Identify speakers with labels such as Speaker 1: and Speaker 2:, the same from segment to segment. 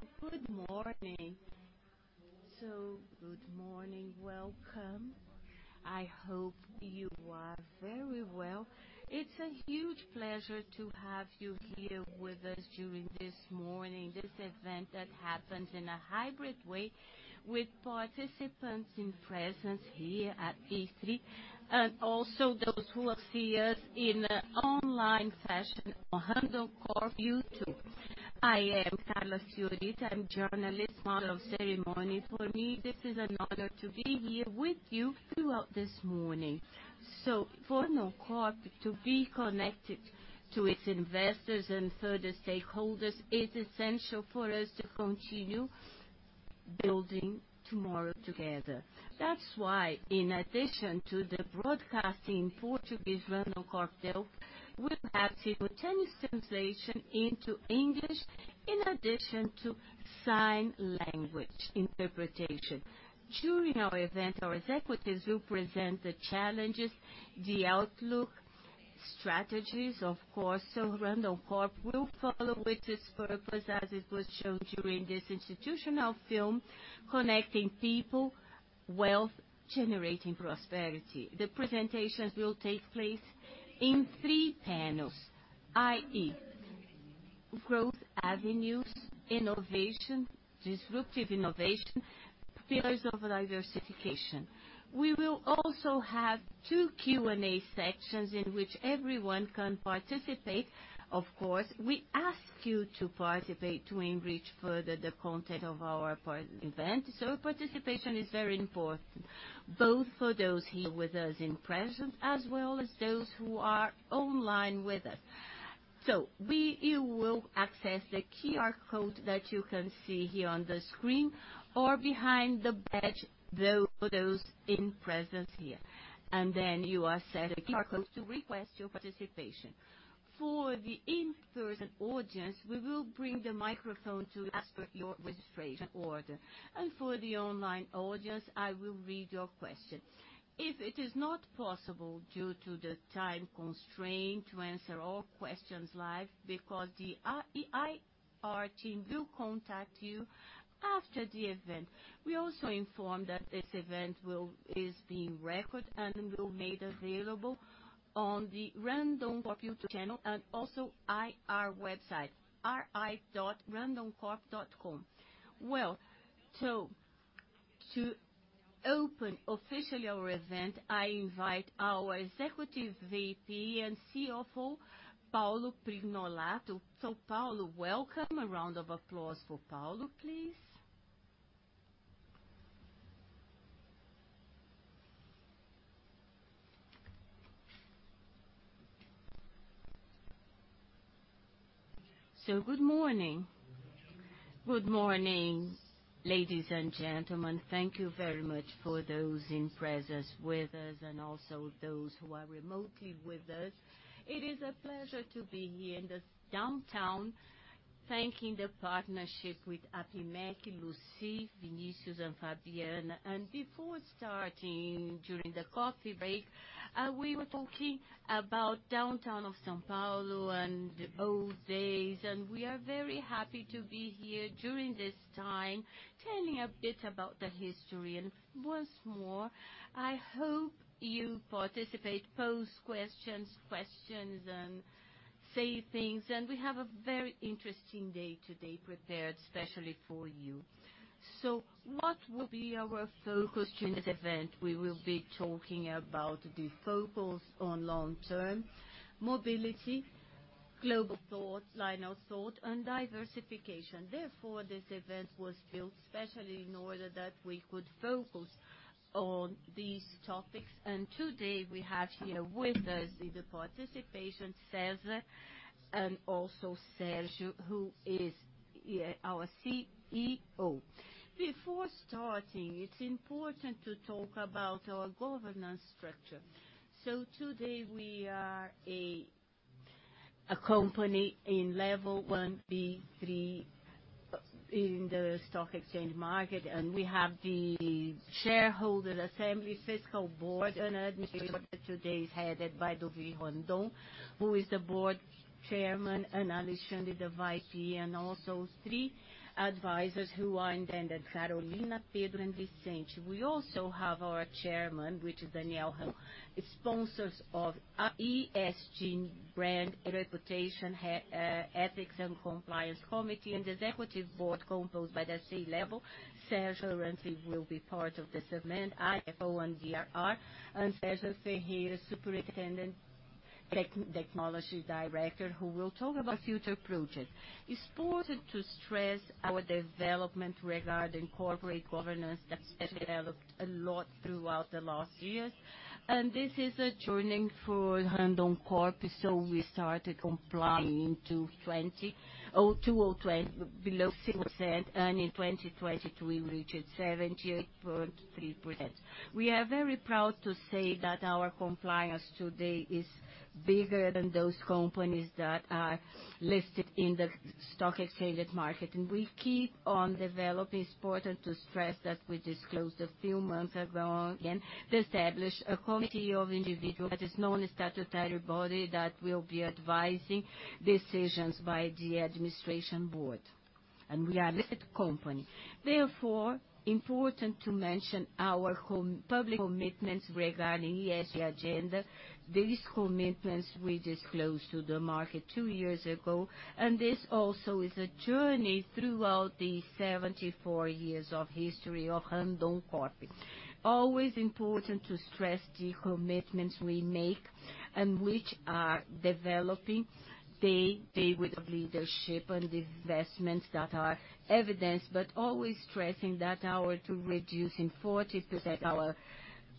Speaker 1: Well, good morning. Good morning, welcome. I hope you are very well. It's a huge pleasure to have you here with us during this morning, this event that happens in a hybrid way, with participants in presence here at B3, and also those who will see us in an online session on Randoncorp YouTube. I am Carla Fiorito, I'm journalist, model of ceremony. For me, this is an honor to be here with you throughout this morning. For Randoncorp to be connected to its investors and further stakeholders, it's essential for us to continue building tomorrow together. That's why, in addition to the broadcasting in Portuguese, Randoncorp will have simultaneous translation into English, in addition to sign language interpretation. During our event, our executives will present the challenges, the outlook, strategies, of course, Randoncorp will follow with its purpose, as it was shown during this institutional film, Connecting People, Wealth, Generating Prosperity. The presentations will take place in three panels, i.e., growth avenues, innovation, disruptive innovation, pillars of diversification. We will also have two Q&A sections in which everyone can participate. Of course, we ask you to participate, to enrich further the content of our event, participation is very important, both for those here with us in presence, as well as those who are online with us. You will access the QR code that you can see here on the screen or behind the badge, those in presence here, you access the QR code to request your participation. For the in-person audience, we will bring the microphone to you as per your registration order, and for the online audience, I will read your question. If it is not possible, due to the time constraint, to answer all questions live, our team will contact you after the event. We also inform that this event is being recorded and will be made available on the Randoncorp YouTube channel and also IR website, ri.randoncorp.com. Well, to open officially our event, I invite our Executive VP and CFO, Paulo Prignolato. Paulo, welcome. A round of applause for Paulo, please.
Speaker 2: Good morning. Good morning, ladies and gentlemen. Thank you very much for those in presence with us and also those who are remotely with us. It is a pleasure to be here in this downtown, thanking the partnership with APIMEC, Lucy, Vinicius, and Fabiana. Before starting, during the coffee break, we were talking about downtown of São Paulo and old days, and we are very happy to be here during this time, telling a bit about the history. Once more, I hope you participate, pose questions, and say things. We have a very interesting day today prepared especially for you. What will be our focus during this event? We will be talking about the focus on long term: mobility, global thoughts, line of thought, and diversification. Therefore, this event was built especially in order that we could focus on these topics. Today, we have here with us the participation, César, and also Sérgio, who is here, our CEO. Before starting, it's important to talk about our governance structure. Today, we are a company in level one, B3, in the stock exchange market, and we have the shareholder, assembly, physical board, and administration today is headed by David Randon, who is the Board Chairman, and Alexandre, the Vice Chair, and also three advisors who are in there, Carolina, Pedro, and Vicente. We also have our Chairman, Daniel Randon, sponsors of ESG, brand, reputation, ethics and compliance committee, and the executive board, composed by the C-level. Sérgio Lançoni will be part of this event, IFO and DRR, and César Ferreira, Superintendent, Technology Director, who will talk about future approaches. It's important to stress our development regarding corporate governance that's developed a lot throughout the last years. This is a journey for Randoncorp, so we started complying to 2020, below 6%, and in 2023, we reached 78.3%. We are very proud to say that our compliance today is bigger than those companies that are listed in the stock exchange market, and we keep on developing. It's important to stress that we disclosed a few months ago, again, to establish a committee of individual that is known as statutory body, that will be advising decisions by the administration board. We are a company. Therefore, important to mention our public commitments regarding ESG agenda. These commitments we disclosed to the market 2 years ago, and this also is a journey throughout the 74 years of history of Randoncorp. Always important to stress the commitments we make and which are developing day with leadership and investments that are evidence, always stressing that our to reducing 40% our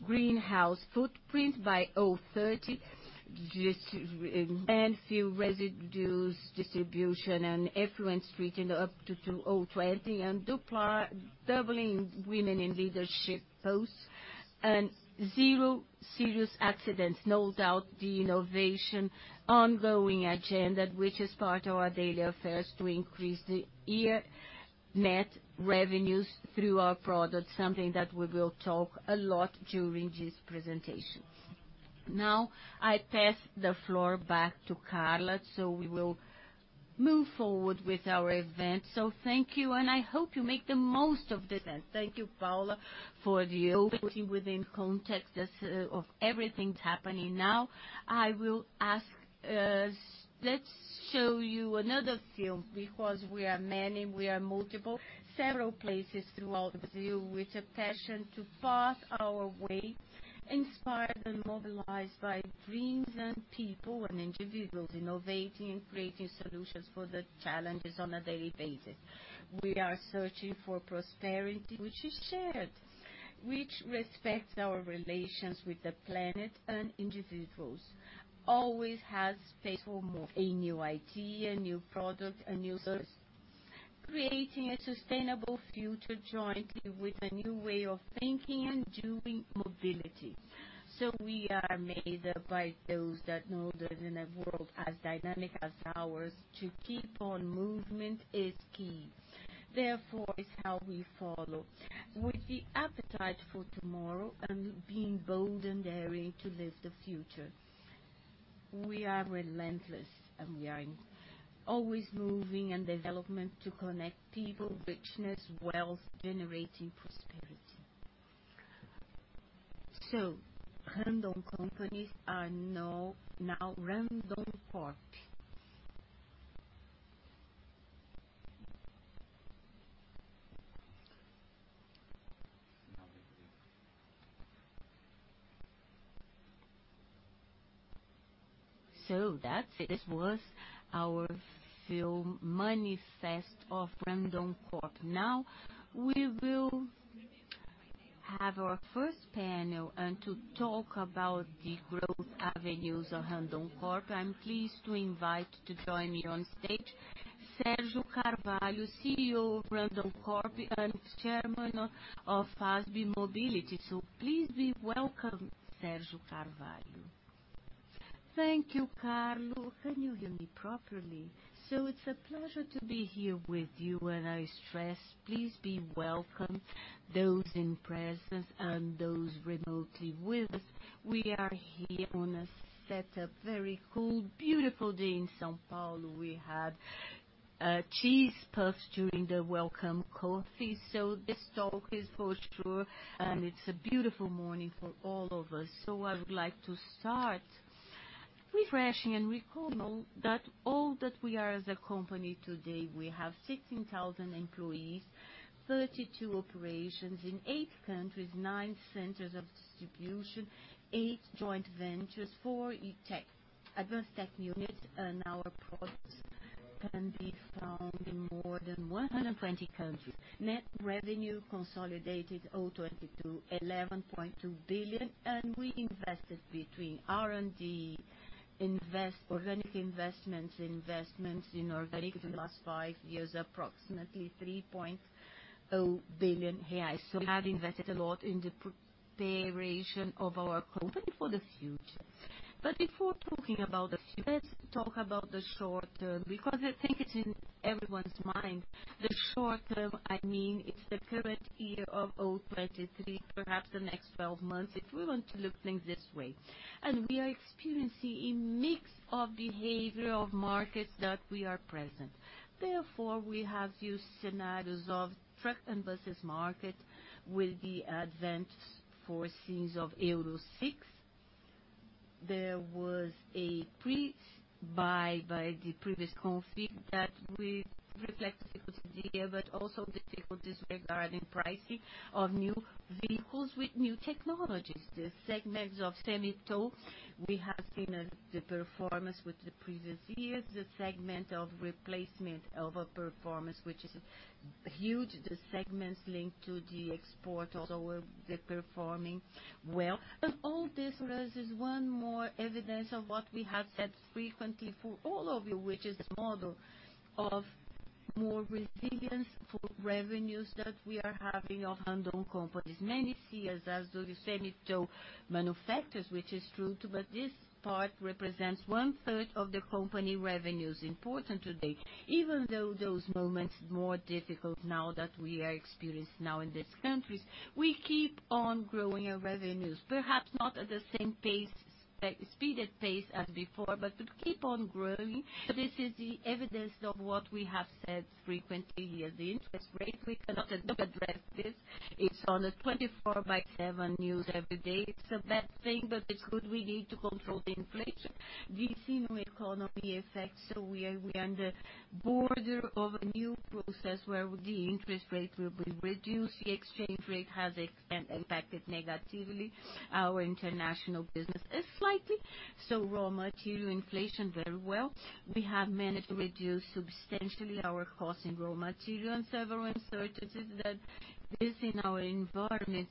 Speaker 2: greenhouse footprint by 2030, just, and few residues distribution and effluent treating up to 2020, and doubling women in leadership posts and zero serious accidents. No doubt, the innovation ongoing agenda, which is part of our daily affairs, to increase the year net revenues through our products, something that we will talk a lot during these presentations. Now, I pass the floor back to Carla, we will move forward with our event. Thank you, and I hope you make the most of this.
Speaker 1: Thank you, Paulo, for the opening within context of everything that's happening now. I will ask, let's show you another film, because we are many, we are multiple, several places throughout Brazil, with a passion to path our way, inspired and mobilized by dreams and people and individuals, innovating and creating solutions for the challenges on a daily basis. We are searching for prosperity, which is shared, which respects our relations with the planet and individuals. Always has space for more, a new idea, a new product, a new service, creating a sustainable future jointly with a new way of thinking and doing mobility. We are made up by those that know that in a world as dynamic as ours, to keep on movement is key. It's how we follow. With the appetite for tomorrow and being bold and daring to live the future, we are relentless, and we are always moving and development to connect people, business, wealth, generating prosperity. Randon Companies are now Randoncorp. That's it. This was our film manifest of Randoncorp. We will have our first panel, and to talk about the growth avenues of Randoncorp, I'm pleased to invite to join me on stage, Sérgio Carvalho, CEO of Randoncorp, and Chairman of Asbe Mobility. Please be welcome, Sérgio Carvalho.
Speaker 2: Thank you, Carla. Can you hear me properly? It's a pleasure to be here with you, and I stress, please be welcome, those in presence and those remotely with us. We are here on a set up, very cool, beautiful day in São Paulo. We had cheese puffs during the welcome coffee, this talk is for sure, and it's a beautiful morning for all of us. I would like to start refreshing and recall that all that we are as a company today, we have 16,000 employees, 32 operations in 8 countries, 9 centers of distribution, 8 joint ventures, 4 e-tech, advanced tech units, and our products can be found in more than 120 countries. Net revenue consolidated O 2022, 11.2 billion, and we invested between R&D, organic investments in organic in the last 5 years, approximately 3.0 billion. We have invested a lot in the preparation of our company for the future. Before talking about the future, let's talk about the short term, because I think it's in everyone's mind. The short term, I mean, it's the current year of 2023, perhaps the next 12 months, if we want to look things this way. We are experiencing a mix of behavior of markets that we are present. Therefore, we have few scenarios of truck and buses market with the advent for scenes of Euro 6. There was a pre-buy by the previous config that we reflected here, but also difficulties regarding pricing of new vehicles with new technologies. The segments of semi-tow, we have seen the performance with the previous years, the segment of replacement over performance, which is huge. The segments linked to the export also were deperforming well. All this was is one more evidence of what we have said frequently for all of you, which is the model of- ... more resilience for revenues that we are having of Randon Companies. Many see us as the semi-tow manufacturers, which is true, too, but this part represents one third of the company revenues important today. Even though those moments more difficult now that we are experienced now in these countries, we keep on growing our revenues, perhaps not at the same pace, like, speeded pace as before, but to keep on growing, this is the evidence of what we have said frequently here. The interest rate, we cannot address this. It's on the 24/7 news every day. It's a bad thing, but it's good we need to control the inflation. We see no economy effects, so we're on the border of a new process where the interest rate will be reduced. The exchange rate has impacted negatively our international business slightly. Raw material inflation very well. We have managed to reduce substantially our cost in raw material and several uncertainties that is in our environment,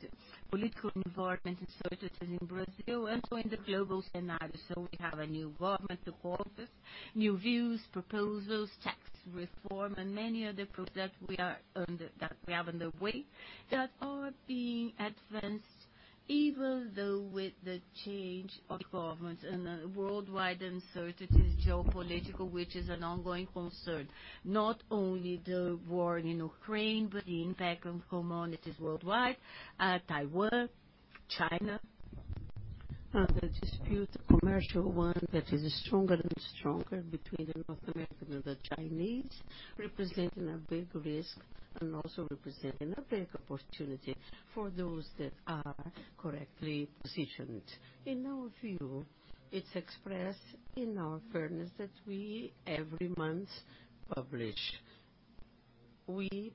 Speaker 2: political environment, uncertainties in Brazil and in the global scenario. We have a new government in office, new views, proposals, tax reform, and many other products that we have on the way, that are being advanced, even though with the change of government and the worldwide uncertainties, geopolitical, which is an ongoing concern, not only the war in Ukraine, but the impact of coronavirus worldwide, Taiwan, China, and the dispute, commercial one, that is stronger and stronger between the North America and the Chinese, representing a big risk and also representing a big opportunity for those that are correctly positioned. In our view, it's expressed in our fairness that we every month publish. We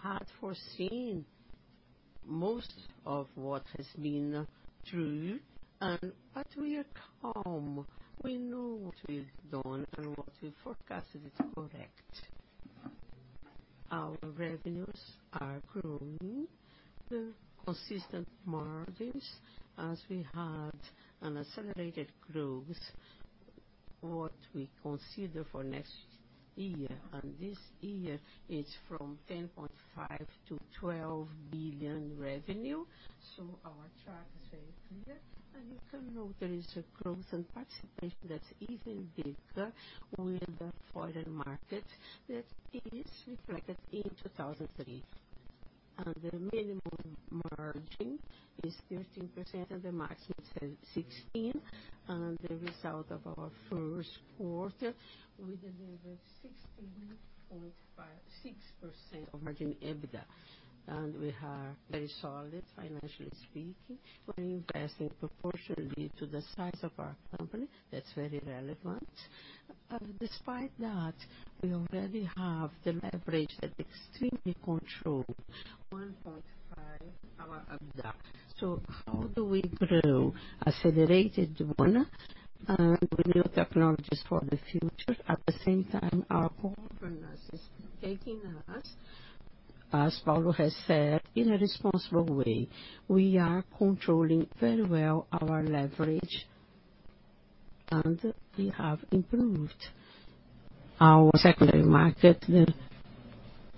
Speaker 2: had foreseen most of what has been through, but we are calm. We know what we've done and what we forecasted is correct. Our revenues are growing, the consistent margins, as we had an accelerated growth, what we consider for next year, and this year, it's from 10.5 billion-12 billion revenue. Our chart is very clear, and you can know there is a growth and participation that's even bigger with the foreign market. That is reflected in 2003, and the minimum margin is 13%, and the maximum is 16%, and the result of our Q1, we delivered 6% of margin EBITDA, and we are very solid, financially speaking. We're investing proportionally to the size of our company. That's very relevant. Despite that, we already have the leverage that extremely controlled, 1.5x our EBITDA. How do we grow? Accelerated one, with new technologies for the future, at the same time, our governance is taking us, as Paulo has said, in a responsible way. We are controlling very well our leverage, we have improved our secondary market. The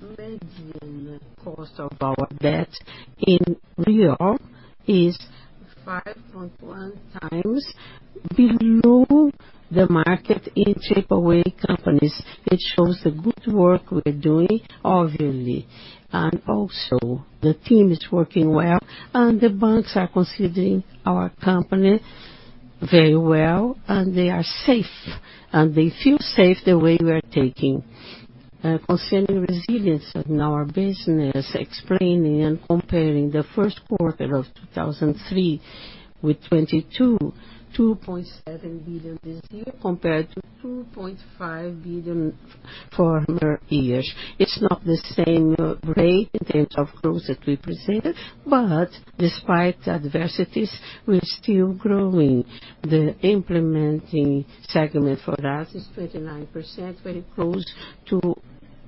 Speaker 2: medium cost of our debt in Rio is 5.1 times below the market in takeaway companies. It shows the good work we're doing, obviously, the team is working well, the banks are considering our company very well, they are safe, they feel safe the way we are taking. Concerning resilience in our business, explaining and comparing the Q1 of 2003 with 2022, 2.7 billion this year, compared to 2.5 billion former years. It's not the same rate in terms of growth that we presented, but despite adversities, we're still growing. The implementing segment for us is 29%, very close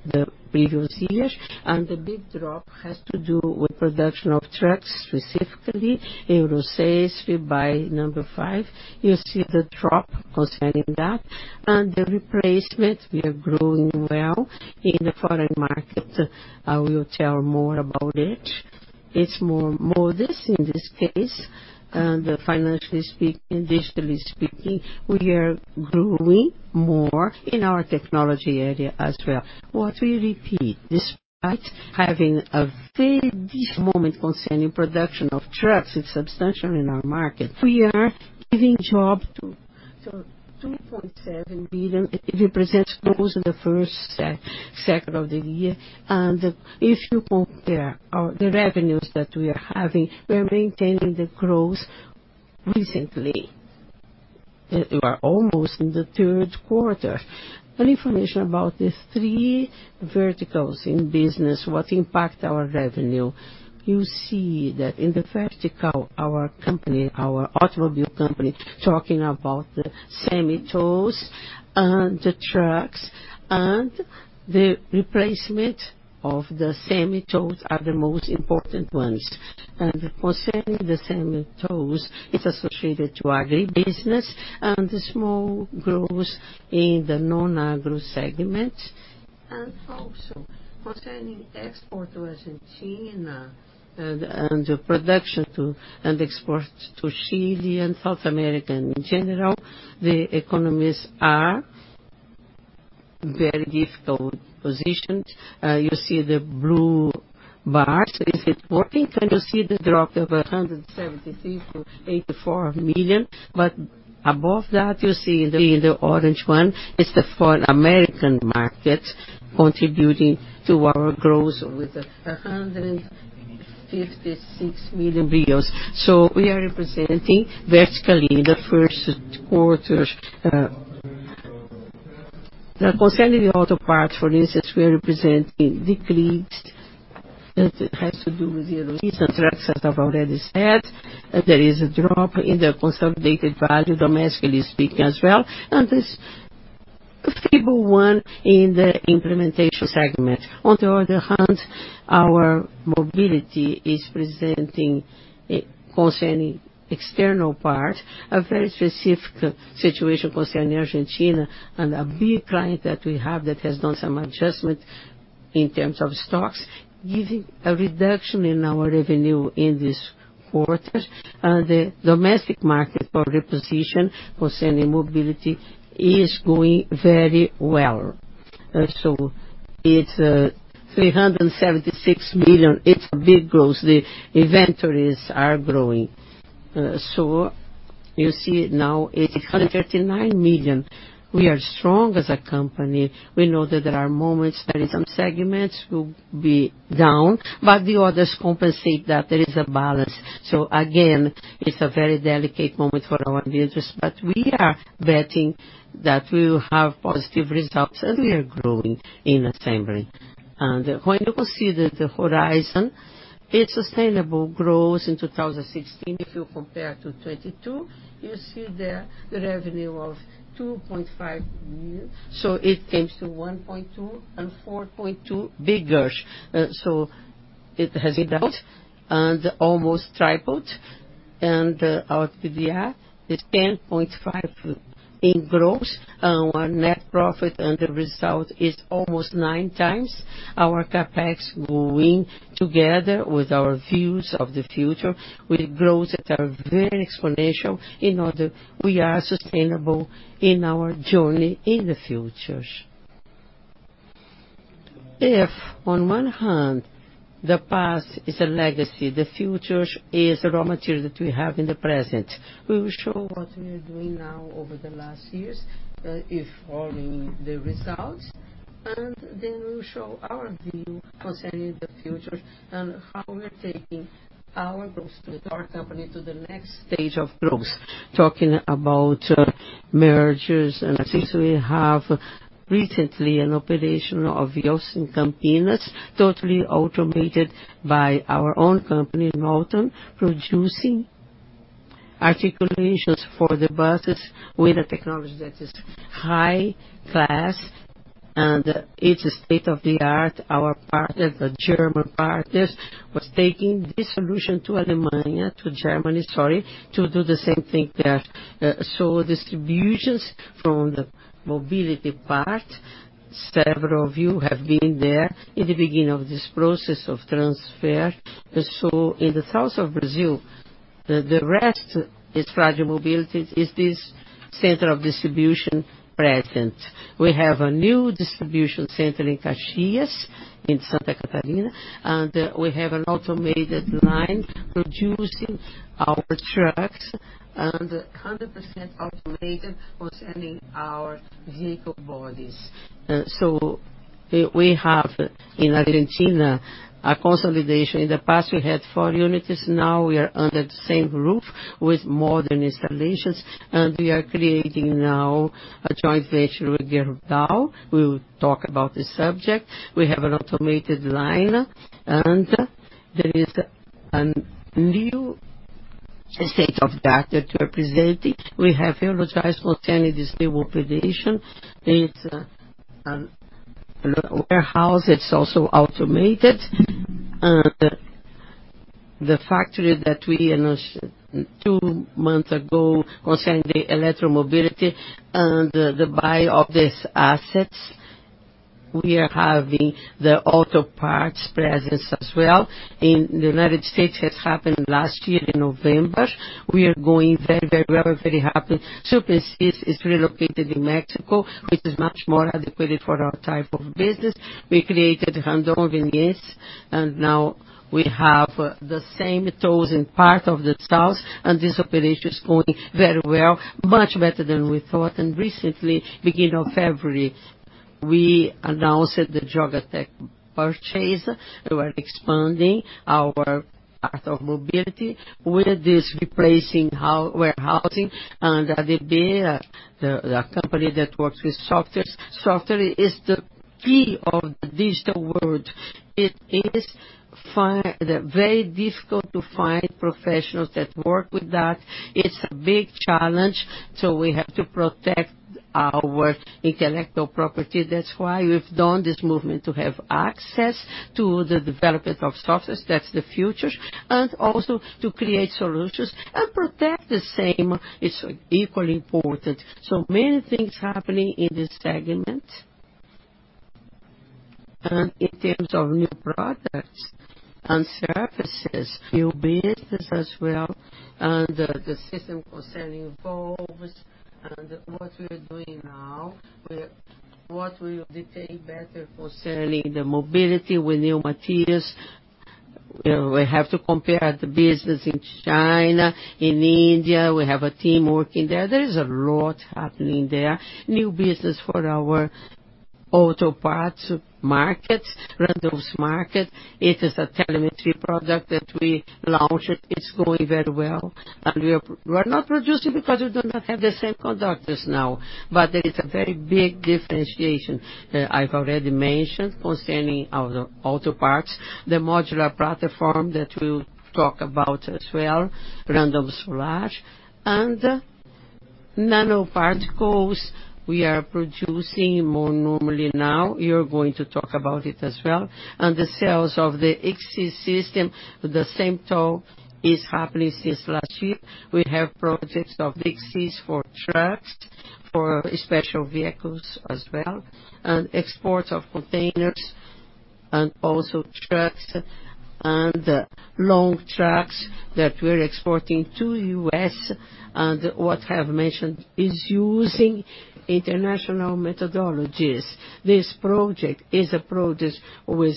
Speaker 2: to the previous years, and the big drop has to do with production of trucks, specifically Euro 6, we buy number 5. You see the drop concerning that, and the replacement, we are growing well in the foreign market. I will tell more about it. It's more this, in this case, and financially speaking, digitally speaking, we are growing more in our technology area as well. What we repeat, despite having a very different moment concerning production of trucks, it's substantial in our market. We are giving job to 2.7 billion. It represents growth in the first second of the year. If you compare the revenues that we are having, we're maintaining the growth recently. We are almost in the third quarter. An information about the 3 verticals in business, what impact our revenue. You see that in the vertical, our company, our automobile company, talking about the semi-tows and the trucks, and the replacement of the semi-tows are the most important ones. Concerning the semi-tows, it's associated to agribusiness and the small growth in the non-agro segment. Also, concerning export to Argentina and the production to exports to Chile and South America in general, the economies are very difficult positioned. You see the blue bars, is it working? Can you see the drop of 173 million-84 million? Above that, you see in the orange one, is the foreign American market contributing to our growth with 156 million. We are representing vertically the Q1. Concerning the auto parts, for instance, we are representing decreased. It has to do with the recent trucks, as I've already said, there is a drop in the consolidated value, domestically speaking as well, and this stable one in the implementation segment. Our mobility is presenting, concerning external part, a very specific situation concerning Argentina and a big client that we have that has done some adjustment in terms of stocks, giving a reduction in our revenue in this quarter. The domestic market for reposition, concerning mobility, is going very well. It's 376 million, it's a big growth. The inventories are growing. You see now it's 139 million. We are strong as a company. We know that there are moments that some segments will be down, but the others compensate that there is a balance. Again, it's a very delicate moment for our business, but we are betting that we will have positive results, and we are growing in assembly. When you consider the horizon, it's sustainable growth in 2016, if you compare to 2022, you see there the revenue of 2.5 billion, it comes to 1.2 and 4.2 bigger. It has been out and almost tripled, and our PBR is 10.5 in growth, and our net profit and the result is almost 9 times our CapEx, going together with our views of the future, with growth that are very exponential, in order we are sustainable in our journey in the future. If on one hand, the past is a legacy, the future is a raw material that we have in the present. We will show what we are doing now over the last years, if following the results, we will show our view concerning the future and how we're taking our growth with our company to the next stage of growth. Talking about mergers, I think we have recently an operation of yours in Campinas, totally automated by our own company, Norton, producing articulations for the buses with a technology that is high class, and it's state-of-the-art. Our partner, the German partners, was taking this solution to Germany, sorry, to do the same thing there. Distributions from the mobility part, several of you have been there in the beginning of this process of transfer. In the south of Brazil, the rest is Fras-le Mobility is this center of distribution present. We have a new distribution center in Caxias, in Santa Catarina, and we have an automated line producing our trucks and 100% automated concerning our vehicle bodies. We have in Argentina, a consolidation. In the past, we had 4 units, now we are under the same roof with modern installations, and we are creating now a joint venture with Gerdau. We will talk about this subject. We have an automated line, and there is a new state of that we are presenting. We have Eurotrans concerning this new operation. It's a warehouse. It's also automated. The factory that we announced 2 months ago, concerning electromobility and the buy of these assets, we are having the auto parts presence as well. In the United States, it happened last year in November. We are going very, very well, we're very happy. Suspensys is relocated in Mexico, which is much more adequate for our type of business. We created Randon Ventures, and now we have the same tools in part of the south, and this operation is going very well, much better than we thought. Recently, beginning of February, we announced the Geotrack purchase. We are expanding our part of mobility with this replacing warehousing and DB, the company that works with software. Software is the key of the digital world. It is very difficult to find professionals that work with that. It's a big challenge, so we have to protect our intellectual property. That's why we've done this movement, to have access to the development of softwares, that's the future, and also to create solutions and protect the same. It's equally important. So many things happening in this segment. In terms of new products and services, new business as well, and the system concerning poles and what we are doing now, what we detail better for selling the mobility with new materials. We have to compare the business in China, in India, we have a team working there. There is a lot happening there. New business for our auto parts markets, Randon's market. It is a telemetry product that we launched. It's going very well, and we're not producing because we do not have the semiconductors now, but there is a very big differentiation. I've already mentioned concerning our auto parts, the modular platform that we'll talk about as well, Randon Solar and nanoparticles, we are producing more normally now. You're going to talk about it as well. The sales of the e-Sys system, the same talk is happening since last year. We have projects of e-Sys for trucks, for special vehicles as well. Exports of containers and also trucks and long trucks that we're exporting to U.S. What I have mentioned is using international methodologies. This project is a project with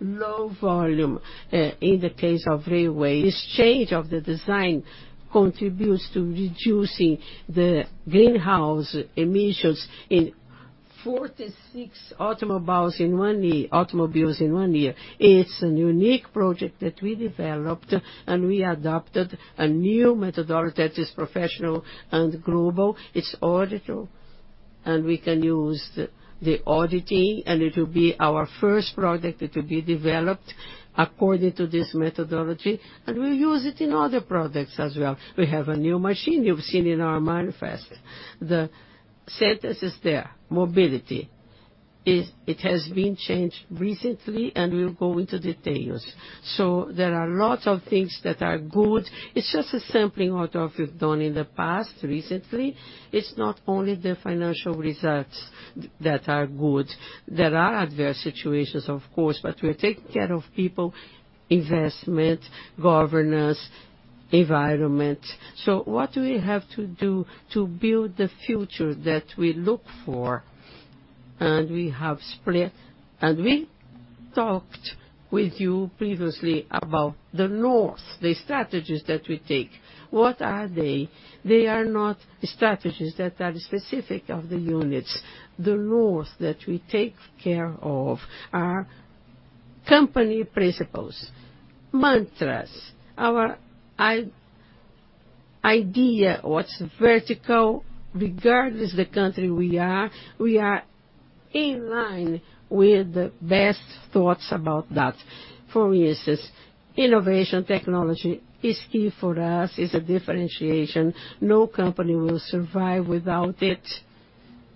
Speaker 2: low volume, in the case of railway. This change of the design contributes to reducing the greenhouse emissions in 46 automobiles in one year. It's a unique project that we developed, and we adopted a new methodology that is professional and global. It's auditable. We can use the auditing, and it will be our first product that will be developed according to this methodology, and we'll use it in other products as well. We have a new machine you've seen in our manifest. The sentence is there, mobility. It has been changed recently, and we'll go into details. There are lots of things that are good. It's just a sampling what of we've done in the past, recently. It's not only the financial results that are good. There are adverse situations, of course, but we're taking care of people, investment, governance, environment. What do we have to do to build the future that we look for? We have split, and we talked with you previously about the North, the strategies that we take. What are they? They are not strategies that are specific of the units. The north that we take care of are company principles, mantras, our idea, what's vertical, regardless the country we are, we are in line with the best thoughts about that for years. Innovation, technology is key for us, is a differentiation. No company will survive without it,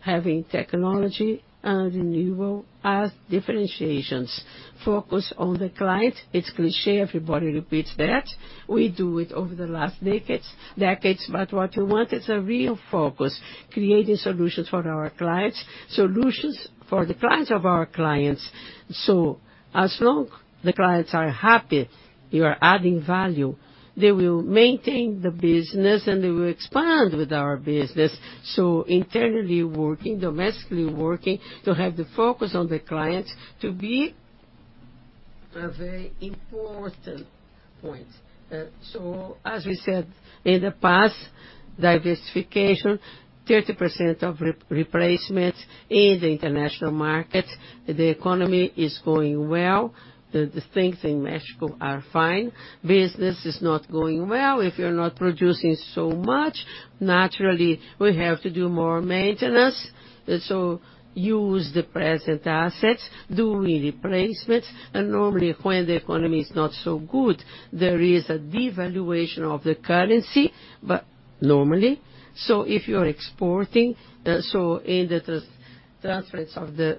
Speaker 2: having technology and renewal as differentiations. Focus on the client, it's cliché, everybody repeats that. We do it over the last decades, what we want is a real focus, creating solutions for our clients, solutions for the clients of our clients. As long the clients are happy, you are adding value, they will maintain the business, and they will expand with our business. Internally working, domestically working, to have the focus on the clients to be a very important point. As we said in the past, diversification, 30% of replacements in the international market. The economy is going well. The things in Mexico are fine. Business is not going well if you're not producing so much. Naturally, we have to do more maintenance, so use the present assets, do replacements, and normally, when the economy is not so good, there is a devaluation of the currency, but normally, if you're exporting, in the transference of the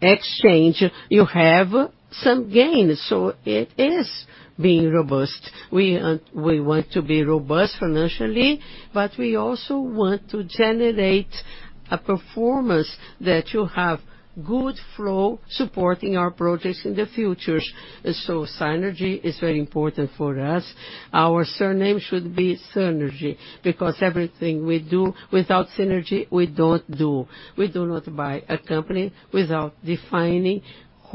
Speaker 2: exchange, you have some gains. It is being robust. We want to be robust financially, but we also want to generate a performance that you have good flow supporting our projects in the future. Synergy is very important for us. Our surname should be synergy, because everything we do, without synergy, we don't do. We do not buy a company without defining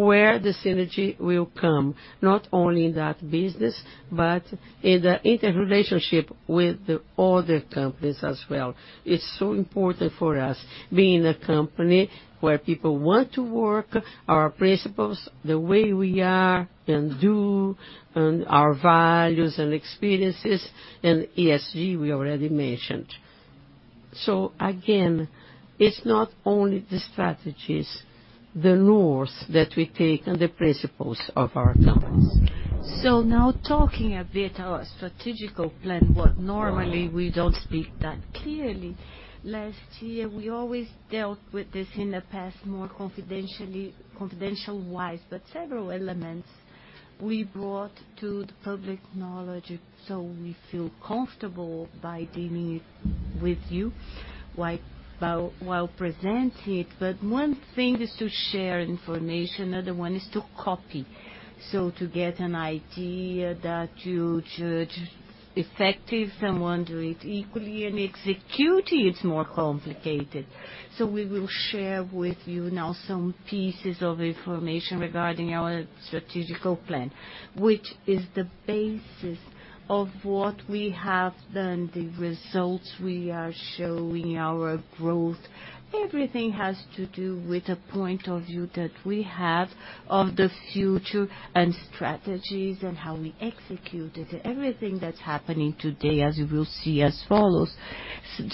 Speaker 2: where the synergy will come, not only in that business, but in the interrelationship with the other companies as well. It's so important for us, being a company where people want to work, our principles, the way we are and do, and our values and experiences, and ESG, we already mentioned. Again, it's not only the strategies, the north that we take and the principles of our companies. Now talking a bit our strategical plan, what normally we don't speak that clearly. Last year, we always dealt with this in the past, more confidentially, confidential-wise. We brought to the public knowledge, so we feel comfortable by dealing it with you, while presenting it. One thing is to share information, another one is to copy. To get an idea that you should effective, someone do it equally, and executing it is more complicated. We will share with you now some pieces of information regarding our strategical plan, which is the basis of what we have done, the results we are showing, our growth. Everything has to do with a point of view that we have of the future and strategies and how we execute it. Everything that's happening today, as you will see as follows,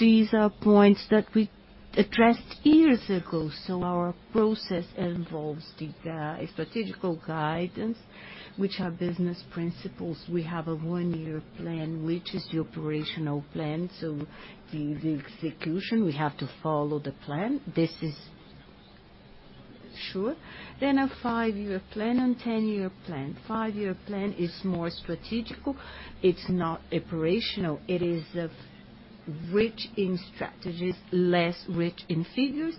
Speaker 2: these are points that we addressed years ago. Our process involves the strategical guidance, which are business principles. We have a one-year plan, which is the operational plan, so the execution, we have to follow the plan. This is sure. A five-year plan and 10-year plan. Five-year plan is more strategic, it's not operational. It is rich in strategies, less rich in figures,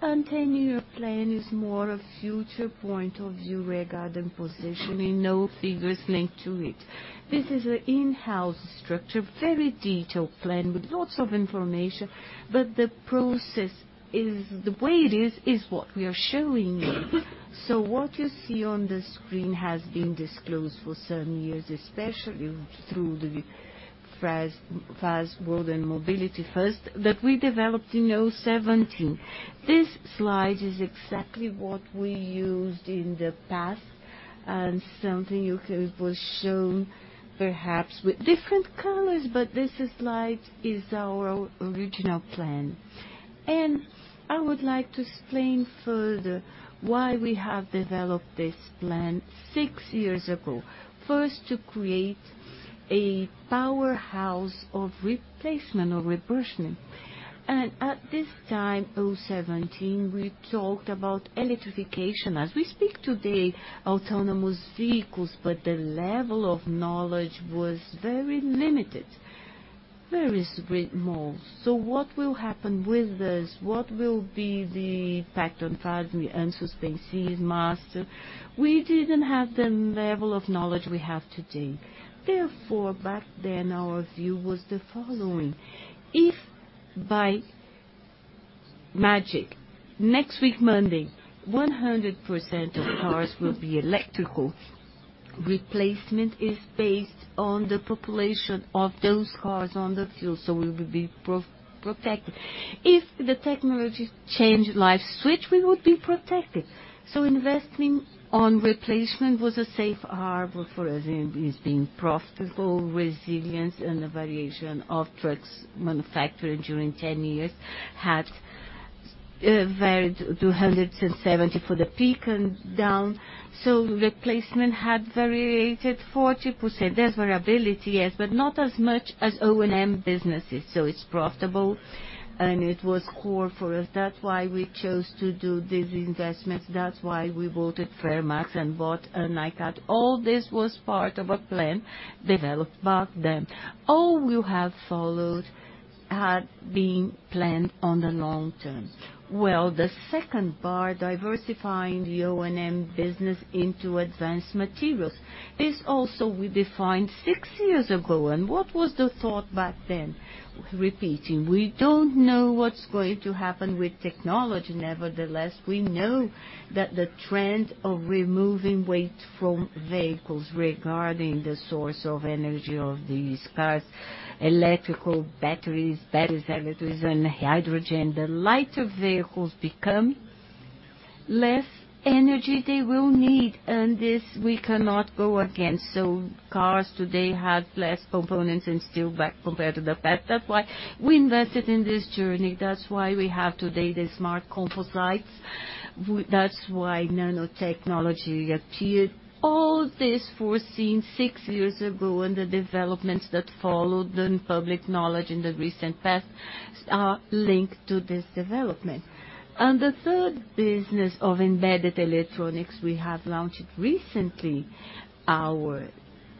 Speaker 2: and 10-year plan is more a future point of view regarding positioning, no figures linked to it. This is an in-house structure, very detailed plan, with lots of information, but the process is the way it is what we are showing you. What you see on the screen has been disclosed for some years, especially through the Fas world and Mobility First, that we developed in 2017. This slide is exactly what we used in the past, and something was shown, perhaps with different colors, but this slide is our original plan. I would like to explain further why we have developed this plan six years ago. First, to create a powerhouse of replacement or refurbishment. At this time, 2017, we talked about electrification. As we speak today, autonomous vehicles, but the level of knowledge was very limited. Very great more. What will happen with this? What will be the impact on Frasle and Suspensys? We didn't have the level of knowledge we have today. Therefore, back then, our view was the following: If by magic, next week, Monday, 100% of cars will be electrical, replacement is based on the population of those cars on the field, so we will be pro-protected. If the technology change, like switch, we would be protected. Investing on replacement was a safe harbor for us, and it's been profitable, resilience and the variation of trucks manufactured during 10 years had varied to 170 for the peak and down. Replacement had variated 40%. There's variability, yes, but not as much as O&M businesses. It's profitable, and it was core for us. That's why we chose to do these investments. That's why we voted Fremax and bought a Nakata. All this was part of a plan developed back then. All we have followed had been planned on the long term. Well, the second bar, diversifying the O&M business into advanced materials, this also we defined 6 years ago. What was the thought back then? Repeating, we don't know what's going to happen with technology. Nevertheless, we know that the trend of removing weight from vehicles regarding the source of energy of these cars, electrical batteries, and hydrogen, the lighter vehicles become, less energy they will need, and this we cannot go against. Cars today have less components and still back compared to the past. That's why we invested in this journey. That's why we have today, the Smart Composites. That's why nanotechnology appeared. All this foreseen six years ago, and the developments that followed in public knowledge in the recent past are linked to this development. The third business of embedded electronics we have launched recently, our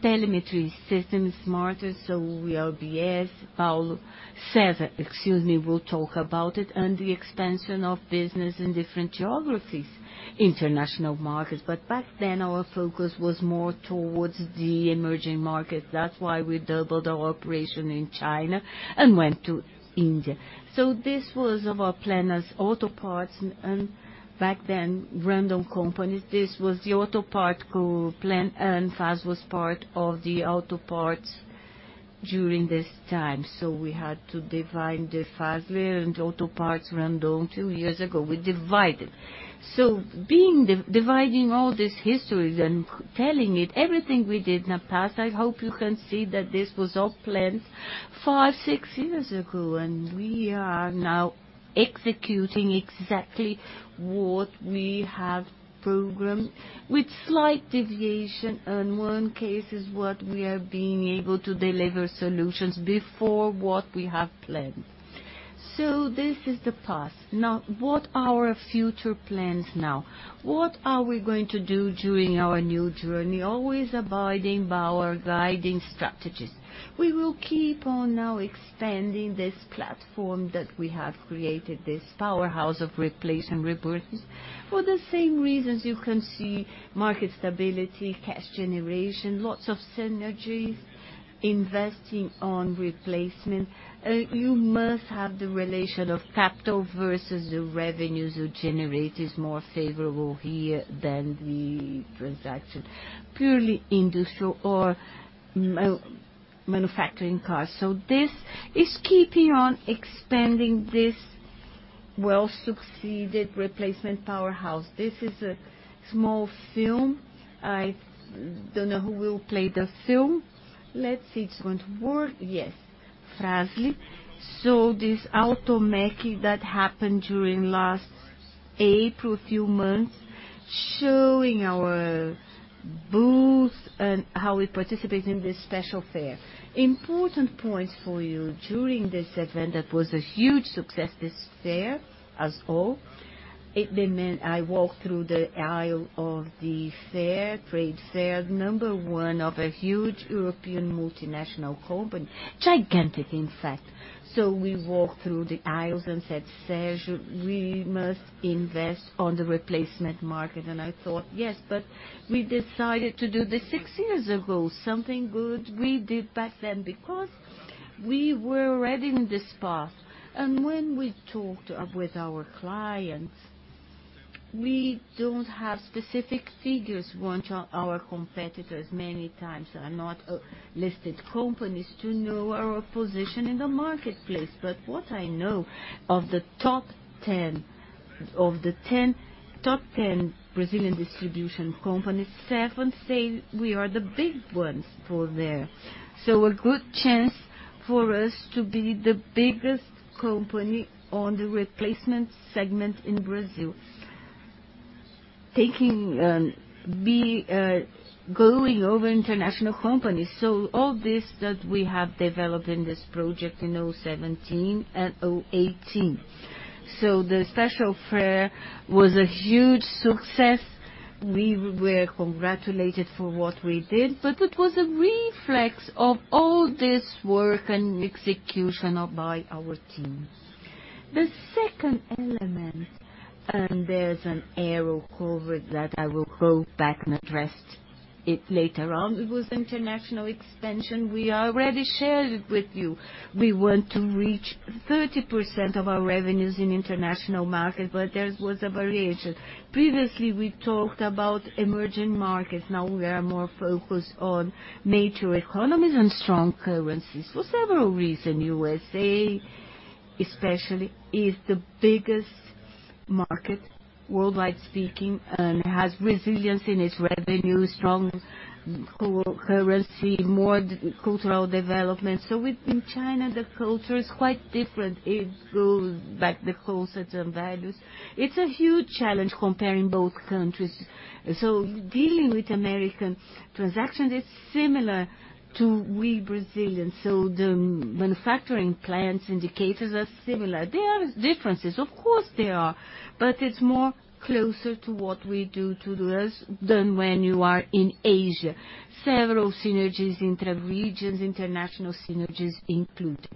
Speaker 2: telemetry system is smarter. Paulo César, excuse me, will talk about it, and the expansion of business in different geographies, international markets. Back then, our focus was more towards the emerging market. That's why we doubled our operation in China and went to India. This was our plan as auto parts, and back then, Randon Companies, this was the auto part co-plan, and Frasle was part of the auto parts during this time. We had to divide the Frasle and auto parts Randon. Two years ago, we divided. Dividing all this history then telling it, everything we did in the past, I hope you can see that this was all planned five, six years ago, and we are now executing exactly what we have programmed with slight deviation, and one case is what we are being able to deliver solutions before what we have planned. This is the past. Now, what are our future plans now? What are we going to do during our new journey, always abiding by our guiding strategies? We will keep on now expanding this platform that we have created, this powerhouse of replace and rebirth. For the same reasons you can see market stability, cash generation, lots of synergies, investing on replacement. You must have the relation of capital versus the revenues you generate is more favorable here than the transaction, purely industrial or manufacturing cars. This is keeping on expanding this well-succeeded replacement powerhouse. This is a small film. I don't know who will play the film. Let's see, it's going to work. Yes, Frasle. This Automec that happened during last April, a few months, showing our booths and how we participate in this special fair. Important points for you during this event, that was a huge success, this fair, as all. It meant I walked through the aisle of the fair, trade fair, number 1 of a huge European multinational company, gigantic in fact. We walked through the aisles and said, "Sérgio, we must invest on the replacement market." I thought, "Yes, but we decided to do this 6 years ago." Something good we did back then, because we were already in this path. When we talked with our clients, we don't have specific figures, 1, to our competitors many times are not listed companies to know our position in the marketplace. What I know of the top 10 Brazilian distribution companies, 7 say we are the big ones for there. A good chance for us to be the biggest company on the replacement segment in Brazil, taking, going over international companies. All this that we have developed in this project in 2017 and 2018. The special fair was a huge success. We were congratulated for what we did, but it was a reflex of all this work and execution of by our teams. The second element, and there's an arrow covered that I will go back and address it later on, it was international expansion. We already shared it with you. We want to reach 30% of our revenues in international market, but there was a variation. Previously, we talked about emerging markets, now we are more focused on major economies and strong currencies. For several reasons, U.S., especially, is the biggest market, worldwide speaking, and has resilience in its revenue, strong co-currency, more cultural development. With in China, the culture is quite different. It goes back the whole sets of values. It's a huge challenge comparing both countries. Dealing with American transactions, it's similar to we, Brazilians, the manufacturing plans indicators are similar. There are differences, of course, there are, but it's more closer to what we do to us than when you are in Asia. Several synergies, interregions, international synergies included.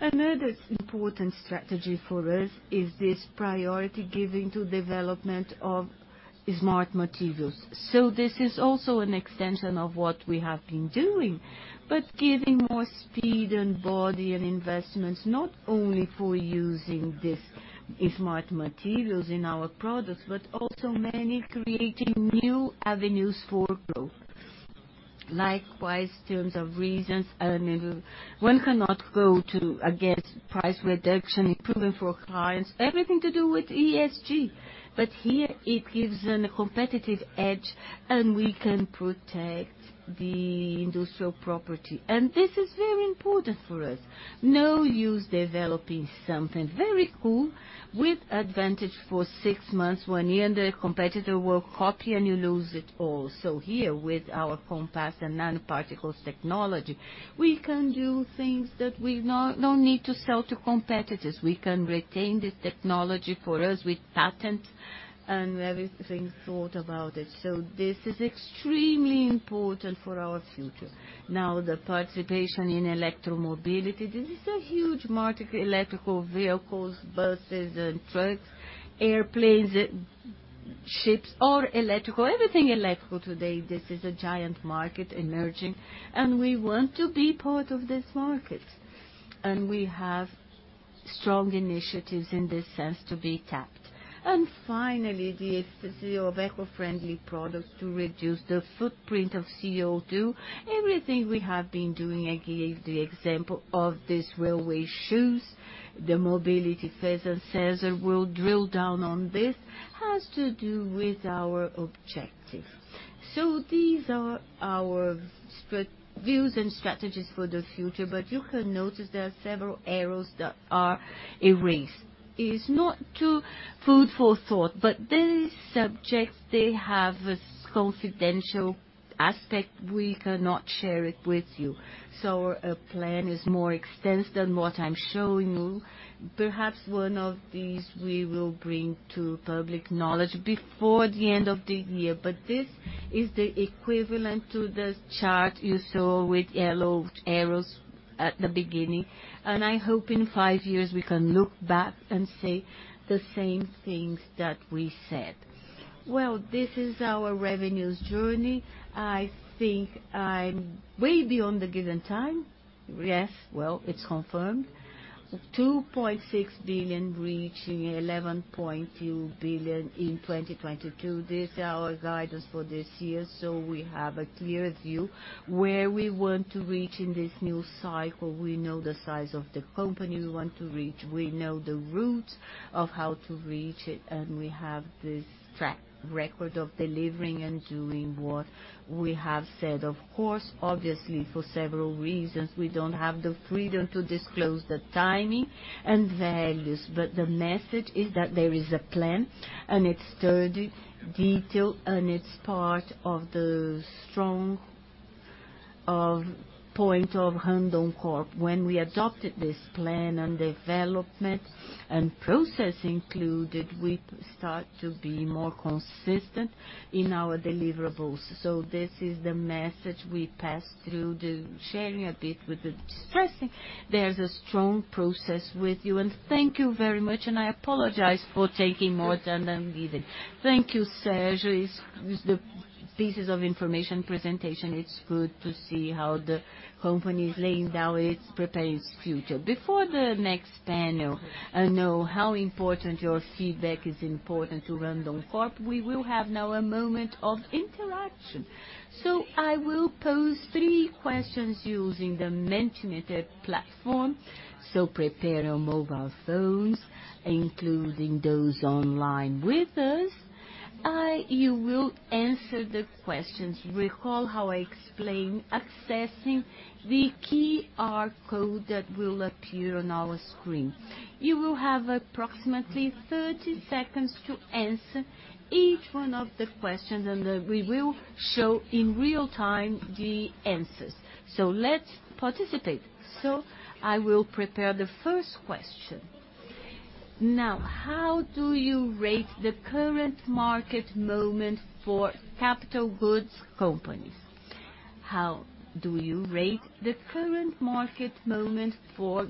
Speaker 2: Another important strategy for us is this priority giving to development of smart materials. This is also an extension of what we have been doing, but giving more speed and body and investments, not only for using this, these smart materials in our products, but also many creating new avenues for growth. Likewise, terms of reasons, one cannot go against price reduction, improvement for clients, everything to do with ESG. Here it gives an competitive edge, and we can protect the industrial property. This is very important for us. No use developing something very cool with advantage for 6 months, 1 year, and the competitor will copy, and you lose it all. Here, with our composite and nanoparticles technology, we can do things that we don't need to sell to competitors. We can retain this technology for us with patent and everything thought about it. This is extremely important for our future. The participation in electromobility, this is a huge market, electrical vehicles, buses and trucks, airplanes, ships, all electrical, everything electrical today, this is a giant market emerging, and we want to be part of this market, and we have strong initiatives in this sense to be tapped. Finally, the efficiency of eco-friendly products to reduce the footprint of CO2. Everything we have been doing, I gave the example of these railway shoes, the mobility phase, and César will drill down on this, has to do with our objective. These are our views and strategies for the future, but you can notice there are several arrows that are erased. Is not too food for thought, but these subjects, they have a confidential aspect. We cannot share it with you. Our plan is more extensive than what I'm showing you. Perhaps one of these we will bring to public knowledge before the end of the year, but this is the equivalent to the chart you saw with yellow arrows at the beginning, and I hope in five years, we can look back and say the same things that we said. Well, this is our revenues journey. I think I'm way beyond the given time. Yes, well, it's confirmed. 2.6 billion, reaching 11.2 billion in 2022. This is our guidance for this year. We have a clear view where we want to reach in this new cycle. We know the size of the company we want to reach, we know the route of how to reach it, and we have this track record of delivering and doing what we have said. Of course, obviously, for several reasons, we don't have the freedom to disclose the timing and values, but the message is that there is a plan and it's sturdy, detailed, and it's part of the strong, of point of Randoncorp. When we adopted this plan and development and process included, we start to be more consistent in our deliverables. This is the message we pass through the sharing a bit with the stressing. There's a strong process with you, thank you very much, I apologize for taking more than I'm given.
Speaker 1: Thank you, Sérgio. It's the pieces of information presentation. It's good to see how the company is laying down, it's preparing its future. Before the next panel, I know how important your feedback is important to Randoncorp. We will have now a moment of interaction. I will pose 3 questions using the Mentimeter platform. Prepare your mobile phones, including those online with us. You will answer the questions. Recall how I explained, accessing the QR code that will appear on our screen. You will have approximately 30 seconds to answer each one of the questions, then we will show in real time the answers. Let's participate. I will prepare the first question. Now, how do you rate the current market moment for capital goods companies? How do you rate the current market moment for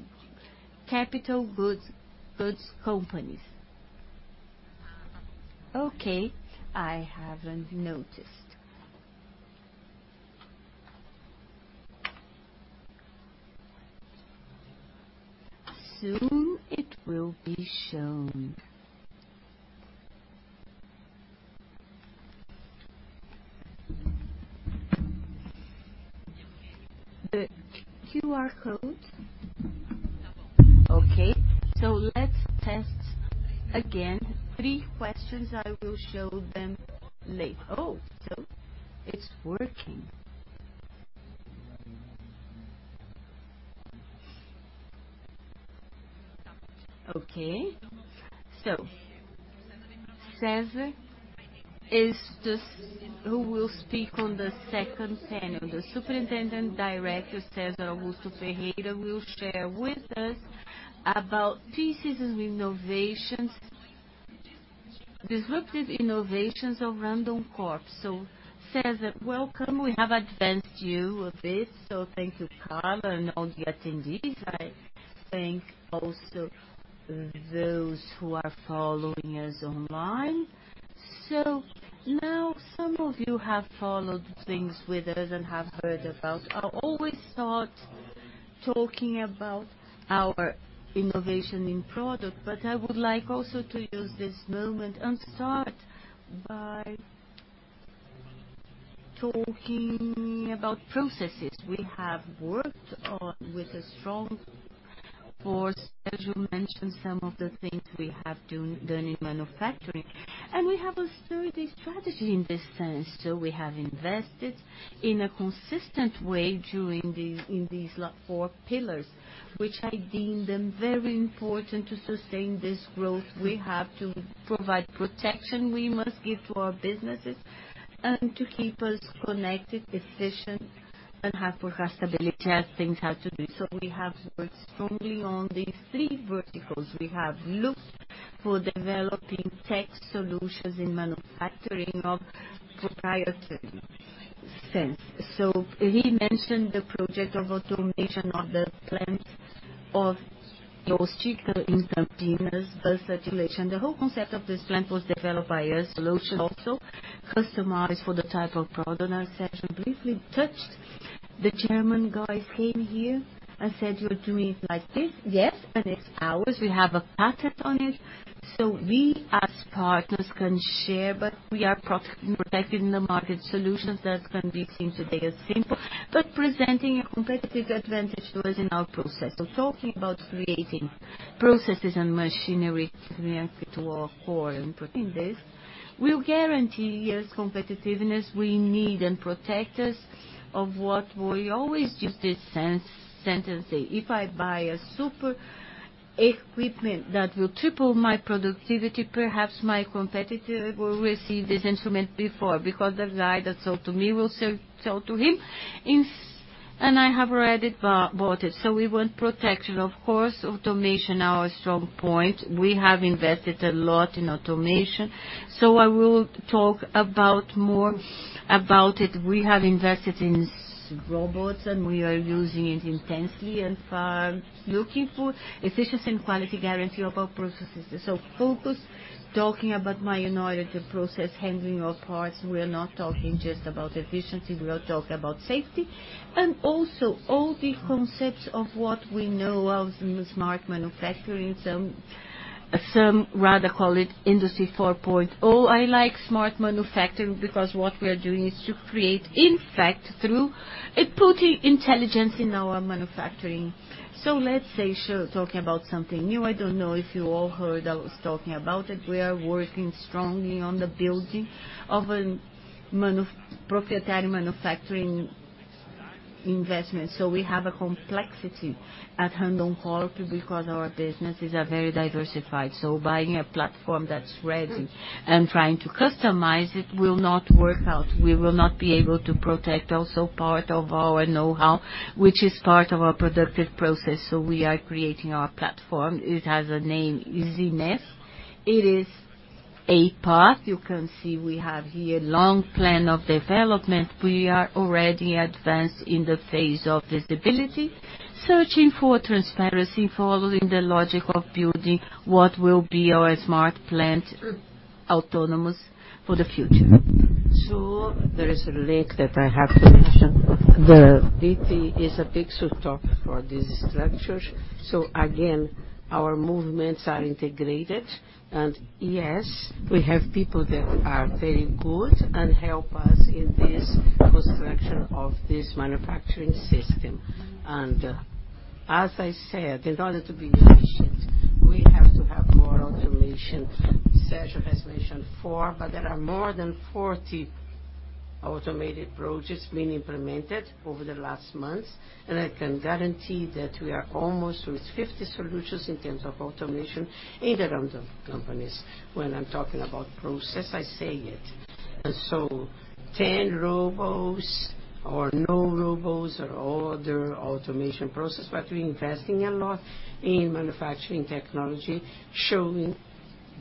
Speaker 1: capital goods companies?
Speaker 2: Okay, I haven't noticed. Soon, it will be shown. The QR code. Let's test again. Three questions, I will show them later. Oh, it's working. Okay. César is just who will speak on the second panel. The Superintendent Director, César Augusto Ferreira, will share with us about pieces and innovations, disruptive innovations of Randoncorp. César, welcome. We have advanced you a bit, thank you, Carla, and all the attendees. I thank also those who are following us online. Now, some of you have followed things with us and have heard about. I always start talking about our innovation in product, I would like also to use this moment and start by talking about processes. We have worked on with a strong force. As you mentioned, some of the things we have done in manufacturing, and we have a strategy in this sense. We have invested in a consistent way in these four pillars, which I deem them very important to sustain this growth. We have to provide protection we must give to our businesses and to keep us connected, efficient, and have progressability as things have to do. We have worked strongly on these three verticals. We have looked for developing tech solutions in manufacturing of proprietary sense. He mentioned the project of automation of the plant, of your strict in terms of circulation. The whole concept of this plant was developed by a solution, also customized for the type of product. I said, we briefly touched, the chairman guys came here and said, "You're doing it like this." "Yes, and it's ours. We have a patent on it." We, as partners, can share, but we are pro- protecting the market solutions that can be seen today as simple, but presenting a competitive advantage to us in our process. Talking about creating processes and machinery to our core and putting this. We'll guarantee yes, competitiveness we need, and protect us of what we always use this sentence: If I buy a super equipment that will triple my productivity, perhaps my competitor will receive this instrument before, because the guy that sold to me will sell to him. I have already bought it. We want protection, of course, automation, our strong point. We have invested a lot in automation, I will talk about more about it. We have invested in robots, and we are using it intensely, and far, looking for efficiency and quality guarantee of our processes. Focus, talking about in order to process handling of parts, we are not talking just about efficiency, we are talking about safety. Also, all the concepts of what we know of smart manufacturing. Some rather call it Industry 4.0. I like smart manufacturing, because what we are doing is to create, in fact, through it, putting intelligence in our manufacturing. Let's say, talking about something new. I don't know if you all heard, I was talking about it. We are working strongly on the building of a proprietary manufacturing investment. We have a complexity at hand on quality because our businesses are very diversified. Buying a platform that's ready and trying to customize it, will not work out. We will not be able to protect also part of our know-how, which is part of our productive process. We are creating our platform. It has a name, Easiness. It is a path. You can see we have here long plan of development. We are already advanced in the phase of visibility, searching for transparency, following the logic of building what will be our smart plant, autonomous for the future.
Speaker 3: There is a link that I have to mention. The DT is a big talk for these structures. Again, our movements are integrated, and yes, we have people that are very good and help us in this construction of this manufacturing system. As I said, in order to be efficient, we have to have more automation. Sérgio has mentioned 4, but there are more than 40 automated projects being implemented over the last months, and I can guarantee that we are almost with 50 solutions in terms of automation in the Randon Companies. When I'm talking about process, I say it. 10 robots or no robots or other automation process, but we're investing a lot in manufacturing technology, showing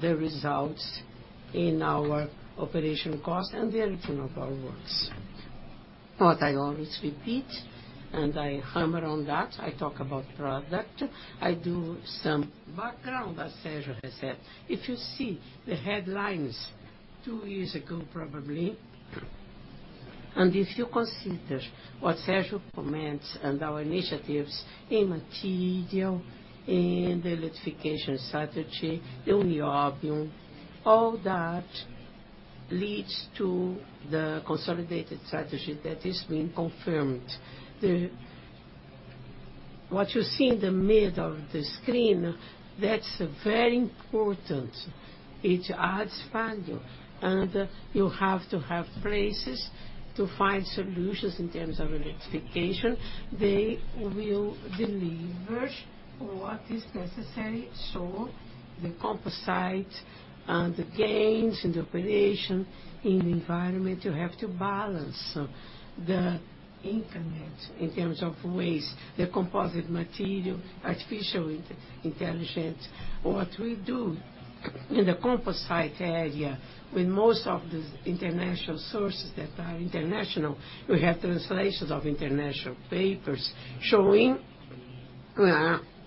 Speaker 3: the results in our operational costs and the outcome of our works. What I always repeat, and I hammer on that, I talk about product, I do some background, as Sérgio has said. If you see the headlines 2 years ago, probably, and if you consider what Sérgio comments and our initiatives in material, in the electrification strategy, the niobium, all that leads to the consolidated strategy that is being confirmed. What you see in the middle of the screen, that's very important. It adds value, and you have to have places to find solutions in terms of electrification. They will deliver what is necessary. The composite and the gains in the operation, in the environment, you have to balance the increment in terms of waste, the composite material, artificial intelligence. What we do in the composite area, with most of these international sources that are international, we have translations of international papers showing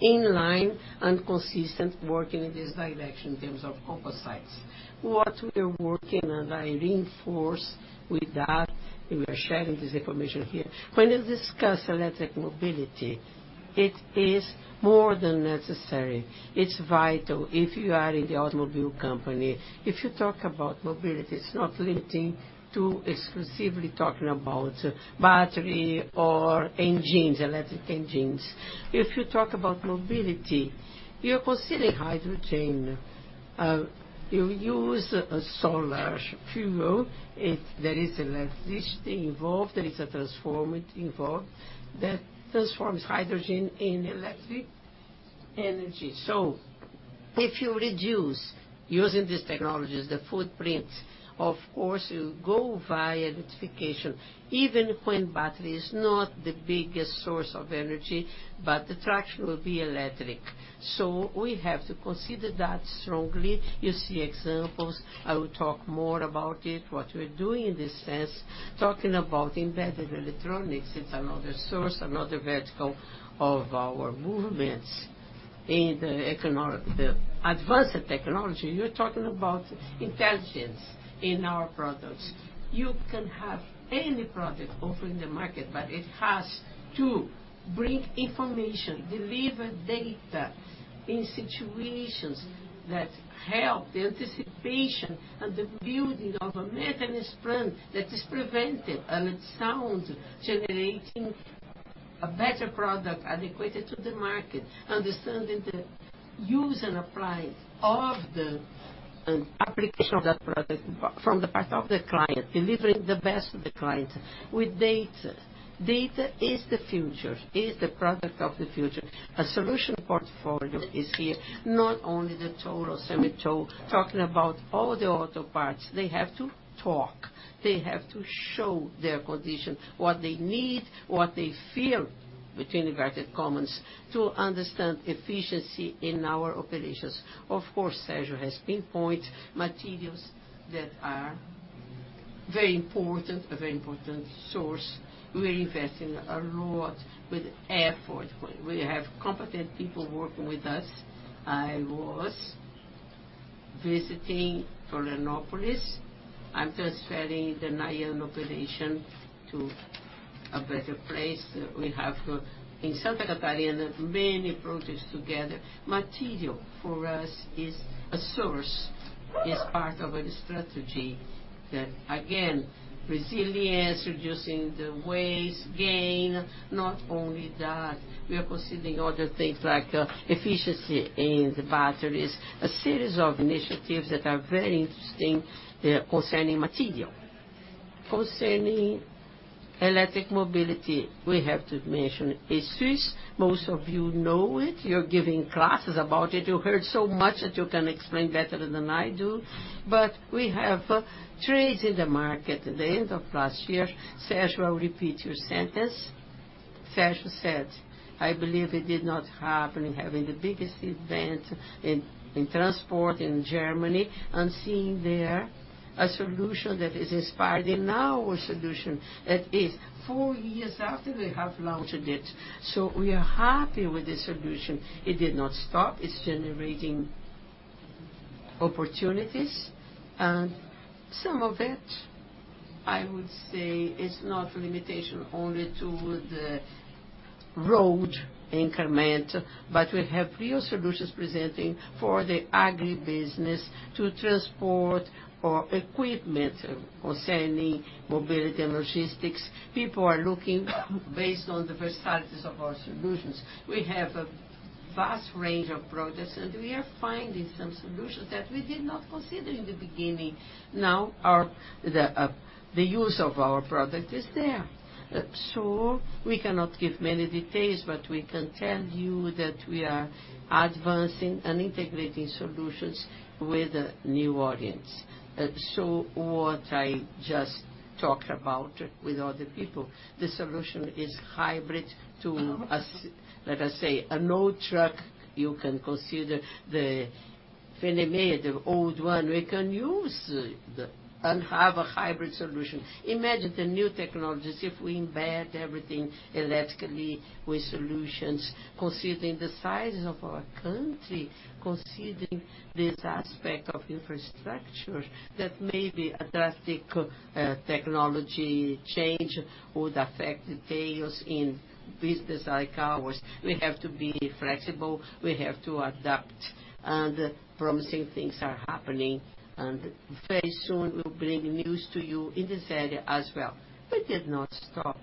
Speaker 3: in line and consistent working in this direction in terms of composites. What we are working, and I reinforce with that, we are sharing this information here. When you discuss electric mobility, it is more than necessary. It's vital if you are in the automobile company. If you talk about mobility, it's not limiting to exclusively talking about battery or engines, electric engines. If you talk about mobility, you're considering hydrogen. You use a solar fuel. If there is electricity involved, there is a transformer involved that transforms hydrogen in electric energy. If you reduce using these technologies, the footprint, of course, you go via electrification, even when battery is not the biggest source of energy, but the traction will be electric. We have to consider that strongly. You see examples, I will talk more about it, what we're doing in this sense, talking about embedded electronics. It's another source, another vertical of our movements in the Advanced Technology. You're talking about intelligence in our products. You can have any product offered in the market, but it has to bring information, deliver data in situations that help the anticipation and the building of a maintenance plan that is preventive, and it sounds. A better product, adequate to the market, understanding the use and apply of the application of that product from the part of the client, delivering the best to the client with data. Data is the future, is the product of the future. A solution portfolio is here, not only the total semi tow, talking about all the auto parts, they have to talk. They have to show their condition, what they need, what they feel, between inverted commas, to understand efficiency in our operations. Of course, Sérgio has pinpoint materials that are very important, a very important source. We're investing a lot with effort. We have competent people working with us. I was visiting Florianópolis. I'm transferring the NIONE operation to a better place that we have. In Santa Catarina, many projects together. Material for us is a source, is part of a strategy that, again, resilience, reducing the waste, gain. Not only that, we are considering other things like, efficiency in the batteries, a series of initiatives that are very interesting, concerning material. Concerning electric mobility, we have to mention I-SUS, most of you know it, you're giving classes about it. You heard so much that you can explain better than I do. We have trades in the market. At the end of last year, Sérgio, I'll repeat your sentence. Sérgio said, "I believe it did not happen, having the biggest event in transport in Germany, and seeing there a solution that is inspired in our solution." That is 4 years after we have launched it. We are happy with the solution. It did not stop, it's generating opportunities, and some of it, I would say, is not a limitation only to the road increment, but we have real solutions presenting for the agribusiness to transport or equipment concerning mobility and logistics. People are looking based on the versatilities of our solutions. We have a vast range of products, and we are finding some solutions that we did not consider in the beginning. Now, the use of our product is there. We cannot give many details, but we can tell you that we are advancing and integrating solutions with a new audience. What I just talked about with other people, the solution is hybrid to us. Let us say, an old truck, you can consider the FNM, the old one. We can use and have a hybrid solution. Imagine the new technologies, if we embed everything electrically with solutions, considering the size of our country, considering this aspect of infrastructure, that may be a drastic technology change would affect details in business like ours. We have to be flexible, we have to adapt. Promising things are happening, and very soon, we'll bring news to you in this area as well. We did not stop.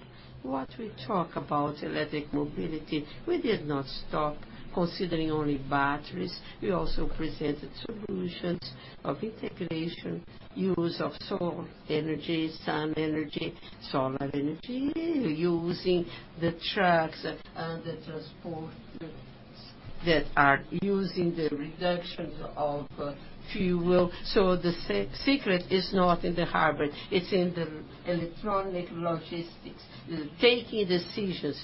Speaker 3: What we talk about electric mobility, we did not stop considering only batteries. We also presented solutions of integration, use of solar energy, sun energy, solar energy, using the trucks and the transport that are using the reductions of fuel. The secret is not in the hybrid, it's in the embedded logistics, taking decisions.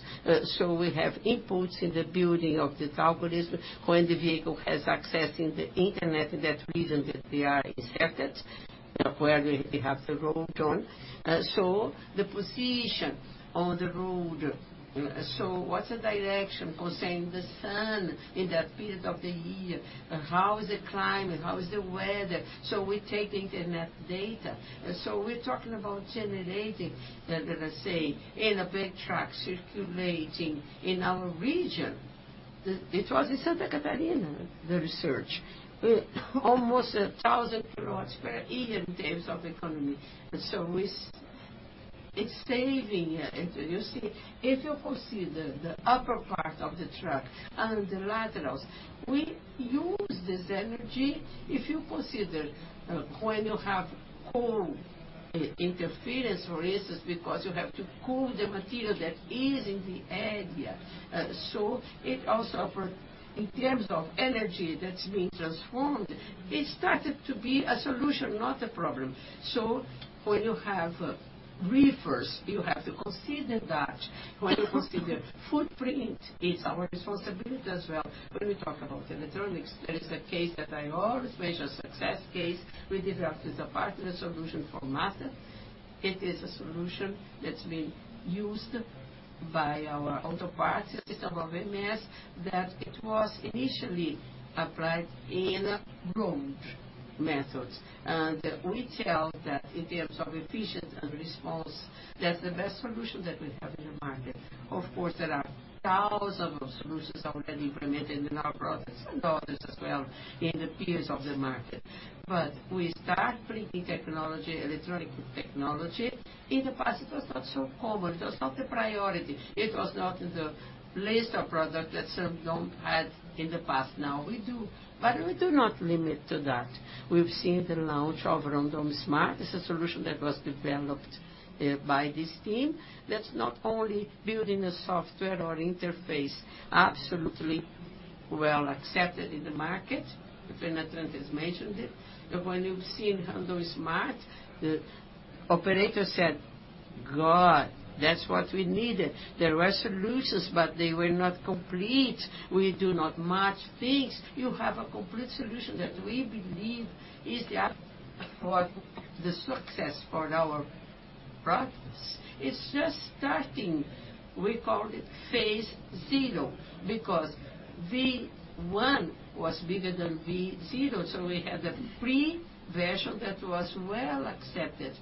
Speaker 3: We have inputs in the building of this algorithm when the vehicle has access in the internet, and that reason that they are inserted, where we have the road on. The position on the road, so what's the direction concerning the sun in that period of the year? How is the climate? How is the weather? We take the internet data. We're talking about generating, let us say, in a big truck circulating in our region. It was in Santa Catarina, the research. Almost 1,000 kilowatts per million in terms of economy. It's saving, you see, if you consider the upper part of the truck and the laterals, we use this energy. If you consider, when you have cold interference, for instance, because you have to cool the material that is in the area. So it also in terms of energy that's being transformed, it started to be a solution, not a problem. When you have reefers, you have to consider that. When you consider footprint, it's our responsibility as well. When we talk about electronics, there is a case that I always mention, success case, we developed as a partner solution for Mata. It is a solution that's been used by our auto parts system of MS, that it was initially applied in road methods. We tell that in terms of efficient and response, that's the best solution that we have in the market. Of course, thousands of solutions already implemented in our process and others as well in the peers of the market. We start bringing technology, electronic technology. In the past, it was not so common. It was not the priority. It was not in the list of products that Venzone had in the past. Now we do, but we do not limit to that. We've seen the launch of Randon Smart. It's a solution that was developed by this team, that's not only building a software or interface, absolutely well accepted in the market. If anyone has mentioned it, but when you've seen Randon Smart, the operator said, "God, that's what we needed. There were solutions, but they were not complete. We do not match things. You have a complete solution that we believe is the app for the success for our products." It's just starting. We call it phase zero, because V1 was bigger than V0, so we had a pre-version that was well accepted.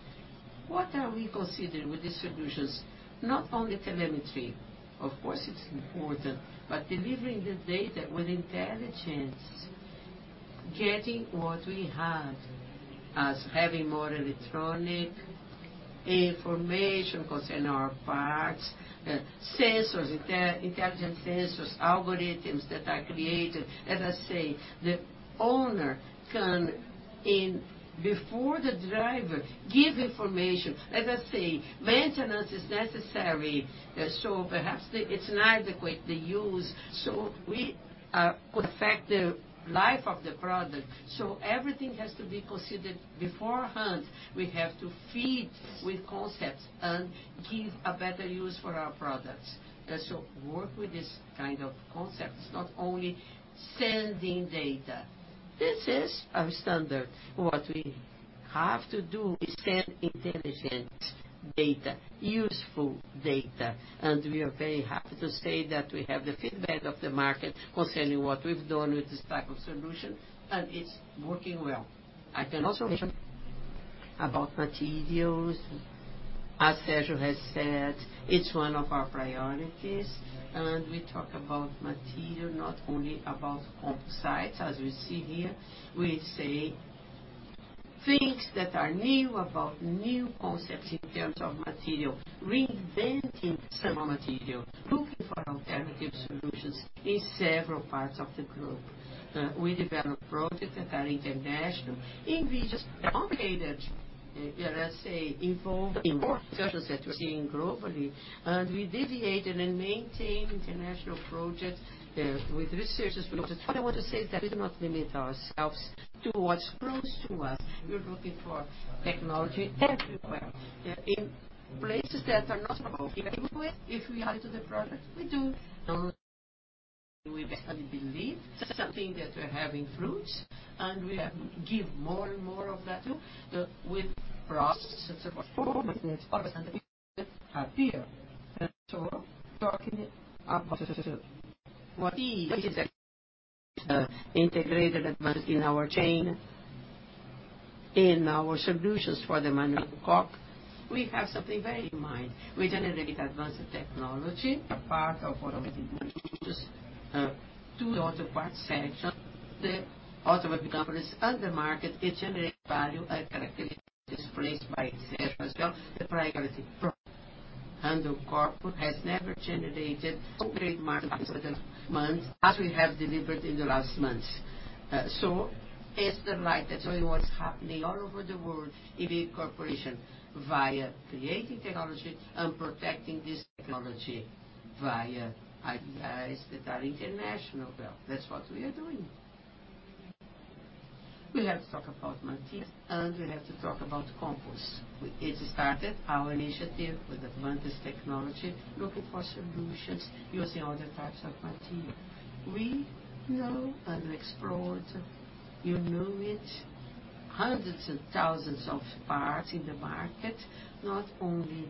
Speaker 3: What are we considering with these solutions? Not only telemetry. Of course, it's important, but delivering the data with intelligence, getting what we have as having more electronic information concerning our parts, sensors, intelligent sensors, algorithms that are created. The owner can before the driver, give information. Maintenance is necessary, perhaps it's not adequate, the use. We could affect the life of the product. Everything has to be considered beforehand. We have to feed with concepts and give a better use for our products. Work with this kind of concept. It's not only sending data. This is our standard. What we have to do is send intelligent data, useful data, and we are very happy to say that we have the feedback of the market concerning what we've done with this type of solution, and it's working well. I can also mention about materials. As Sérgio has said, it's one of our priorities, and we talk about material, not only about composites, as you see here. We say things that are new, about new concepts in terms of material, reinventing some material, looking for alternative solutions in several parts of the group. We develop projects that are international, and we just dominated, let's say, involved in searches that we're seeing globally, we deviate maintain international projects with researchers. What I want to say is that we do not limit ourselves to what's close to us. We're looking for technology everywhere, in places that are not available. If we add to the project, we do. We believe something that we're having fruits, and we have give more and more of that too, with processes of performance are here. Talking about what is integrated advanced in our chain, in our solutions for the manual cock, we have something very in mind. We generate advanced technology, a part of what we do, to the other part section, the automotive companies and the market, it generate value and characteristics placed by Sérgio as well. The priority product, Randoncorp has never generated complete market months, as we have delivered in the last months. It's the light that showing what's happening all over the world in the corporation, via creating technology and protecting this technology via ideas that are international. That's what we are doing. We have to talk about materials, and we have to talk about composites. It started our initiative with advanced technology, looking for solutions using other types of material. We know and explored, you know it, hundreds of thousands of parts in the market, not only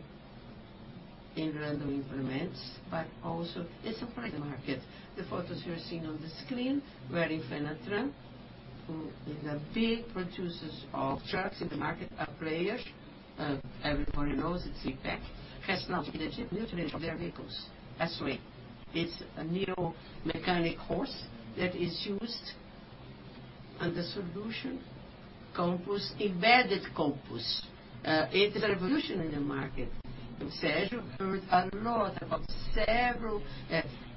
Speaker 3: in Randon Implementos, but also it's a private market. The photos you are seeing on the screen were in Fenatran, who is a big producers of trucks in the market, are players. Everybody knows its impact, has launched the nutrition vehicles, as well. It's a new mechanic horse that is used, and the solution, compost, embedded compost. It's a revolution in the market. Sérgio heard a lot about several.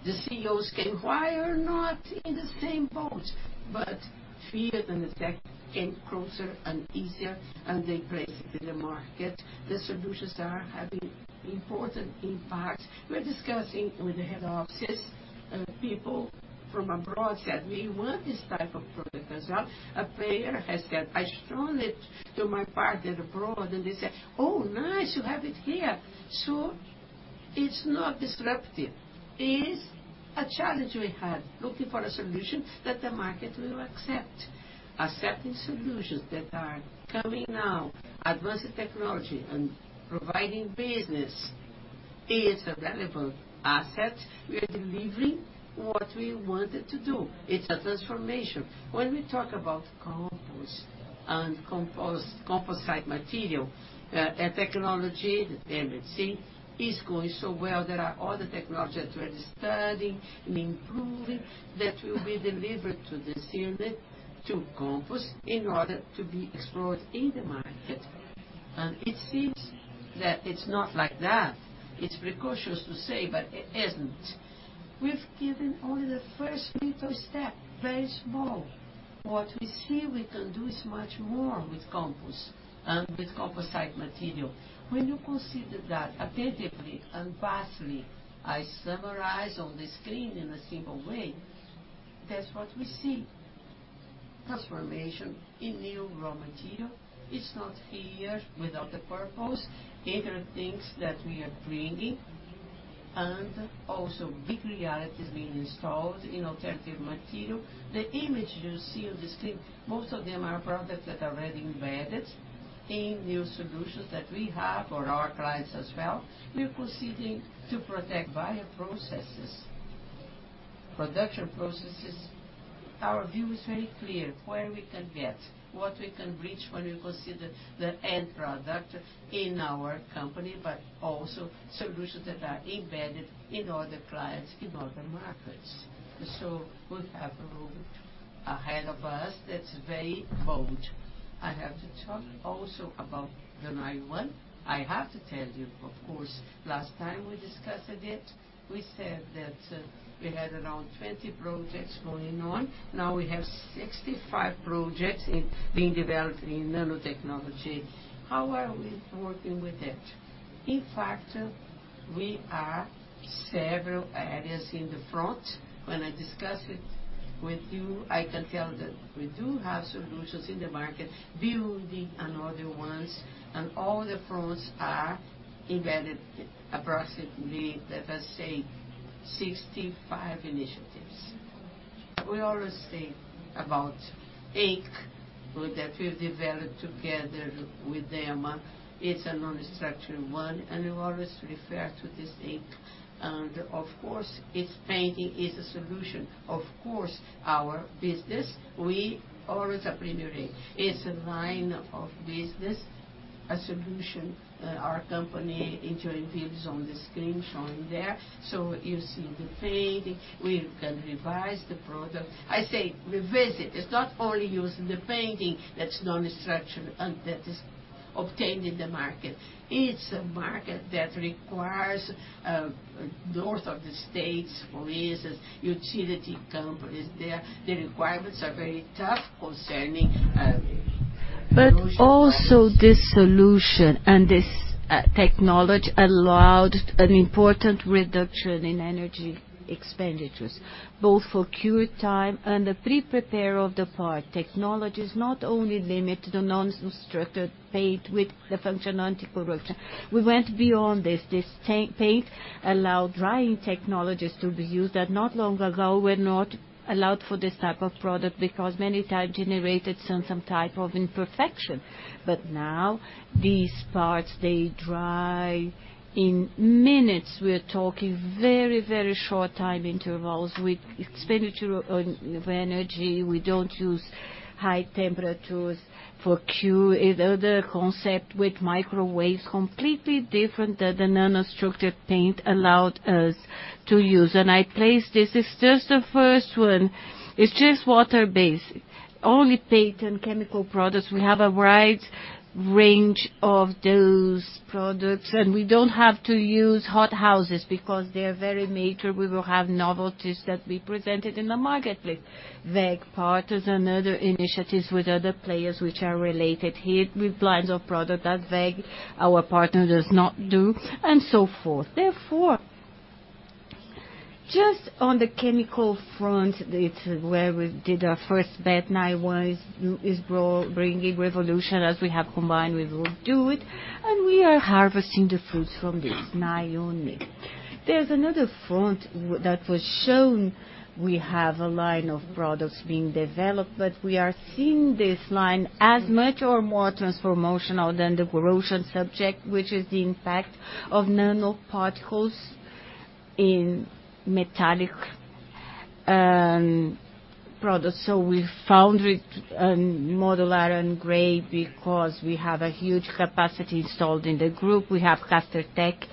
Speaker 3: The CEOs came, "Why are you not in the same boat?" Fear and effect came closer and easier, and they break in the market. The solutions are having important impact. We're discussing with the head offices, people from abroad said, "We want this type of product as well." A player has said, "I shown it to my partner abroad, and they said, 'Oh, nice, you have it here!'" It's not disruptive. It's a challenge we had, looking for a solution that the market will accept. Accepting solutions that are coming now, advanced technology and providing business is a relevant asset. We are delivering what we wanted to do. It's a transformation. When we talk about compost and composite material, and technology, the MMC, is going so well. There are other technologies we're studying and improving that will be delivered to this year to compost in order to be explored in the market, and it seems that it's not like that. It's precautious to say, but it isn't. We've given only the first little step, very small. What we see we can do is much more with compost and with composite material. When you consider that attentively and vastly, I summarize on the screen in a simple way, that's what we see. Transformation in new raw material. It's not here without a purpose, either things that we are bringing, and also big realities being installed in alternative material. The image you see on the screen, most of them are products that are already embedded in new solutions that we have for our clients as well. We're proceeding to protect bioprocesses, production processes. Our view is very clear, where we can get, what we can reach when we consider the end product in our company, but also solutions that are embedded in other clients, in other markets. We have a road ahead of us that's very bold. I have to talk also about the NIONE. I have to tell you, of course, last time we discussed it, we said that we had around 20 projects going on. Now we have 65 projects being developed in nanotechnology. How are we working with that? In fact, we are several areas in the front. When I discuss it with you, I can tell that we do have solutions in the market, building and other ones. All the fronts are embedded, approximately, let us say, 65 initiatives. We always think about ink, well, that we've developed together with them. It's a nanostructure one. We always refer to this ink. Of course, its painting is a solution. Of course, our business, we always appreciate it. It's a line of business, a solution, our company enjoying views on the screen, shown there. You see the painting, we can revise the product. I say, revisit. It's not only using the painting that's nanostructured and that is obtained in the market. It's a market that requires, north of the states, police, utility companies, there. The requirements are very tough concerning. Also this solution and this technology allowed an important reduction in energy expenditures, both for cure time and the pre-prepare of the part. Technology is not only limited to nanostructured paint with the function anticorruption. We went beyond this. This paint allowed drying technologies to be used that not long ago were not allowed for this type of product, because many times generated some type of imperfection. Now, these parts, they dry in minutes. We're talking very short time intervals with expenditure of energy. We don't use high temperatures for cure. Another concept with microwaves, completely different than the nanostructured paint allowed us to use. I place this, it's just the first one. It's just water-based, only paint and chemical products. We have a wide range of those products, and we don't have to use hot houses because they are very major. We will have novelties that we presented in the marketplace. WEG partners and other initiatives with other players which are related here with lines of product that WEG, our partner, does not do, and so forth. Just on the chemical front, it's where we did our first bet, NIONE, is bringing revolution as we have combined, we will do it, and we are harvesting the fruits from this, NIONE. There's another front that was shown. We have a line of products being developed, but we are seeing this line as much or more transformational than the corrosion subject, which is the impact of nanoparticles in metallic products. We found it modular and gray because we have a huge capacity installed in the group. We have Castertech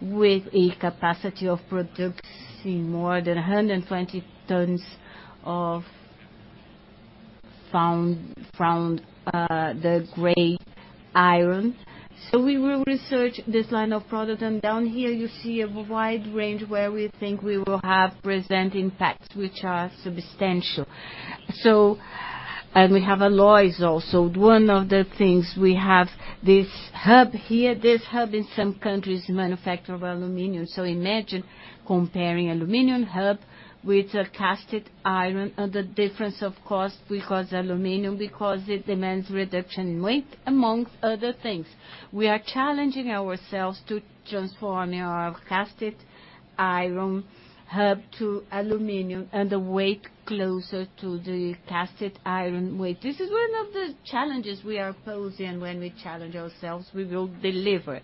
Speaker 3: with a capacity of producing more than 120 tons of foundry gray iron. We will research this line of product, and down here you see a wide range where we think we will have present impacts, which are substantial. We have alloys also. One of the things we have, this hub here, this hub in some countries, manufacturer of aluminum. Imagine comparing aluminum hub with a casted iron and the difference of cost, because aluminum, because it demands reduction in weight, among other things. We are challenging ourselves to transform our casted iron hub to aluminum, and the weight closer to the casted iron weight. This is one of the challenges we are posing, when we challenge ourselves, we will deliver.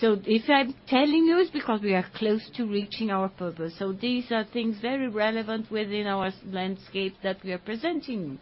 Speaker 3: If I'm telling you, it's because we are close to reaching our purpose. These are things very relevant within our landscape that we are presenting.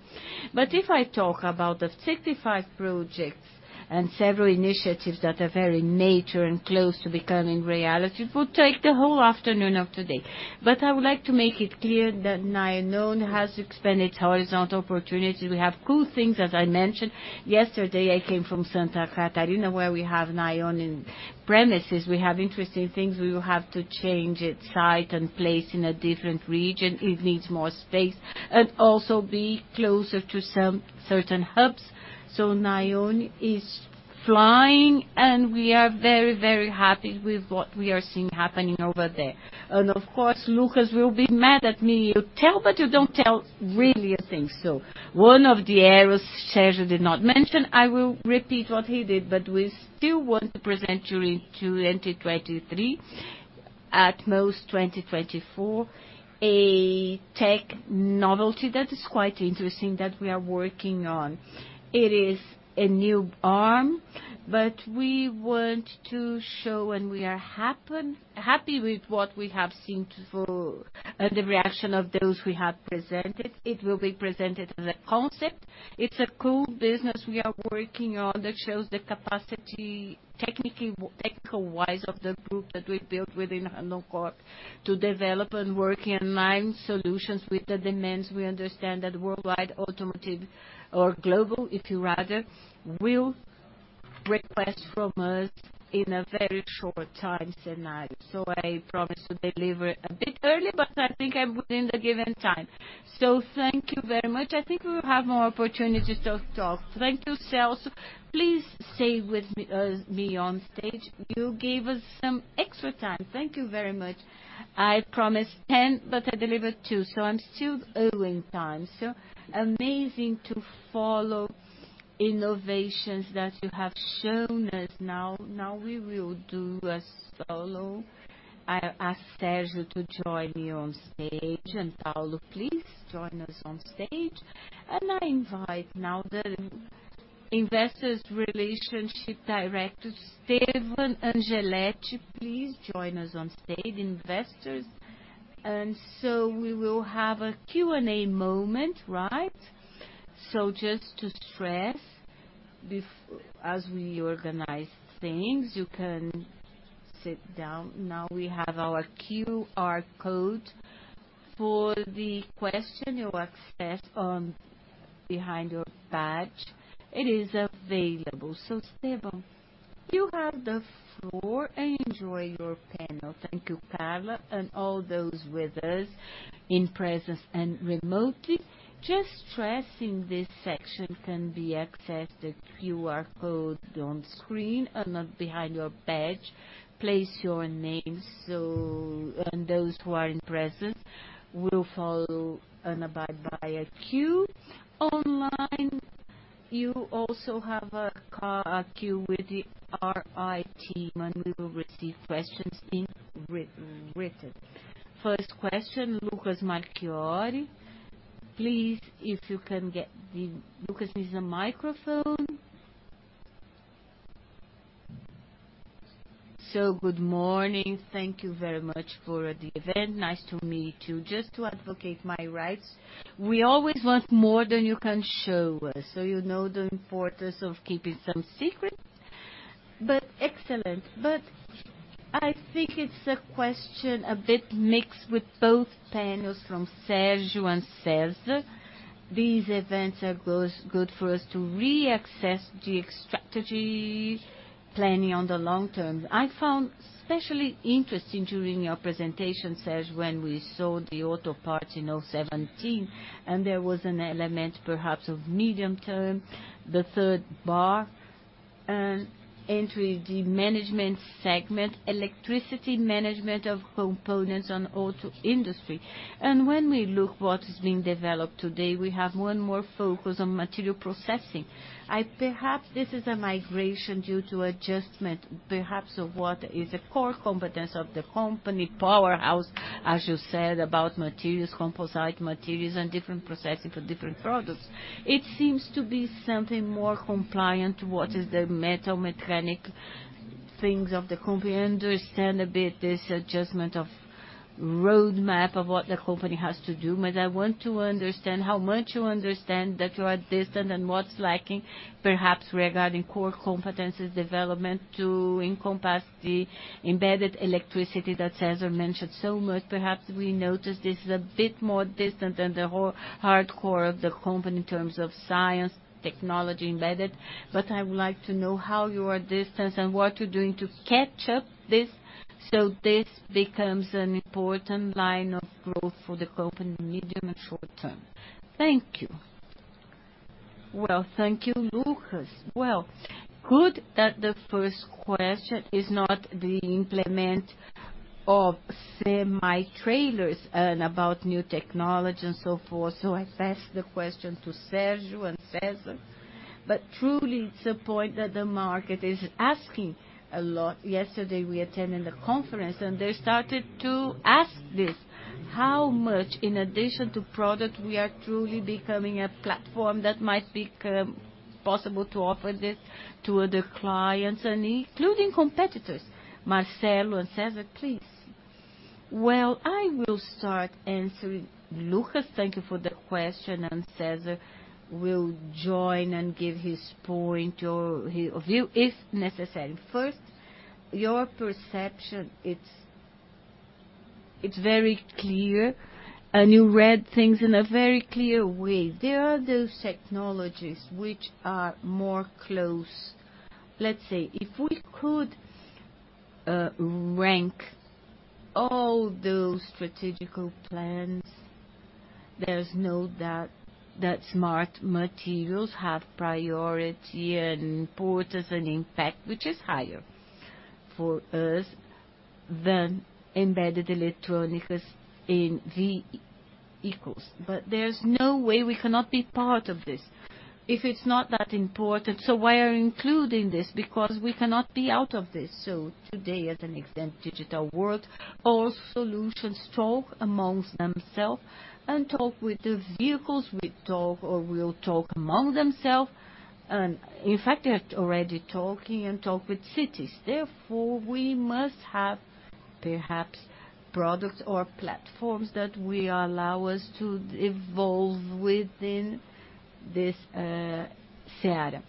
Speaker 3: If I talk about the 65 projects and several initiatives that are very nature and close to becoming reality, it will take the whole afternoon of today. I would like to make it clear that NIONE has expanded its horizontal opportunities. We have cool things, as I mentioned. Yesterday, I came from Santa Catarina, where we have NIONE in premises. We have interesting things. We will have to change its site and place in a different region. It needs more space and also be closer to some certain hubs. NIONE is flying, and we are very, very happy with what we are seeing happening over there. Of course, Lucas will be mad at me. You tell, but you don't tell really a thing. One of the areas Sérgio did not mention, I will repeat what he did, but we still want to present during 2023, at most 2024, a tech novelty that is quite interesting that we are working on. It is a new arm. We want to show, and we are happy with what we have seen so, the reaction of those we have presented. It will be presented as a concept. It's a cool business we are working on that shows the capacity, technically, eco-wise, of the group that we built within Randoncorp, to develop and work in line solutions with the demands we understand that worldwide, automotive or global, if you rather, will request from us in a very short time scenario. I promise to deliver a bit early, but I think I'm within the given time. Thank you very much. I think we will have more opportunities to talk.
Speaker 1: Thank you, César. Please stay with me on stage. You gave us some extra time. Thank you very much. I promised 10, but I delivered 2, so I'm still owing time. Amazing to follow innovations that you have shown us now. We will do a solo. I ask Sérgio to join me on stage, and Paulo, please join us on stage. I invite now the Investors Relationship Director, Esteban Angeletti, please join us on stage, investors. We will have a Q&A moment, right? Just to stress, as we organize things, you can sit down now. We have our QR code for the question you access on behind your badge. It is available. Esteban, you have the floor, and enjoy your panel.
Speaker 2: Thank you, Carla, and all those with us in presence and remotely. Just stressing this section can be accessed, the QR code on screen and not behind your badge. Place your name so. Those who are in presence will follow and abide by a queue. Online, you also have a queue with the RI team, and we will receive questions in written. First question: Lucas Marchiori. Please, if you can get the... Lucas needs a microphone. Good morning. Thank you very much for the event. Nice to meet you. Just to advocate my rights, we always want more than you can show us, so you know the importance of keeping some secrets. Excellent. I think it's a question a bit mixed with both panels from Sérgio and César. These events are good for us to reaccess the strategy planning on the long term. I found especially interesting during your presentation, Sérgio, when we saw the auto parts in 17, there was an element, perhaps of medium term, the third bar, and entry the management segment, electricity management of components on auto industry. When we look what is being developed today, we have one more focus on material processing. Perhaps this is a migration due to adjustment, perhaps of what is a core competence of the company, powerhouse, as you said, about materials, composite materials, and different processing for different products. It seems to be something more compliant, what is the metal mechanic things of the company. I understand a bit this adjustment of roadmap of what the company has to do, but I want to understand how much you understand that you are distant and what's lacking, perhaps regarding core competencies development to encompass the embedded electricity that César mentioned so much. Perhaps we noticed this is a bit more distant than the whole hardcore of the company in terms of science, technology embedded. I would like to know how you are distant and what you're doing to catch up this, so this becomes an important line of growth for the company in medium and short term. Thank you. Well, thank you, Lucas. Well, good that the first question is not the implement of semi-trailers and about new technology and so forth. I pass the question to Sérgio and César, but truly, it's a point that the market is asking a lot. Yesterday, we attended a conference, they started to ask this: How much, in addition to product, we are truly becoming a platform that might become possible to offer this to other clients and including competitors. Marcelo and César, please. Well, I will start answering. Lucas, thank you for the question, César will join and give his point or his view if necessary. First, your perception, it's very clear, you read things in a very clear way. There are those technologies which are more close. Let's say, if we could rank all those strategic plans, there's no doubt that smart materials have priority and importance and impact, which is higher for us than embedded electronics in vehicles. There's no way we cannot be part of this. If it's not that important, why are including this? Because we cannot be out of this. Today, as an extent digital world, all solutions talk amongst themselves and talk with the vehicles, we talk or will talk among themselves, and in fact, they're already talking and talk with cities. We must have perhaps products or platforms that will allow us to evolve within this Ciera.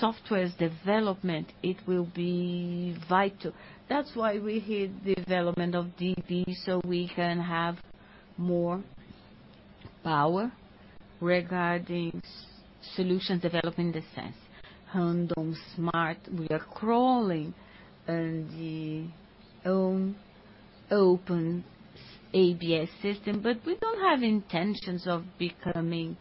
Speaker 2: Software's development, it will be vital. That's why we hit development of DB, so we can have more power regarding solutions developed in the sense. Randon Smart, we are crawling, and the own open ABS system, but we don't have intentions of becoming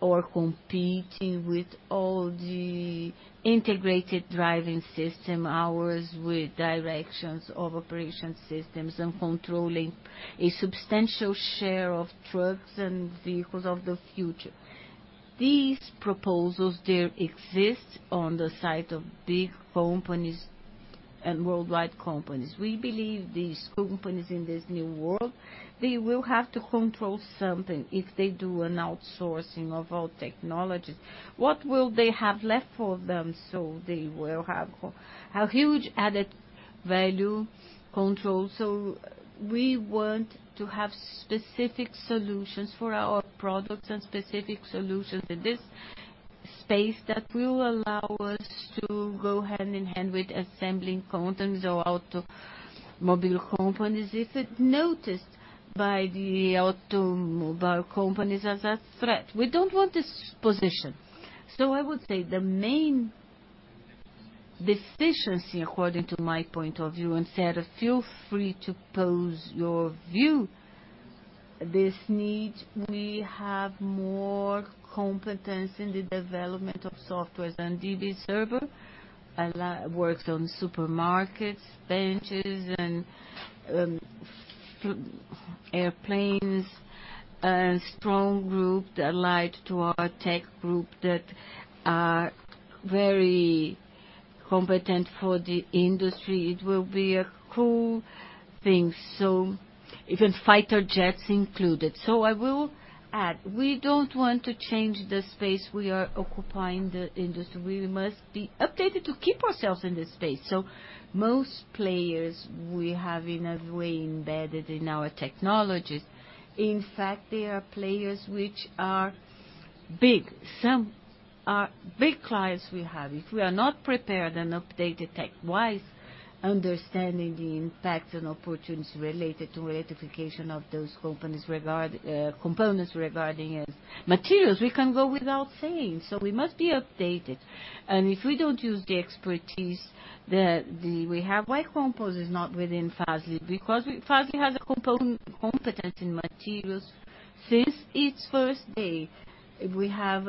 Speaker 2: or competing with all the integrated driving system, ours, with directions of operation systems and controlling a substantial share of trucks and vehicles of the future. These proposals, they exist on the side of big companies and worldwide companies. We believe these companies in this new world, they will have to control something if they do an outsourcing of all technologies. What will they have left for them? They will have a huge added value control. We want to have specific solutions for our products and specific solutions in this space that will allow us to go hand in hand with assembling contents or automobile companies, if it noticed by the automobile companies as a threat. We don't want this position. I would say the main deficiency, according to my point of view, instead of feel free to pose your view, this need, we have more competence in the development of softwares and DB server, and that works on supermarkets, benches, and airplanes, a strong group that lied to our tech group that are very competent for the industry. It will be a cool thing, even fighter jets included. I will add, we don't want to change the space we are occupying the industry. We must be updated to keep ourselves in this space. Most players we have in a way, embedded in our technologies. In fact, they are players which are big, some are big clients we have. If we are not prepared and updated tech-wise, understanding the impact and opportunities related to ratification of those companies regard components regarding as materials, we can go without saying, we must be updated. If we don't use the expertise that we have, why compose is not within Fras-le? Because Fras-le has a competence in materials since its first day. We have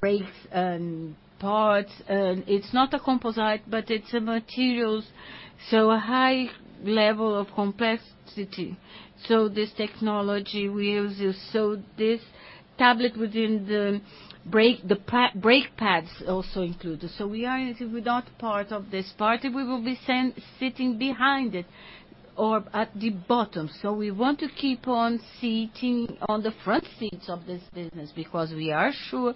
Speaker 2: brakes and parts, and it's not a composite, but it's a materials, so a high level of complexity. This technology we use, this tablet within the brake, the brake pads also included. We are without part of this party, we will be sent sitting behind it or at the bottom. We want to keep on sitting on the front seats of this business because we are sure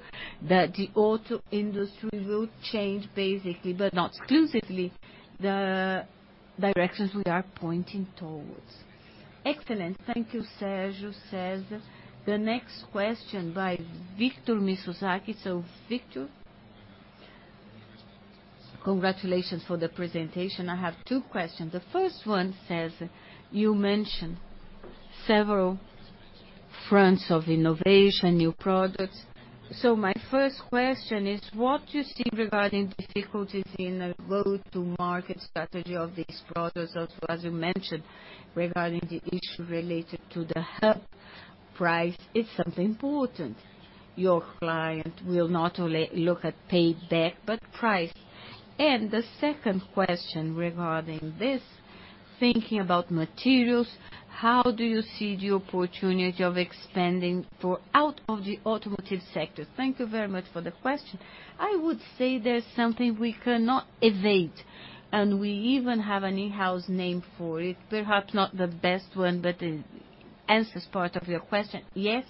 Speaker 2: that the auto industry will change, basically, but not exclusively, the directions we are pointing towards. Excellent. Thank you, Sérgio said. The next question by Victor Misuzaki. Victor Congratulations for the presentation. I have two questions. The first one says, you mentioned several fronts of innovation, new products. My first question is, what you see regarding difficulties in a go-to-market strategy of these products? Also, as you mentioned, regarding the issue related to the hub price, is something important. Your client will not only look at payback, but price. The second question regarding this, thinking about materials, how do you see the opportunity of expanding for out of the automotive sector? Thank you very much for the question. I would say there's something we cannot evade, and we even have an in-house name for it, perhaps not the best one, but it answers part of your question. Yes,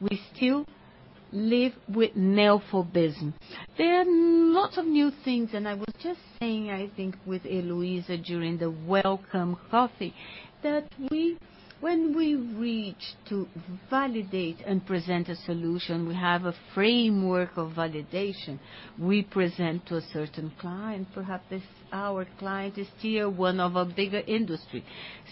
Speaker 2: we live with neophobism. There are lots of new things, and I was just saying, I think, with Eloisa during the welcome coffee, that when we reach to validate and present a solution, we have a framework of validation. We present to a certain client, perhaps this, our client is still one of a bigger industry.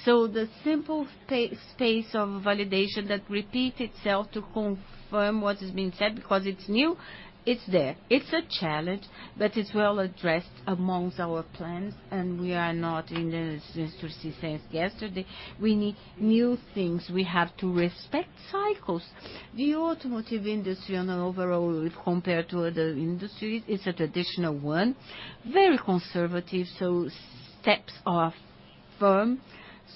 Speaker 2: The simple spa-space of validation that repeat itself to confirm what is being said, because it's new, it's there. It's a challenge, but it's well addressed amongst our plans, and we are not in the industry since yesterday. We need new things. We have to respect cycles. The automotive industry on an overall, if compared to other industries, is a traditional one, very conservative, so steps are firm.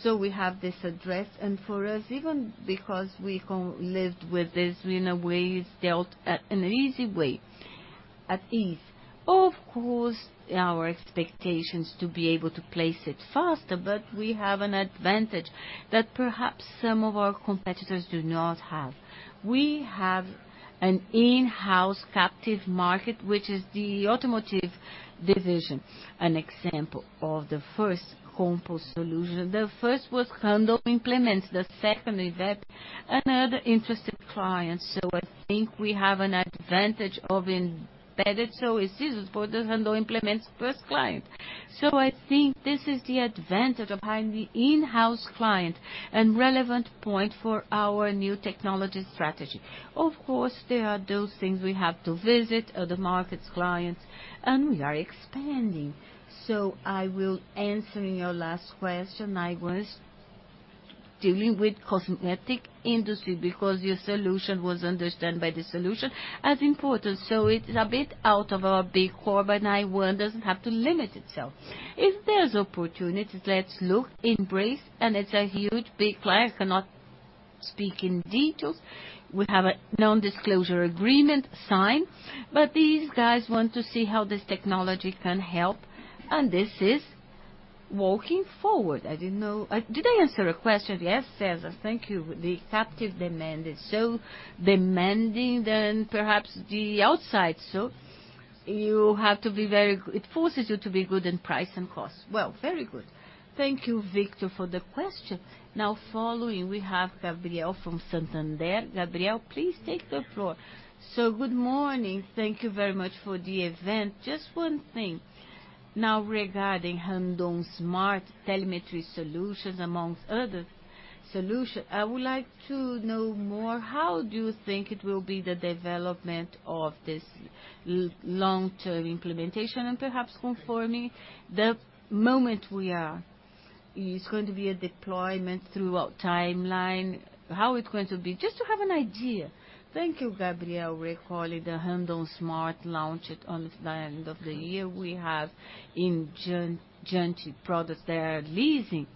Speaker 2: We have this addressed, and for us, even because we co-lived with this, in a way, it's dealt at an easy way, at ease. Of course, our expectations to be able to place it faster, but we have an advantage that perhaps some of our competitors do not have. We have an in-house captive market, which is the automotive division, an example of the first compost solution. The first was Randon Implementos, the second event, another interested client. I think we have an advantage of embedded, so it's easy for the Randon Implementos first client. I think this is the advantage of having the in-house client and relevant point for our new technology strategy. Of course, there are those things we have to visit, other markets, clients, and we are expanding. I will answering your last question. I was dealing with cosmetic industry because your solution was understood by the solution as important. It's a bit out of our big core, but now one doesn't have to limit itself. If there's opportunities, let's look, embrace, and it's a huge, big client. I cannot speak in details. We have a non-disclosure agreement signed, but these guys want to see how this technology can help, and this is walking forward. Did I answer a question? Yes, César, thank you. The captive demand is so demanding than perhaps the outside, you have to be very It forces you to be good in price and cost. Well, very good. Thank you, Victor, for the question. Following, we have Gabriel from Santander. Gabriel, please take the floor. Good morning. Thank you very much for the event. Just one thing. Regarding Randon Smart Telemetry Solutions, amongst other solution, I would like to know more, how do you think it will be the development of this long-term implementation, perhaps confirming the moment we are, it's going to be a deployment throughout timeline? How it's going to be? Just to have an idea. Thank you, Gabriel. Recalling the Randon Smart, launched it on the end of the year. We have in Jost products that are leasing.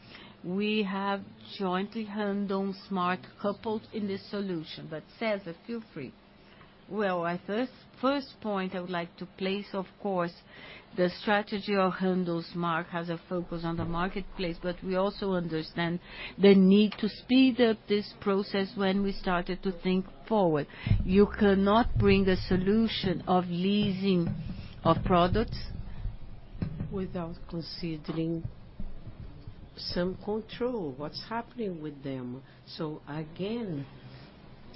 Speaker 2: We have jointly Randon Smart coupled in this solution. César, feel free. Well, at first point I would like to place, of course, the strategy of Randon Smart has a focus on the marketplace, but we also understand the need to speed up this process when we started to think forward. You cannot bring a solution of leasing a product without considering some control, what's happening with them. Again,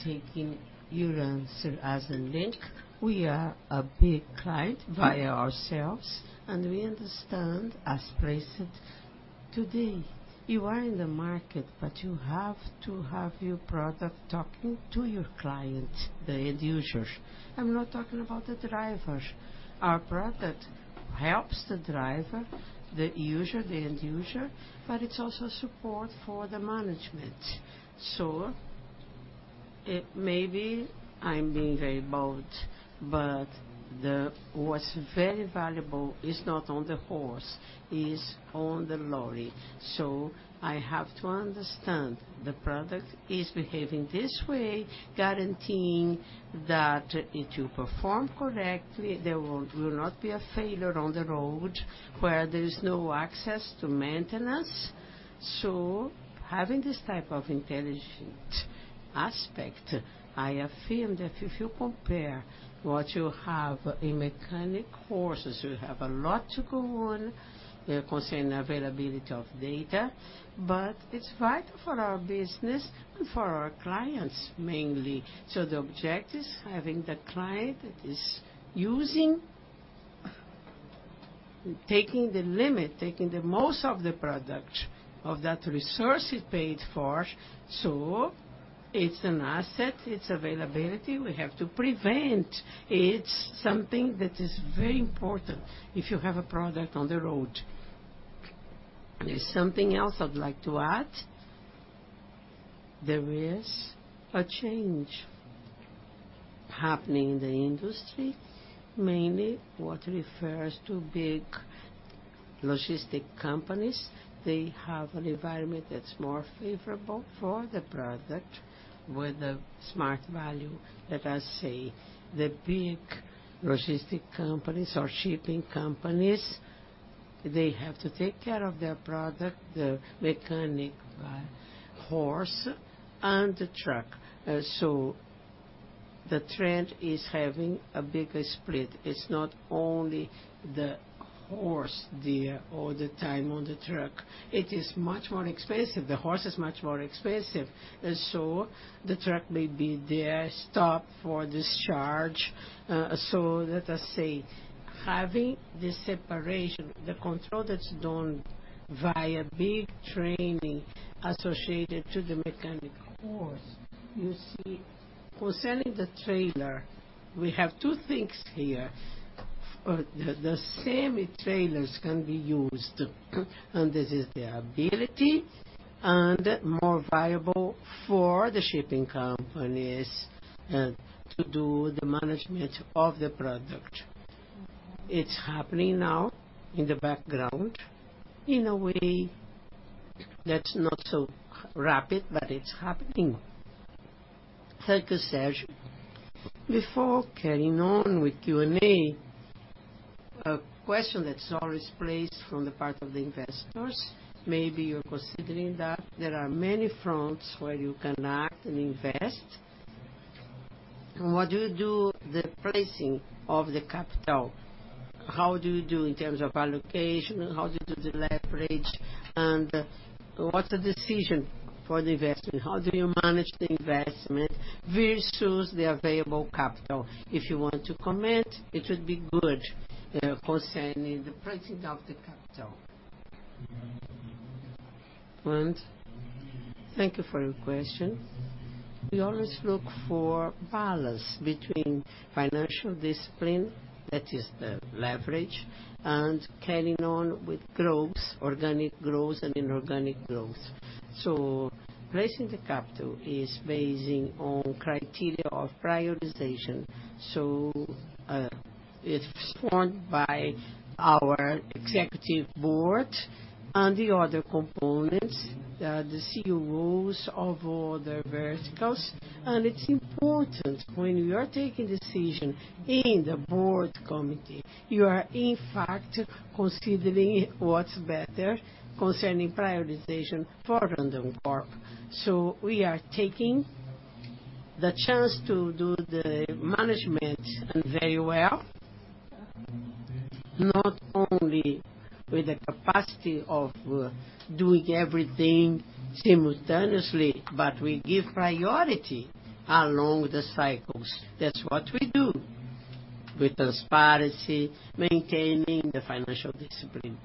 Speaker 2: taking your answer as a link, we are a big client via ourselves, and we understand, as placed, today, you are in the market, but you have to have your product talking to your client, the end users. I'm not talking about the drivers. Our product helps the driver, the user, the end user, but it's also support for the management. It maybe I'm being very bold, but what's very valuable is not on the horse, is on the lorry. I have to understand the product is behaving this way, guaranteeing that it will perform correctly, there will not be a failure on the road where there is no access to maintenance. Having this type of intelligent aspect, I affirm that if you compare what you have in mechanic horses, you have a lot to go on, concerning availability of data, but it's vital for our business and for our clients, mainly. The objective is having the client taking the limit, taking the most of the product, of that resource he paid for. It's an asset, it's availability, we have to prevent. It's something that is very important if you have a product on the road. There's something else I'd like to add. There is a change happening in the industry, mainly what refers to big logistic companies. They have an environment that's more favorable for the product with a smart value. Let us say, the big logistic companies or shipping companies. They have to take care of their product, the mechanic horse and the truck. The trend is having a bigger split. It's not only the horse there all the time on the truck. It is much more expensive. The horse is much more expensive. The truck may be there, stop for discharge. Let us say, having the separation, the control that's done via big training associated to the mechanic horse. You see, concerning the trailer, we have two things here. The semi-trailers can be used, and this is their ability and more viable for the shipping companies to do the management of the product. It's happening now in the background, in a way that's not so rapid, but it's happening. Thank you, Sérgio. Before carrying on with Q&A, a question that's always placed from the part of the investors, maybe you're considering that there are many fronts where you can act and invest. What do you do, the placing of the capital? How do you do in terms of allocation? How do you do the leverage, what's the decision for the investment? How do you manage the investment versus the available capital? If you want to comment, it would be good, concerning the pricing of the capital. Thank you for your question. We always look for balance between financial discipline, that is the leverage, and carrying on with growths, organic growth and inorganic growth. Placing the capital is basing on criteria of prioritization. It's formed by our executive board and the other components, the COOs of all the verticals. It's important when you are taking decision in the board committee, you are in fact, considering what's better concerning prioritization for Randoncorp. We are taking the chance to do the management, and very well, not only with the capacity of doing everything simultaneously, but we give priority along the cycles. That's what we do with transparency, maintaining the financial discipline.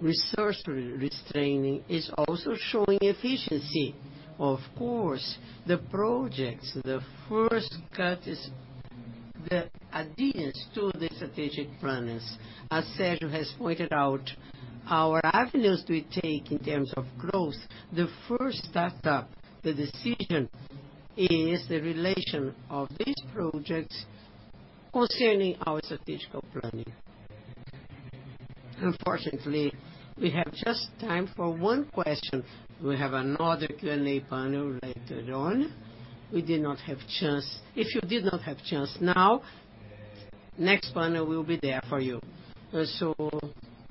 Speaker 2: Resource restraining is also showing efficiency. Of course, the projects, the first cut is the adherence to the strategic planners. As Sérgio has pointed out, our avenues we take in terms of growth, the first startup, the decision is the relation of these projects concerning our strategical planning. Unfortunately, we have just time for one question. We have another Q&A panel later on. We did not have chance. If you did not have chance now, next panel will be there for you.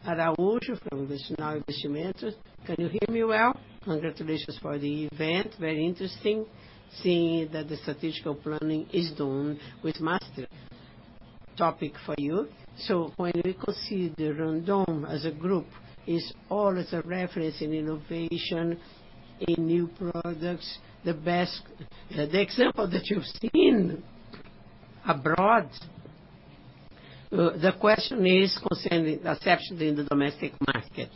Speaker 2: Araujo from Nacional Investimentos. Can you hear me well? Congratulations for the event. Very interesting, seeing that the strategic planning is done with mastery. Topic for you, when we consider Randoncorp as a group, is always a reference in innovation, in new products, the example that you've seen abroad, the question is concerning acceptance in the domestic market.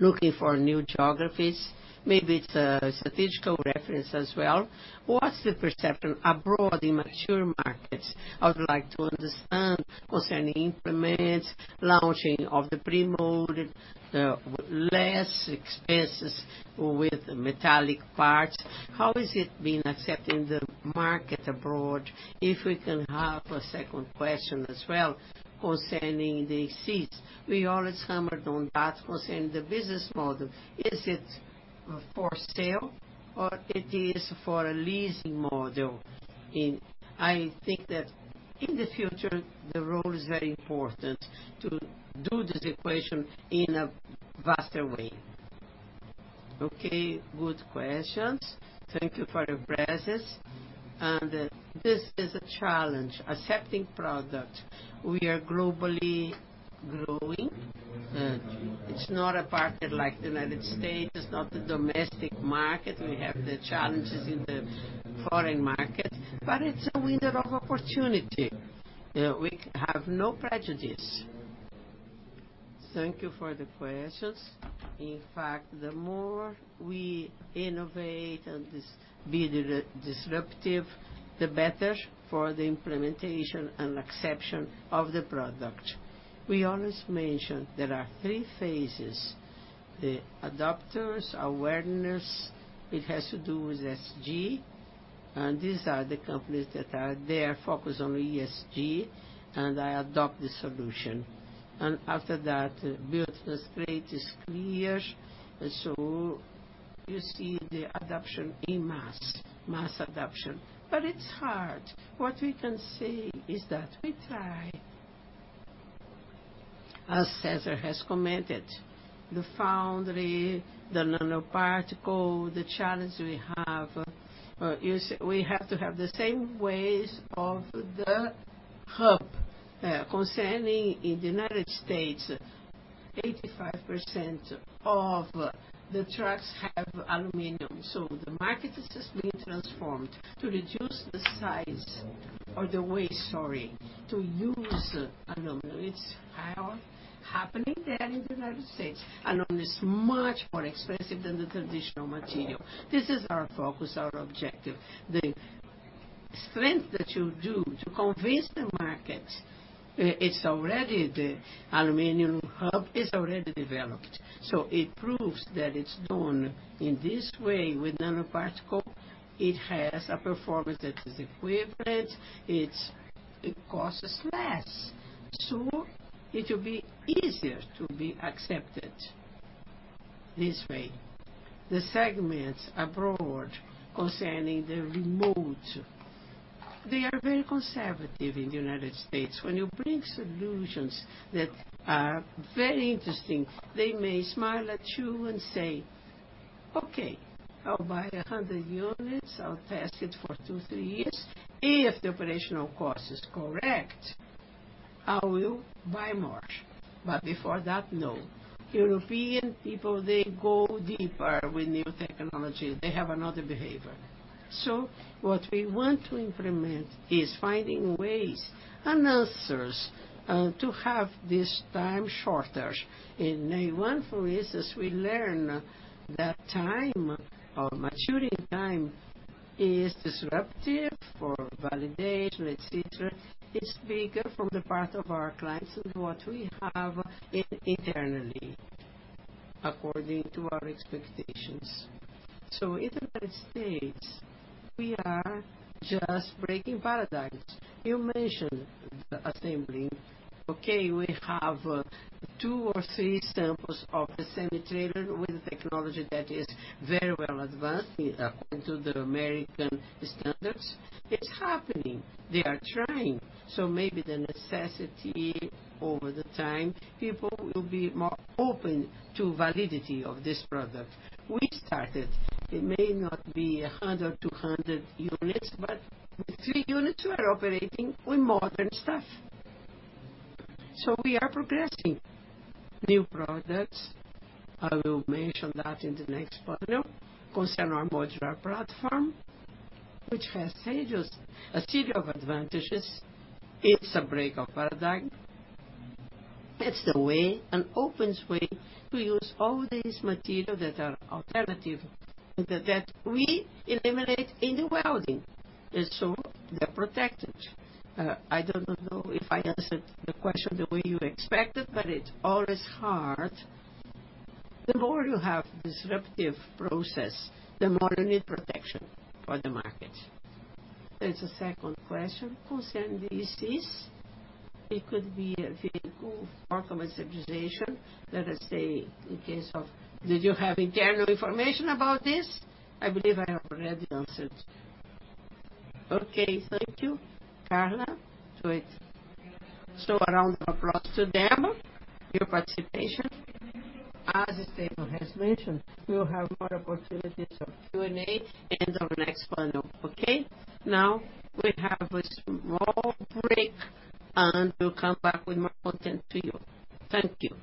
Speaker 2: Looking for new geographies, maybe it's a strategic reference as well. What's the perception abroad in mature markets? I would like to understand concerning implements, launching of the pre-molded, less expenses with metallic parts. How is it being accepted in the market abroad? If we can have a second question as well, concerning the seeds. We always hammered on that concerning the business model. Is it for sale or it is for a leasing model. I think that in the future, the role is very important to do this equation in a vaster way. Okay, good questions. Thank you for your presence. This is a challenge, accepting product. We are globally growing. It's not a market like the United States, it's not a domestic market. We have the challenges in the foreign market, but it's a window of opportunity. We have no prejudice. Thank you for the questions. In fact, the more we innovate and be disruptive, the better for the implementation and acceptance of the product. We always mention there are three phases: the adopters, awareness, it has to do with ESG, and these are the companies that are there, focused on ESG, and they adopt the solution. After that, business trait is clear. You see the adoption in mass adoption, it's hard. What we can say is that we try. As César has commented, the foundry, the nanoparticle, the challenge we have, you see, we have to have the same ways of the hub. Concerning in the United States, 85% of the trucks have aluminum, the market is just being transformed to reduce the size or the weight, sorry, to use aluminum. It's happening there in the United States. Aluminum is much more expensive than the traditional material. This is our focus, our objective. The strength that you do to convince the market, it's already the aluminum hub is already developed, it proves that it's done in this way with nanoparticle. It has a performance that is equivalent. It costs less, it will be easier to be accepted this way. The segments abroad, concerning the remote, they are very conservative in the United States. When you bring solutions that are very interesting, they may smile at you and say, "Okay, I'll buy 100 units. I'll test it for 2, 3 years. If the operational cost is correct, I will buy more." Before that, no. European people, they go deeper with new technology. They have another behavior. What we want to implement is finding ways and answers to have this time shorter. In 1 for instance, we learn that time or maturing time is disruptive for validation, et cetera. It's bigger from the part of our clients and what we have internally, according to our expectations. In the United States, we are just breaking paradigms. You mentioned the assembly. Okay, we have two or three samples of the semi-trailer with technology that is very well advanced according to the American standards. It's happening. They are trying. Maybe the necessity over the time, people will be more open to validity of this product. We started. It may not be 100, 200 units, but the 3 units were operating with modern stuff. We are progressing. New products, I will mention that in the next panel, concerning our modular platform, which has stages, a series of advantages. It's a break of paradigm. It's the way, an open way, to use all these material that are alternative, and that we eliminate any welding, they're protected. I don't know if I answered the question the way you expected, but it's always hard. The more you have disruptive process, the more you need protection for the market.
Speaker 1: There's a second question concerning this. It could be a vehicle for commercialization, let us say, in case of... Did you have internal information about this? I believe I have already answered.
Speaker 2: Okay. Thank you, Carla. A round of applause to them, your participation. As Esteban has mentioned, we'll have more opportunities for Q&A in our next panel, okay? We have a small break, and we'll come back with more content to you. Thank you.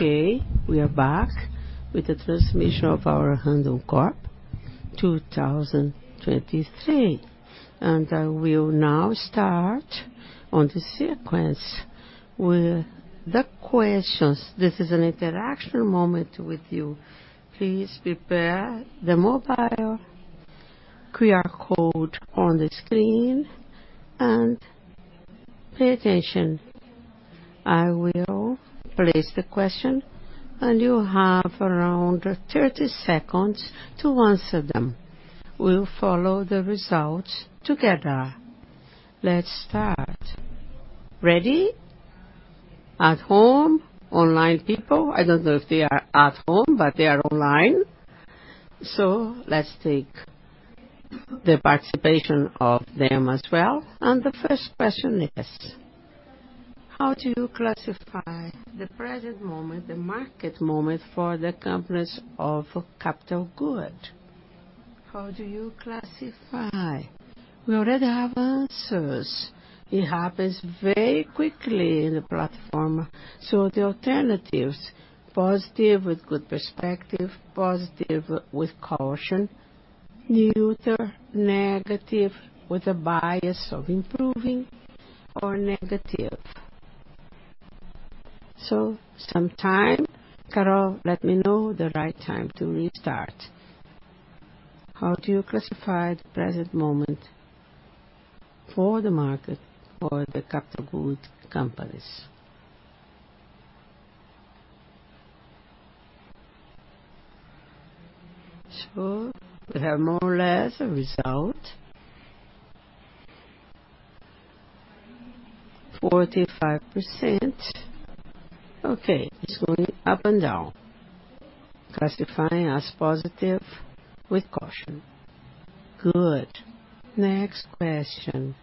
Speaker 2: We are back with the transmission of our Randoncorp 2023, and I will now start on the sequence with the questions. This is an interaction moment with you. Please prepare the mobile QR code on the screen, and pay attention. I will place the question, and you have around 30 seconds to answer them. We'll follow the results together. Let's start. Ready? At home, online people, I don't know if they are at home, but they are online. Let's take the participation of them as well. The first question is: How do you classify the present moment, the market moment, for the companies of capital good? How do you classify? We already have answers. It happens very quickly in the platform. The alternatives: positive with good perspective, positive with caution, neutral, negative with a bias of improving, or negative. Some time, Carol, let me know the right time to restart. How do you classify the present moment for the market or the capital good companies? We have more or less a result. 45%. Okay, it's going up and down. Classifying as positive with caution. Good. Next question.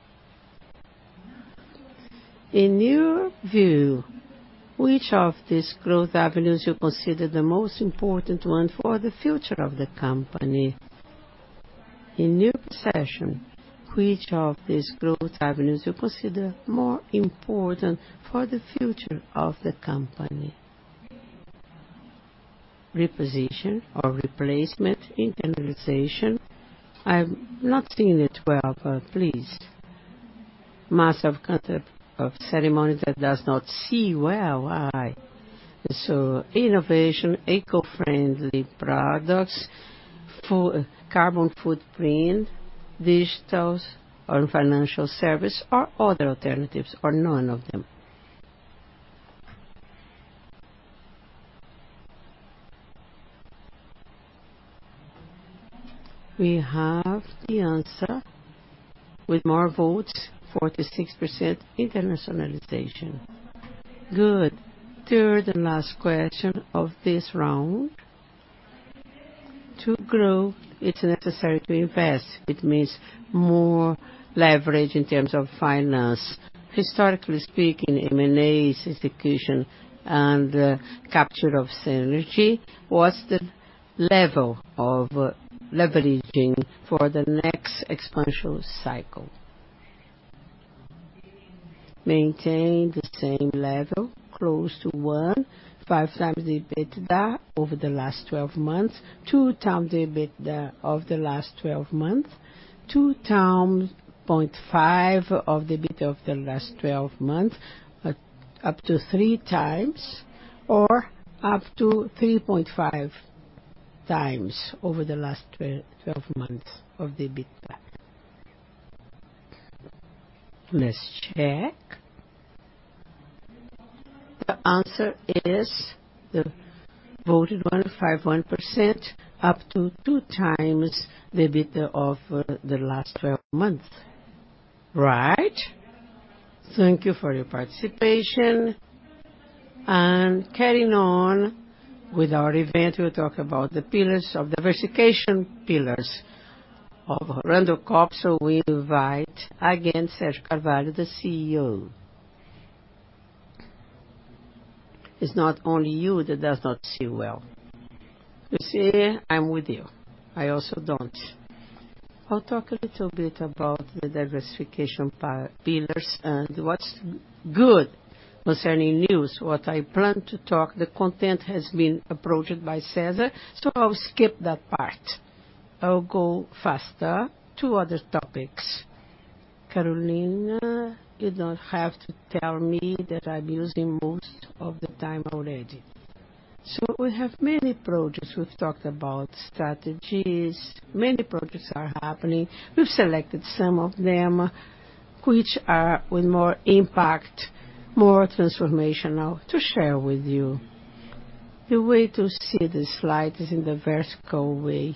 Speaker 2: In your view, which of these growth avenues you consider the most important one for the future of the company? In your perception, which of these growth avenues you consider more important for the future of the company? Reposition or replacement, internationalization. I'm not seeing it well, but please, massive kind of ceremony that does not see well, why? Innovation, eco-friendly products, carbon footprint, digitals or financial service, or other alternatives, or none of them. We have the answer with more votes, 46% internationalization. Good. Third and last question of this round: To grow, it's necessary to invest. It means more leverage in terms of finance. Historically speaking, M&A's execution and capture of synergy, what's the level of leveraging for the next expansion cycle? Maintain the same level, close to 1.5 times the EBITDA over the last 12 months, 2 times the EBITDA of the last 12 months, 2.5 times the EBITDA of the last 12 months, up to 3 times or up to 3.5 times over the last 12 months of the EBITDA. Let's check. The answer is, the voted 151%, up to 2 times the EBITDA of the last 12 months. Right. Thank you for your participation. Carrying on with our event, we'll talk about the diversification pillars of Randoncorp. We invite, again, Sérgio Carvalho, CEO. It's not only you that does not see well. You see, I'm with you. I also don't. I'll talk a little bit about the diversification pillars and what's good concerning news. What I plan to talk, the content has been approached by César, so I'll skip that part. I'll go faster to other topics. Carolina, you don't have to tell me that I'm using most of the time already. We have many projects. We've talked about strategies. Many projects are happening. We've selected some of them, which are with more impact, more transformational to share with you. The way to see the slide is in the vertical way.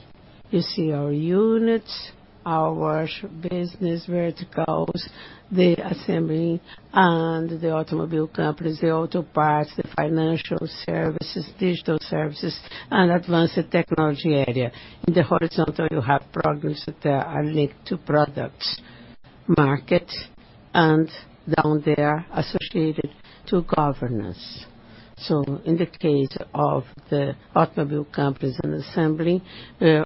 Speaker 2: You see our units, our business verticals, the assembly and the automobile companies, the auto parts, the financial services, digital services, and advanced technology area. In the horizontal, you have progress that are linked to products, market, and down there, associated to governance. In the case of the automobile companies and assembly,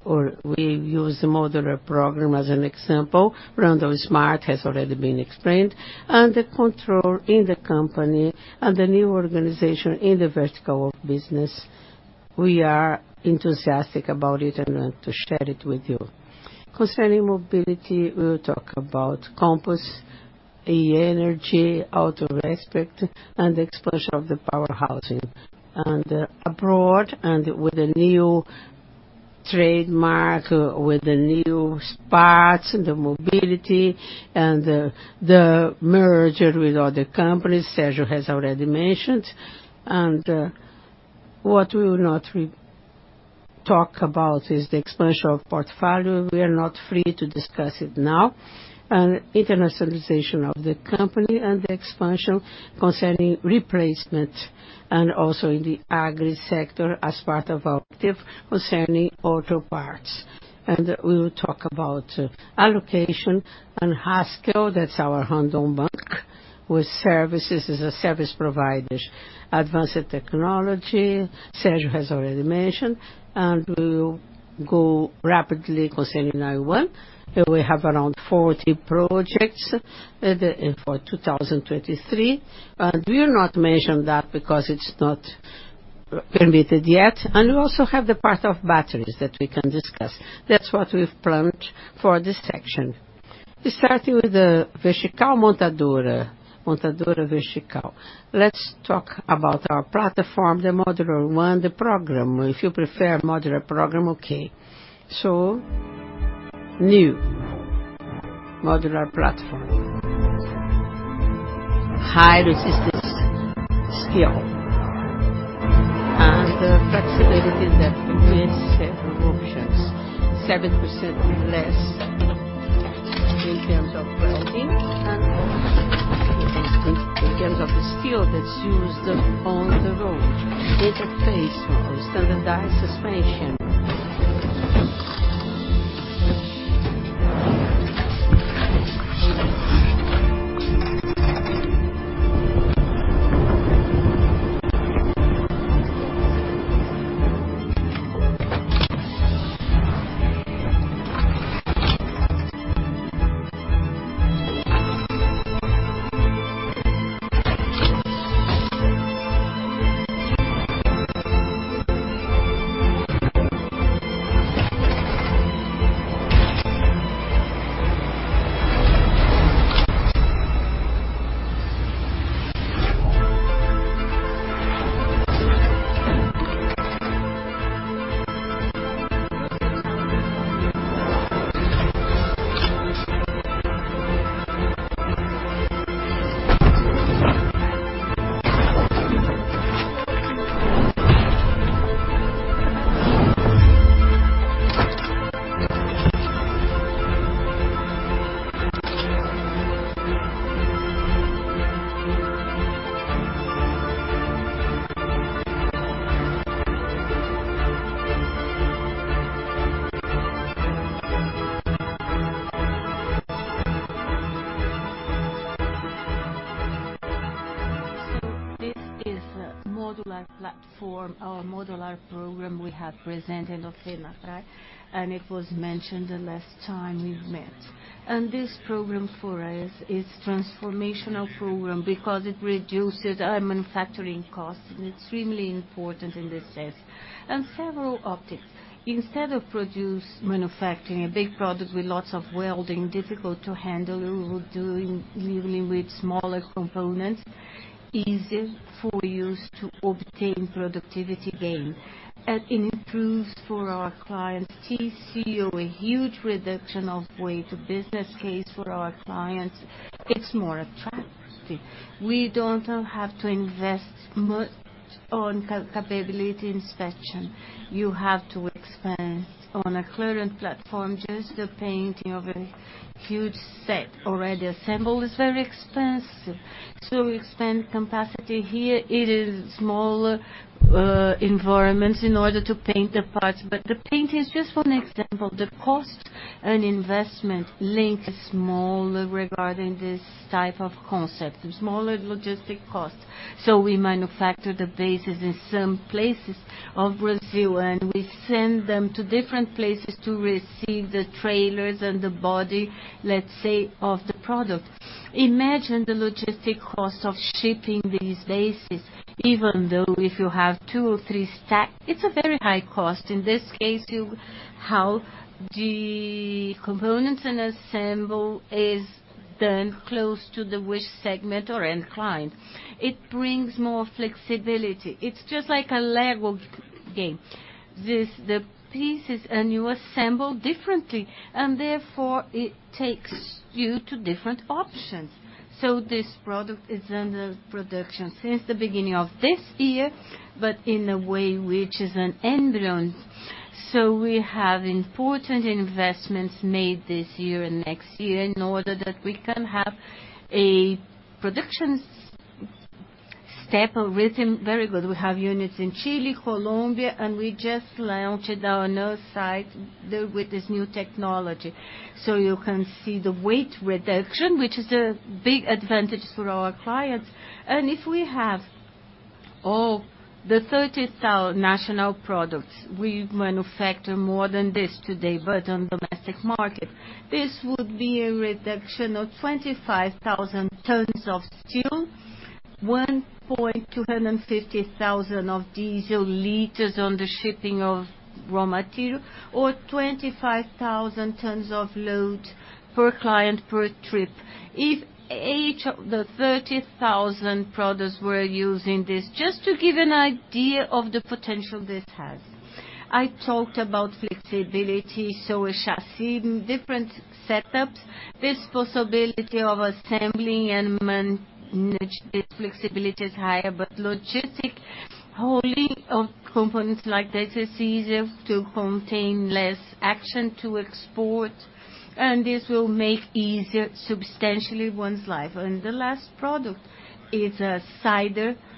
Speaker 2: or we use the modular program as an example, Randon Smart has already been explained, and the control in the company and the new organization in the vertical of business, we are enthusiastic about it and want to share it with you. Concerning mobility, we will talk about Compass. The energy out of aspect and the expansion of the power housing. Abroad, with a new trademark, with the new spots, and the mobility, and the merger with other companies, Sérgio has already mentioned. What we will not talk about is the expansion of portfolio. We are not free to discuss it now. Internationalization of the company and the expansion concerning replacement, and also in the agri sector as part of our concerning auto parts. We will talk about allocation and Holding, that's our hold on bank, with services, as a service providers. Advanced technology, Sérgio has already mentioned, we will go rapidly concerning NIONE, we have around 40 projects for 2023. We will not mention that because it's not permitted yet, we also have the part of batteries that we can discuss. That's what we've planned for this section. Starting with the Vertical Montadora Vertical. Let's talk about our platform, the modular one, the program. If you prefer modular program, okay. New modular platform. High resistance steel, flexibility that creates several options. 7% less in terms of welding, in terms of the steel that's used on the road. Interface with a standardized suspension. This is a modular platform, our modular program we have presented of, right? It was mentioned the last time we've met. This program for us is transformational program because it reduces our manufacturing costs, and extremely important in this sense, and several optics. Instead of manufacturing a big product with lots of welding, difficult to handle, we're dealing with smaller components, easier for use to obtain productivity gain, and it improves for our clients TCO, a huge reduction of weight to business case for our clients. It's more attractive. We don't have to invest much on capability inspection. You have to expand on a current platform, just the painting of a huge set already assembled is very expensive. To expand capacity here, it is smaller environments in order to paint the parts, but the painting is just for an example. The cost and investment link is smaller regarding this type of concept, the smaller logistic costs. We manufacture the bases in some places of Brazil, and we send them to different places to receive the trailers and the body, let's say, of the product. Imagine the logistic cost of shipping these bases, even though if you have 2 or 3 stack, it's a very high cost. In this case, how the components and assemble is done close to the wish segment or end client. It brings more flexibility. It's just like a Lego game. This, the pieces, and you assemble differently, and therefore, it takes you to different options. This product is under production since the beginning of this year, but in a way, which is an embryo. We have important investments made this year and next year in order that we can have a production stable rhythm very good. We have units in Chile, Colombia, and we just launched another site with this new technology. You can see the weight reduction, which is a big advantage for our clients. If we have all the 30,000 national products, we manufacture more than this today, but on domestic market, this would be a reduction of 25,000 tons of steel. ... 1,250,000 diesel liters on the shipping of raw material, or 25,000 tons of load per client per trip. If each of the 30,000 products were using this, just to give an idea of the potential this has. I talked about flexibility, a chassis in different setups, this possibility of assembling and manage this flexibility is higher, but logistic, holding of components like this is easier to contain, less action to export, and this will make easier substantially one's life. The last product is a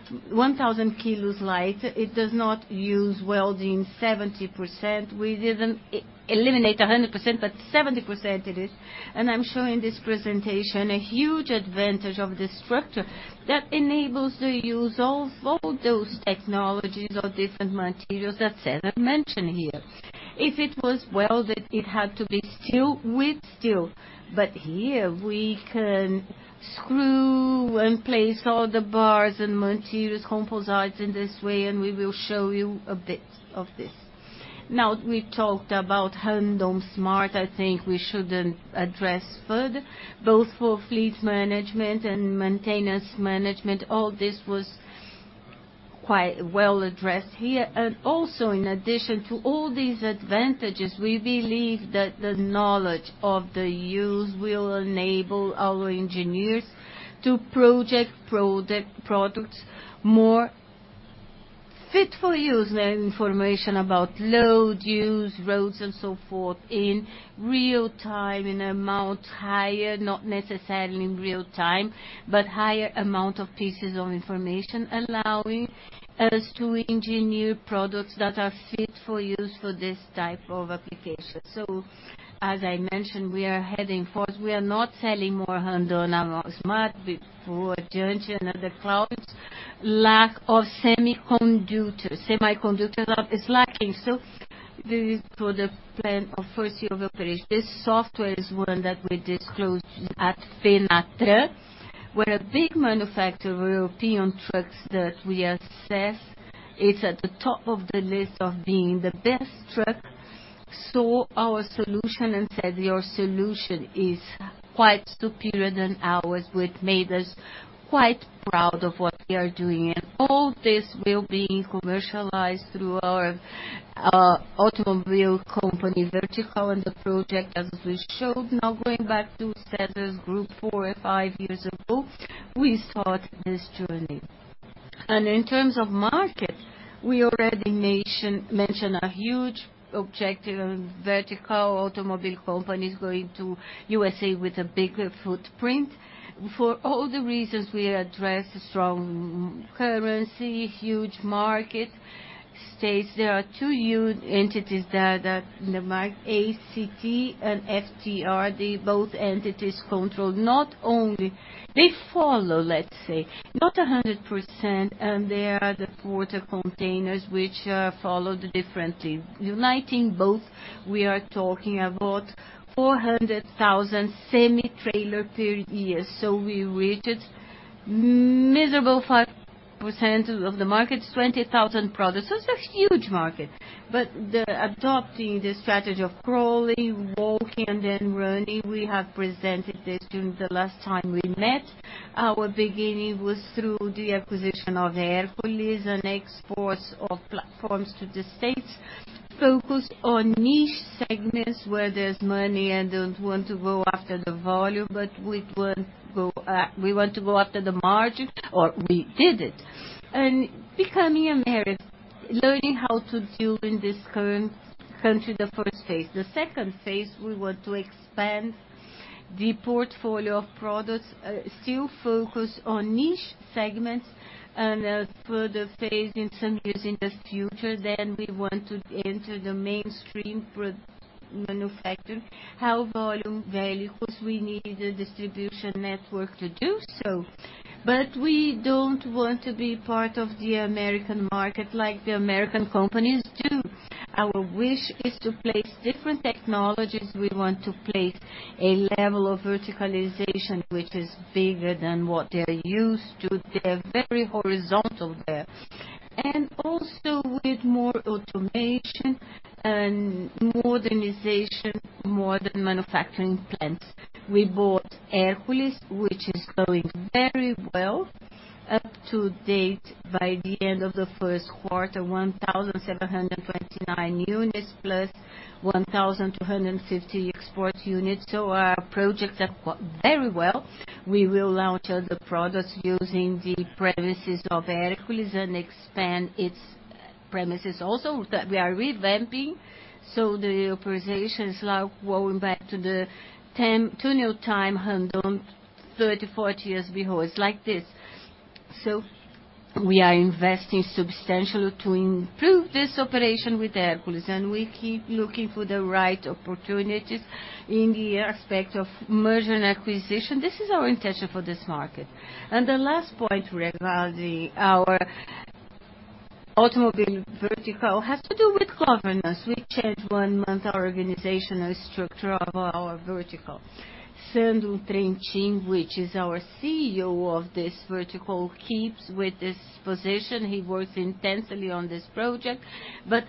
Speaker 2: Ciera, 1,000 kilos light. It does not use welding 70%. We didn't eliminate 100%, but 70% it is. I'm showing this presentation, a huge advantage of this structure that enables the use of all those technologies or different materials that César mentioned here.
Speaker 1: If it was welded, it had to be steel with steel, here we can screw and place all the bars and materials, composites in this way, and we will show you a bit of this. We talked about Randon Smart, I think we shouldn't address further, both for fleet management and maintenance management. All this was quite well addressed here. In addition to all these advantages, we believe that the knowledge of the use will enable our engineers to project products more fit for use and information about load, use, roads, and so forth, in real time, in amount higher, not necessarily in real time, but higher amount of pieces of information, allowing us to engineer products that are fit for use for this type of application. As I mentioned, we are heading forth.
Speaker 2: We are not selling more Randon and more Smart before Joint and other clouds. Lack of semiconductors. Semiconductor lab is lacking. This is for the plan of 1st year of operation. This software is one that we disclosed at Fenatran, where a big manufacturer of European trucks that we assess is at the top of the list of being the best truck, saw our solution and said, "Your solution is quite superior than ours," which made us quite proud of what we are doing. All this will be commercialized through our automobile company, Vertical, and the project, as we showed. Now, going back to César's group, 4 or 5 years ago, we started this journey. In terms of market, we already mentioned a huge objective on vertical automobile companies going to USA with a bigger footprint. For all the reasons we addressed, strong currency, huge market, states there are 2 huge entities there that in the market, ACT and FTR, they both entities control. They follow, let's say, not 100%, and they are the porter containers, which follow the differently. Uniting both, we are talking about 400,000 semi-trailer per year. We reached miserable 5% of the market, 20,000 products. It's a huge market, but the adopting the strategy of crawling, walking, and then running, we have presented this during the last time we met. Our beginning was through the acquisition of Hercules and exports of platforms to the States, focused on niche segments where there's money and don't want to go after the volume, but we want to go, we want to go after the margin, or we did it. Becoming American, learning how to deal in this current country, the first phase. The second phase, we want to expand the portfolio of products, still focused on niche segments and for the phase in some years in the future, we want to enter the mainstream manufacturing, high volume vehicles. We need a distribution network to do so. We don't want to be part of the American market like the American companies do. Our wish is to place different technologies. We want to place a level of verticalization, which is bigger than what they are used to. They're very horizontal there. Also with more automation and modernization, more than manufacturing plants. We bought Hercules, which is going very well. Up to date, by the end of the Q1, 1,729 units, plus 1,250 export units. Our projects are very well. We will launch other products using the premises of Hercules and expand its premises also, that we are revamping, the operation is now going back to the tunnel time, Randon, 30, 40 years before. It's like this. We are investing substantially to improve this operation with Hercules, and we keep looking for the right opportunities in the aspect of merger and acquisition. This is our intention for this market. The last point regarding our automobile vertical has to do with governance. We changed one month our organizational structure of our vertical. Sandro Trentin, which is our CEO of this vertical, keeps with this position. He works intensely on this project,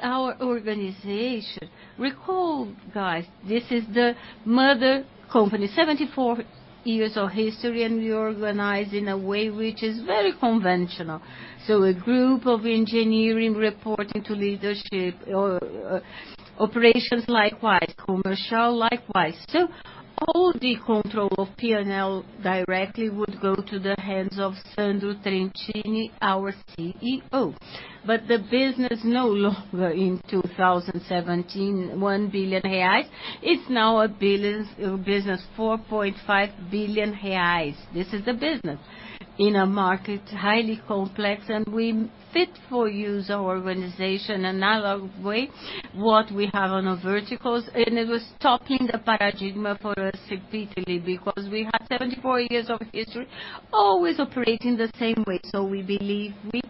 Speaker 2: our organization, recall, guys, this is the mother company, 74 years of history, and we organize in a way which is very conventional. A group of engineering reporting to leadership or operations, likewise, commercial, likewise. All the control of P&L directly would go to the hands of Sandro Trentin, our CEO. The business no longer in 2017, 1 billion reais, it's now a business, 4.5 billion reais. This is the business in a market, highly complex, and we fit for use our organization analog way, what we have on our verticals, and it was stopping the paradigm for us repeatedly, because we have 74 years of history, always operating the same way. We believe we,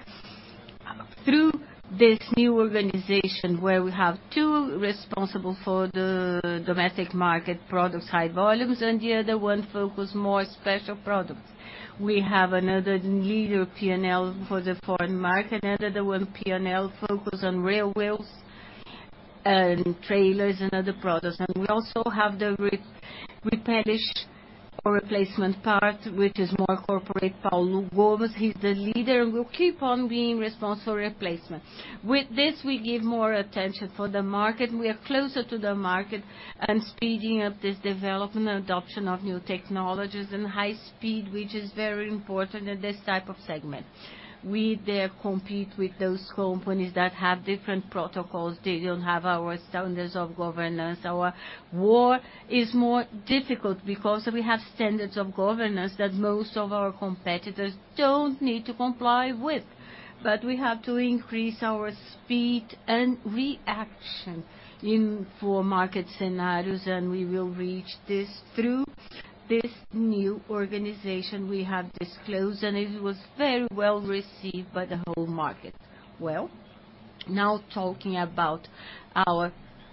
Speaker 2: through this new organization, where we have two responsible for the domestic market products, high volumes, and the other one focus more special products. We have another leader, P&L, for the foreign market, another one, P&L, focus on railways and trailers and other products. We also have the replenish or replacement part, which is more corporate. Paulo Gomes, he's the leader, and will keep on being responsible for replacement. With this, we give more attention for the market. We are closer to the market and speeding up this development and adoption of new technologies and high speed, which is very important in this type of segment. We there compete with those companies that have different protocols. They don't have our standards of governance. Our war is more difficult because we have standards of governance that most of our competitors don't need to comply with. We have to increase our speed and reaction for market scenarios, and we will reach this through this new organization we have disclosed, and it was very well received by the whole market. Now talking about our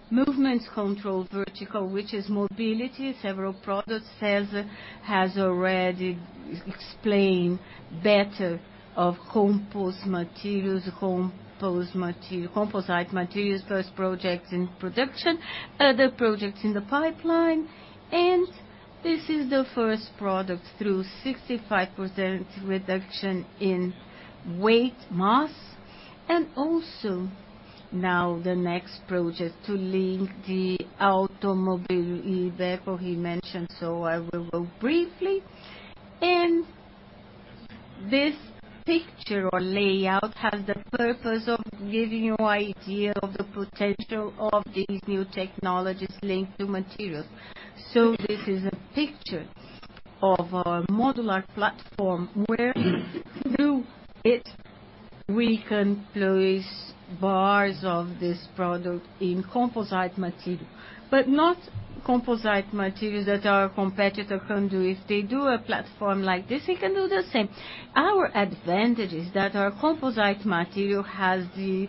Speaker 2: movements control vertical, which is mobility, several products. César has already explained better of compost materials, composite materials, first projects in production, other projects in the pipeline, and this is the first product through 65% reduction in weight, mass, and also now the next project to link the automobile, IVECO, he mentioned, so I will go briefly. This picture or layout has the purpose of giving you an idea of the potential of these new technologies linked to materials. This is a picture of our modular platform, where through it, we can place bars of this product in composite material, not composite materials that our competitor can do. If they do a platform like this, they can do the same. Our advantage is that our composite material has the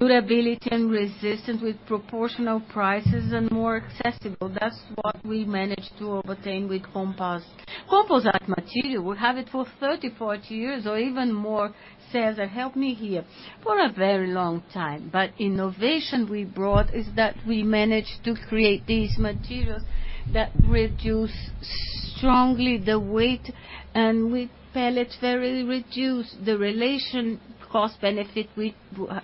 Speaker 2: durability and resistance with proportional prices and more accessible. That's what we managed to obtain with composite. Composite material, we have it for 30, 40 years or even more. César, help me here. For a very long time, innovation we brought is that we managed to create these materials that reduce strongly the weight, and we pellets very reduce the relation cost benefit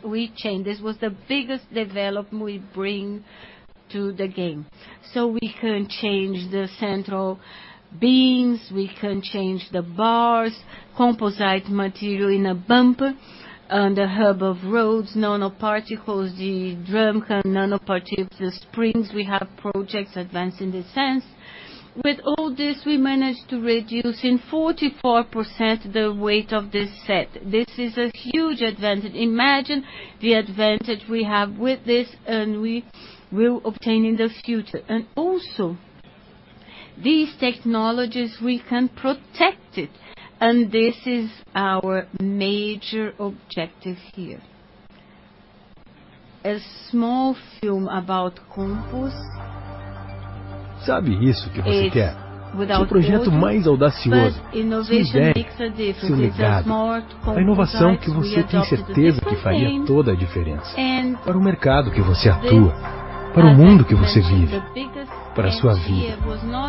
Speaker 2: we change. This was the biggest development we bring to the game. We can change the central beams, we can change the bars, composite material in a bumper, and the hub of roads, nanoparticles, the drum can nanoparticles, the springs, we have projects advanced in this sense. With all this, we managed to reduce in 44% the weight of this set. This is a huge advantage. Imagine the advantage we have with this, and we will obtain in the future. Also, these technologies, we can protect it, and this is our major objective here. A small film about composites.
Speaker 4: Sabe isso que você quer?
Speaker 2: It's without audio-
Speaker 4: Seu projeto mais audacioso, seu ideia, seu legado.
Speaker 2: innovation makes a difference. It's a small.
Speaker 4: A inovação que você tem certeza que faria toda a diferença, para o mercado que você atua, para o mundo que você vive, para sua vida,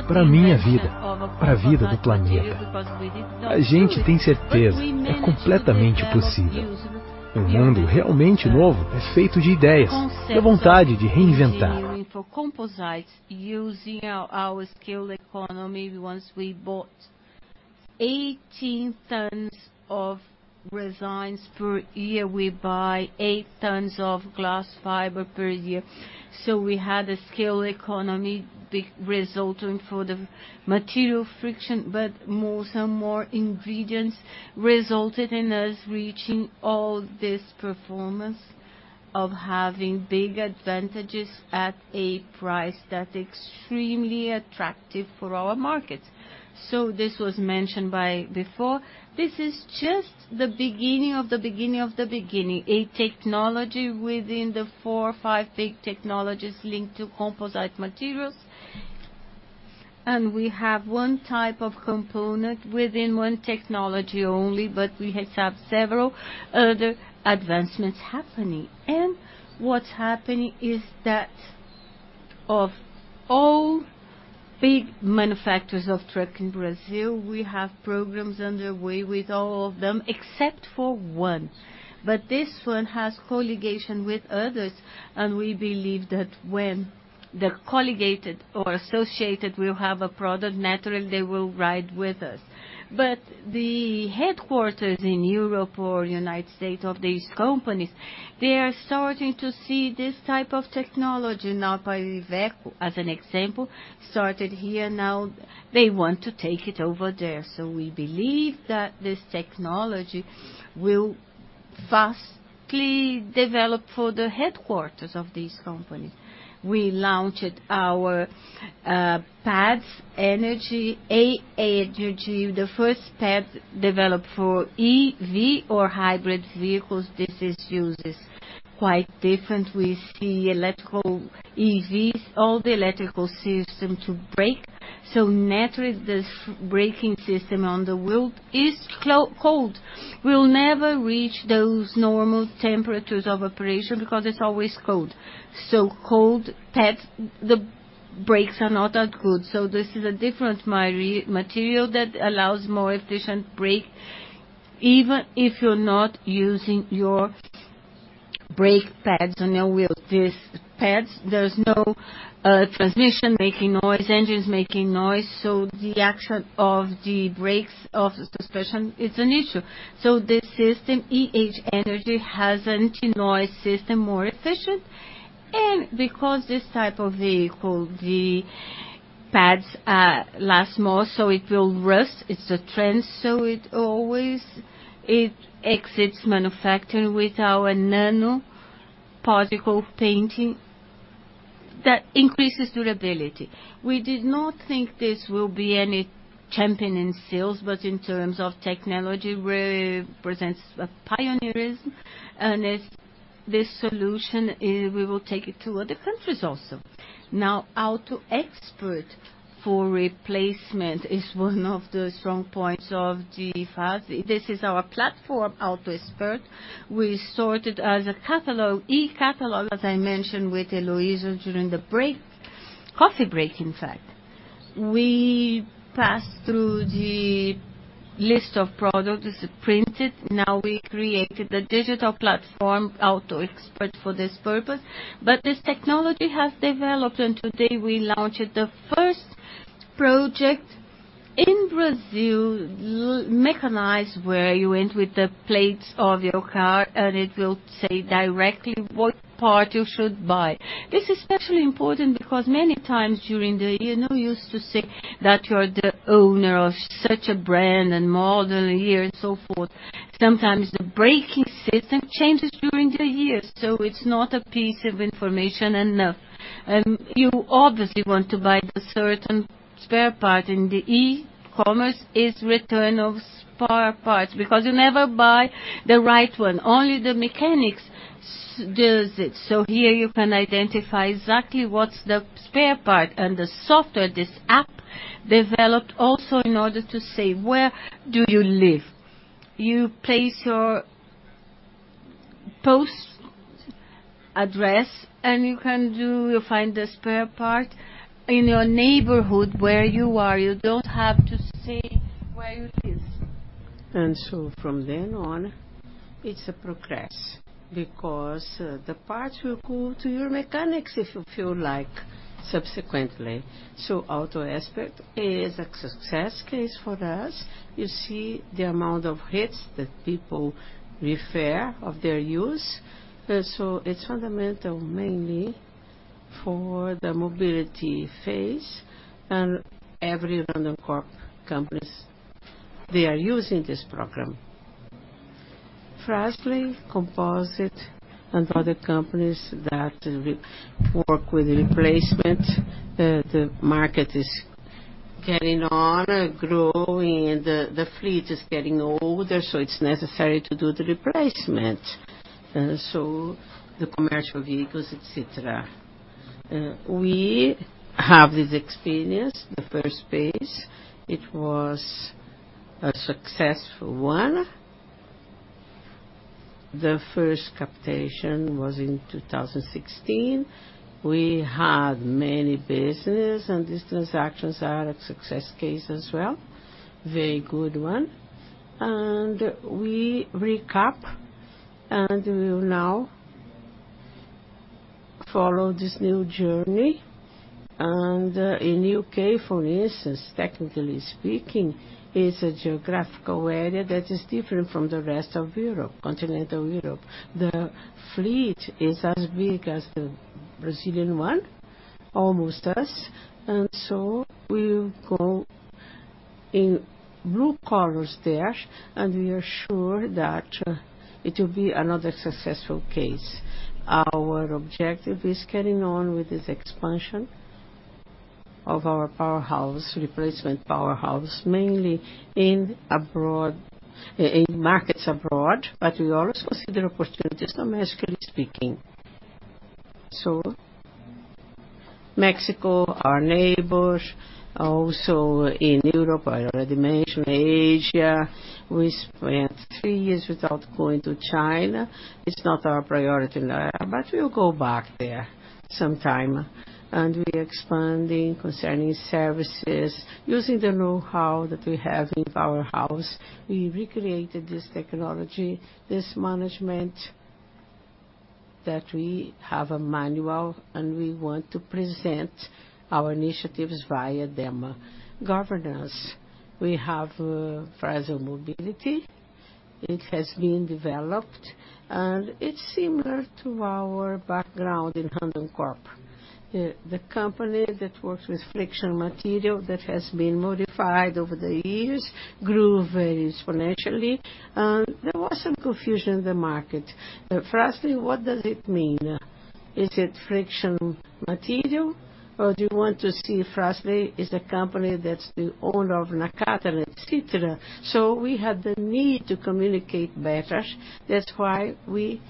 Speaker 4: para minha vida, para a vida do planeta.
Speaker 2: We did not do it.
Speaker 4: A gente tem certeza, é completamente possível. Um mundo realmente novo, é feito de ideias e a vontade de reinventar.
Speaker 2: For composites, using our scale economy, once we bought 18 tons of resins per year, we buy eight tons of glass fiber per year. We had a scale economy, the resultant for the material friction, some more ingredients resulted in us reaching all this performance of having big advantages at a price that extremely attractive for our markets. This was mentioned by before. This is just the beginning of the beginning of the beginning, a technology within the four or five big technologies linked to composite materials. We have one type of component within one technology only, we have several other advancements happening. What's happening is that of all big manufacturers of truck in Brazil, we have programs underway with all of them, except for one. This one has colligation with others, and we believe that when the colligated or associated will have a product, naturally, they will ride with us. The headquarters in Europe or United States of these companies, they are starting to see this type of technology, now, by IVECO, as an example, started here, now they want to take it over there. We believe that this technology will vastly develop for the headquarters of these companies. We launched our pads, energy, AE Energy, the first pad developed for EV or hybrid vehicles. This is uses quite different with the electrical EVs, all the electrical system to brake. Naturally, this braking system on the world is cold, will never reach those normal temperatures of operation because it's always cold. Cold pads, the brakes are not that good, this is a different material that allows more efficient brake, even if you're not using your brake pads on your wheels. These pads, there's no transmission making noise, engines making noise, the action of the brakes, of the suspension, it's an issue. This system, EH Energy, has anti-noise system, more efficient, and because this type of vehicle, the pads last more, it will rust. It's a trend, it exits manufacturing with our nano particle painting that increases durability. We did not think this will be any champion in sales, in terms of technology, represents a pioneerism, and this solution we will take it to other countries also. Now, Autho Experts for replacement is one of the strong points of the Fras-le. This is our platform, Autho Experts. We started as a catalog, e-catalog, as I mentioned with Eloisa during the coffee break, in fact. We passed through the list of products, is printed. Now we created the digital platform, Autho Experts for this purpose. This technology has developed, and today we launched the first project in Brazil, mechanize, where you went with the plates of your car, and it will say directly what part you should buy. This is especially important because many times during the year, no use to say that you are the owner of such a brand and model, year, and so forth. Sometimes the braking system changes during the year, so it's not a piece of information enough. You obviously want to buy the certain spare part, and the e-commerce is return of spare parts because you never buy the right one. Only the mechanics does it. Here you can identify exactly what's the spare part and the software, this app, developed also in order to say, "Where do you live?" You place your post address, you can find the spare part in your neighborhood where you are. You don't have to see where it is. From then on, it's a progress because the parts will go to your mechanics if you feel like subsequently. Autho Experts is a success case for us. You see the amount of hits that people refer of their use, it's fundamental, mainly for the mobility phase and every Randoncorp companies, they are using this program. Fras-le, Composite, and other companies that work with replacement, the market is getting on and growing, and the fleet is getting older, it's necessary to do the replacement, the commercial vehicles, et cetera. We have this experience, the first phase, it was a successful one. The first captation was in 2016. We had many business, these transactions are a success case as well, very good one. We recap, we will now follow this new journey. In U.K., for instance, technically speaking, is a geographical area that is different from the rest of Europe, continental Europe. The fleet is as big as the Brazilian one, almost us, and so in blue colors there, and we are sure that it will be another successful case. Our objective is carrying on with this expansion of our powerhouse, replacement powerhouse, mainly in abroad, in markets abroad, but we always consider opportunities domestically speaking. Mexico, our neighbors, also in Europe, I already mentioned Asia. We spent three years without going to China. It's not our priority now, but we'll go back there sometime. We're expanding concerning services, using the know-how that we have in powerhouse. We recreated this technology, this management, that we have a manual, and we want to present our initiatives via them. Governance: We have Fras-le Mobility. It has been developed, and it's similar to our background in Randoncorp. The company that works with friction material that has been modified over the years, grew very exponentially, and there was some confusion in the market. Fras-le, what does it mean? Is it friction material, or do you want to see Fras-le as a company that's the owner of Nakata, et cetera? We had the need to communicate better. That's why we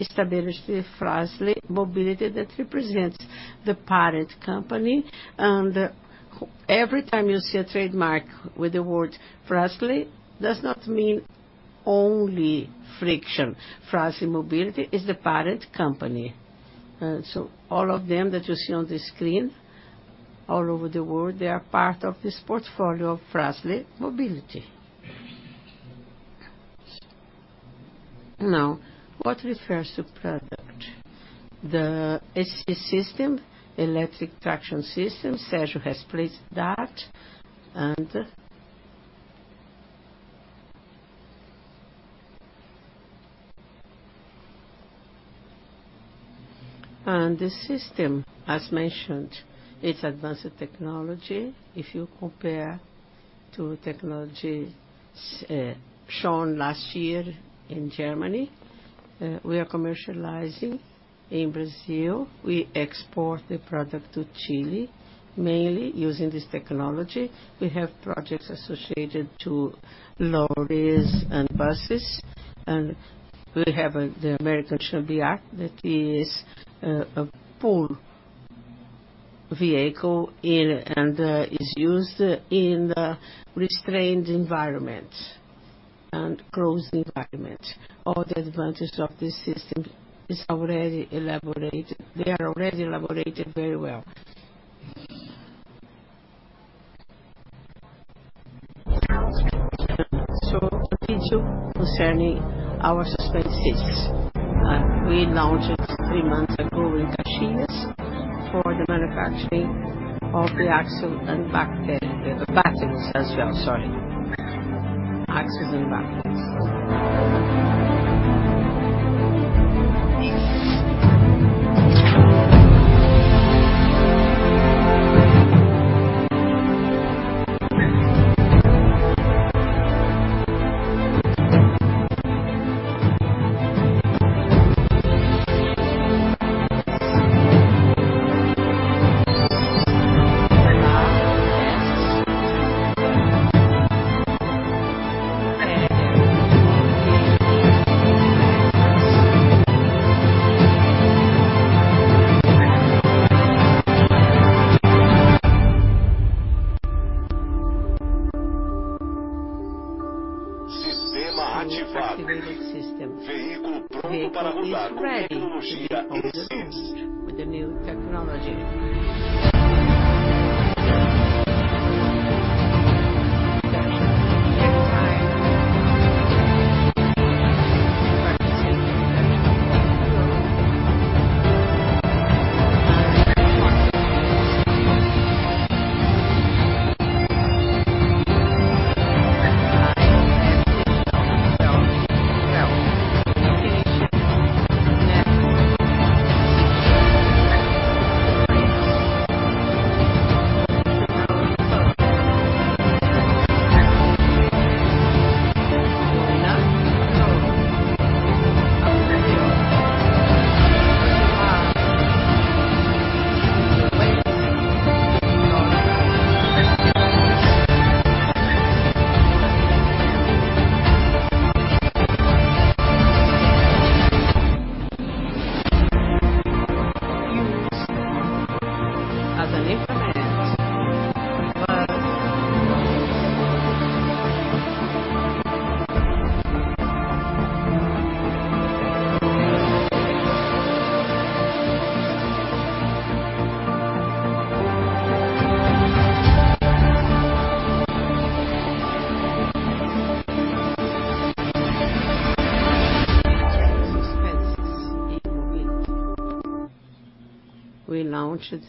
Speaker 2: established the Fras-le Mobility that represents the parent company, and every time you see a trademark with the word Fras-le, does not mean only friction. Fras-le Mobility is the parent company. All of them that you see on the screen, all over the world, they are part of this portfolio of Fras-le Mobility. What refers to product? The EST system, electric traction system, Sérgio has placed that, and... The system, as mentioned, it's advanced technology. If you compare to technologies shown last year in Germany, we are commercializing in Brazil. We export the product to Chile, mainly using this technology. We have projects associated to lorries and buses. We have the American Tracta that is a pull vehicle and is used in the restrained environment and closed environment. All the advantages of this system, they are already elaborated very well. Picture concerning our suspended cities. We launched it three months ago in Caxias for the manufacturing of the axle and the backings as well, sorry. Axles and backings. Activated system, which is ready to be composed with the new technology. We launched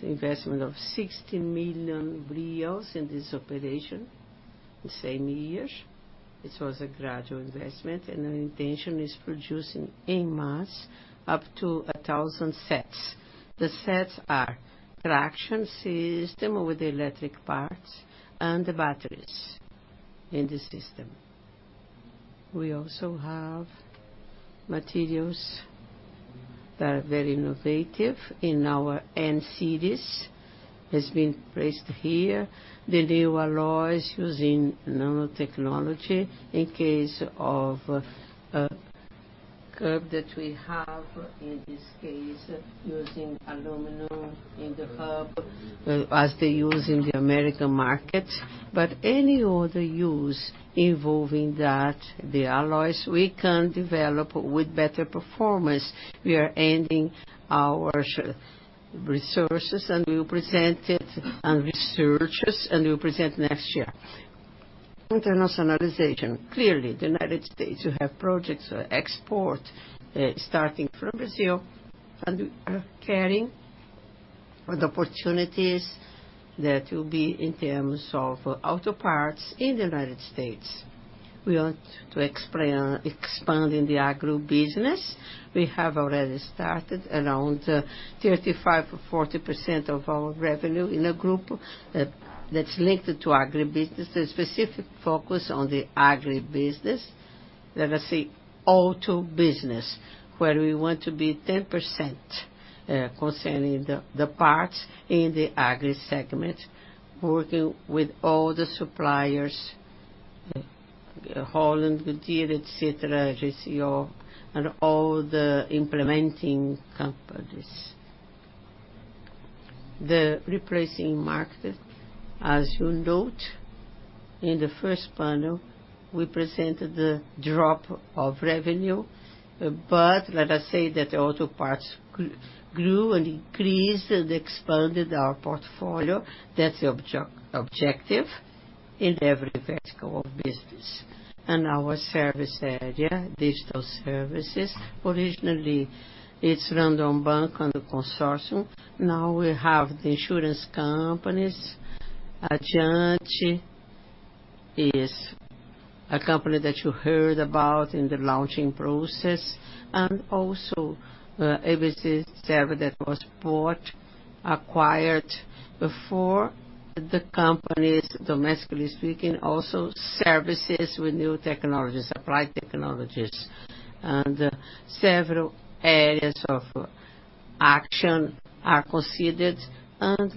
Speaker 2: investment of 60 million in this operation the same year. This was a gradual investment. Our intention is producing in mass up to 1,000 sets. The sets are traction system with the electric parts and the batteries in the system. We also have materials that are very innovative in our end series, has been placed here. The new alloys using nanotechnology in case of curb that we have, in this case, using aluminum in the hub, as they use in the U.S. market. Any other use involving that, the alloys, we can develop with better performance. We are ending our resources, and we'll present next year. Internationalization. Clearly, the U.S., we have projects for export starting from Brazil, and we are carrying the opportunities that will be in terms of auto parts in the U.S. We want to expand the agribusiness. We have already started around 35% or 40% of our revenue in a group that's linked to agribusiness. The specific focus on the agribusiness, let us say, auto business, where we want to be 10% concerning the parts in the agri segment, working with all the suppliers, New Holland, Goodyear, et cetera, JOST, and all the implementing companies. The replacing market, as you note in the first panel, we presented the drop of revenue, let us say that the auto parts grew and increased and expanded our portfolio. That's the objective in every vertical of business. Our service area, digital services. Originally, it's Banco Randon and the consortium. Now we have the insurance companies. Addiante is a company that you heard about in the launching process. DBServer that was bought, acquired before the companies, domestically speaking, also services with new technologies, applied technologies, and several areas of action are considered.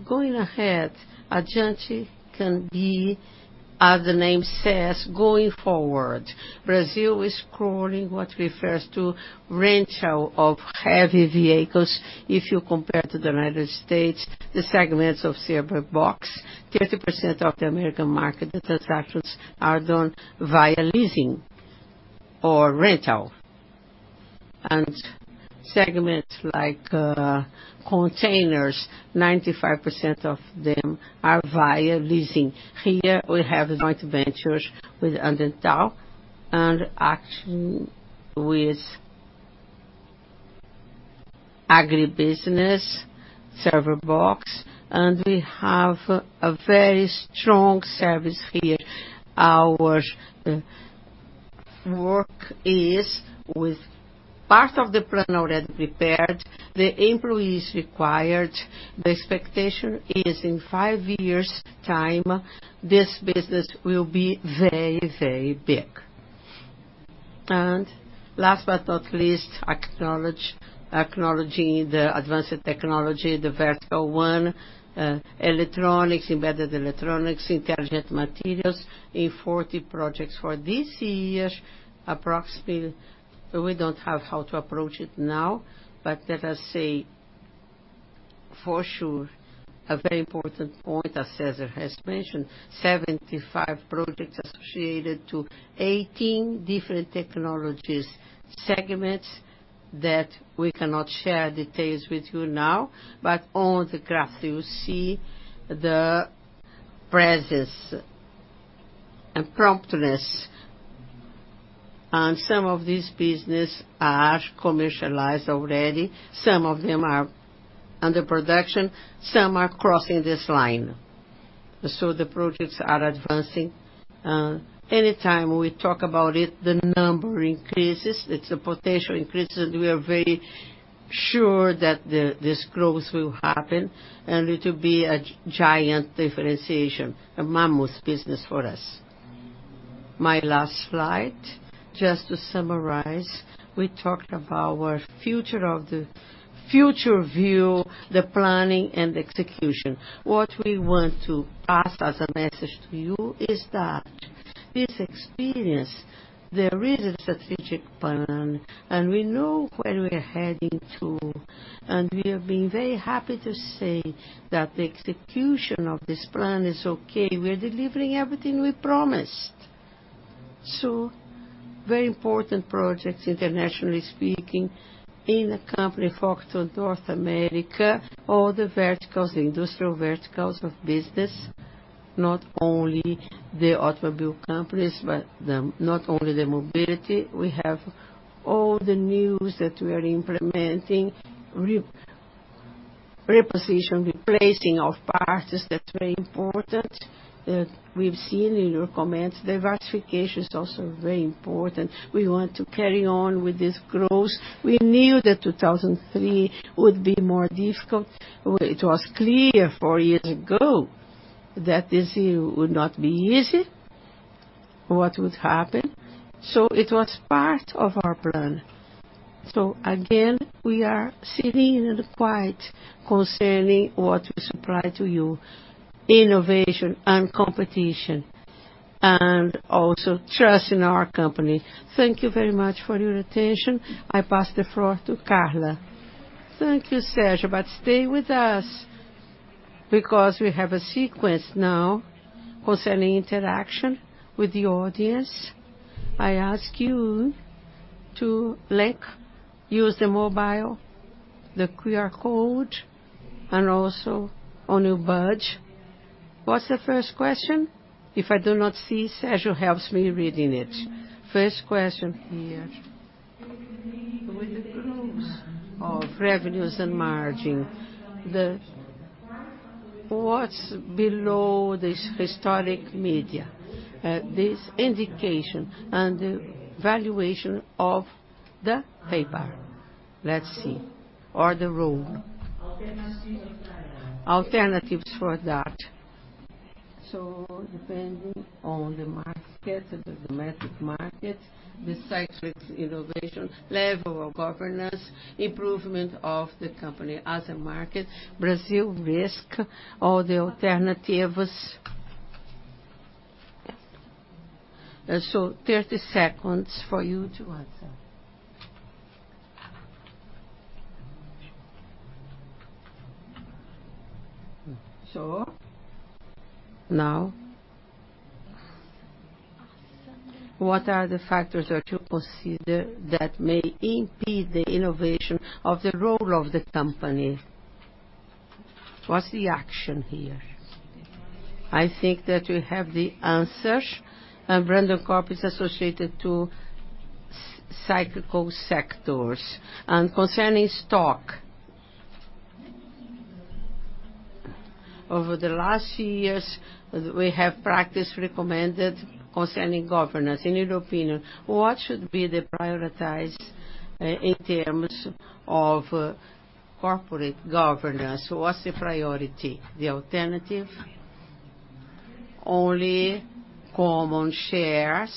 Speaker 2: Going ahead, Addiante can be, as the name says, going forward. Brazil is growing, what refers to rental of heavy vehicles. If you compare to the U.S., the segments of server box, 30% of the U.S. market, the transactions are done via leasing or rental. Segments like containers, 95% of them are via leasing. Here, we have joint ventures with Gerdau and Açotubo, with agribusiness, server box, and we have a very strong service here. Our work is with part of the plan already prepared, the employees required. The expectation is in five years' time, this business will be very, very big. Last but not least, acknowledging the advanced technology, the vertical one, electronics, embedded electronics, intelligent materials in 40 projects for this year, approximately, we don't have how to approach it now, but let us say for sure, a very important point, as César has mentioned, 75 projects associated to 18 different technologies, segments that we cannot share details with you now, but on the graph, you see the presence and promptness, and some of these business are commercialized already. Some of them are under production, some are crossing this line. The projects are advancing, and anytime we talk about it, the number increases. It's a potential increase, and we are very sure that this growth will happen, and it will be a giant differentiation, a mammoth business for us. My last slide, just to summarize, we talked about our future view, the planning, and execution. What we want to pass as a message to you is that this experience, there is a strategic plan, and we know where we are heading to, and we have been very happy to say that the execution of this plan is okay. We are delivering everything we promised. Very important projects, internationally speaking, in a company focused on North America, all the verticals, the industrial verticals of business, not only the automobile companies, not only the mobility, we have all the news that we are implementing real reposition, replacing of parts, that's very important, that we've seen in your comments. Diversification is also very important. We want to carry on with this growth. We knew that 2003 would be more difficult. Well, it was clear 4 years ago that this year would not be easy, what would happen. It was part of our plan. Again, we are sitting in the quiet concerning what we supply to you, innovation and competition, and also trust in our company. Thank you very much for your attention. I pass the floor to Carla.
Speaker 1: Thank you, Sérgio. Stay with us, because we have a sequence now concerning interaction with the audience. I ask you to use the mobile, the QR code, and also on your badge. What's the first question? If I do not see, Sérgio helps me reading it. First question here. With the groups of revenues and margin, what's below this historic media, this indication and the valuation of the paper?
Speaker 2: Let's see. The role. Alternatives for that. Alternatives for that. Depending on the market, the domestic market, besides with innovation, level of governance, improvement of the company, other market, Brazil risk, or the alternatives. 30 seconds for you to answer. Now, what are the factors that you consider that may impede the innovation of the role of the company? What's the action here? I think that you have the answers, Randoncorp is associated to cyclical sectors. Concerning stock, over the last few years, we have practiced recommended concerning governance. In your opinion, what should be the prioritize in terms of corporate governance? What's the priority, the alternative? Only common shares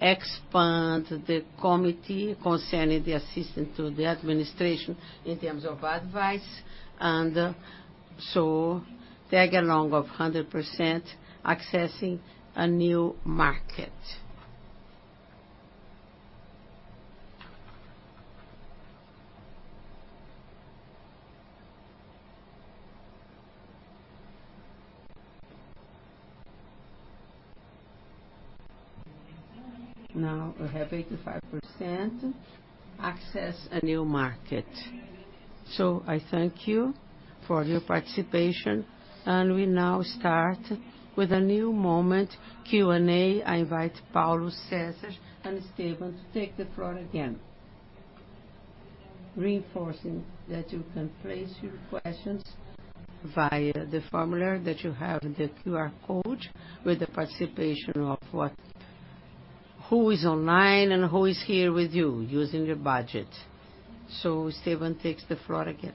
Speaker 2: expand the committee concerning the assistant to the administration in terms of advice, tag along of 100% accessing a new market. Now, we have 85% access a new market.
Speaker 1: I thank you for your participation, and we now start with a new moment, Q&A. I invite Paulo, César, and Esteban to take the floor again. Reinforcing that you can place your questions via the formula that you have, the QR code, with the participation of who is online and who is here with you using your budget. Esteban takes the floor again.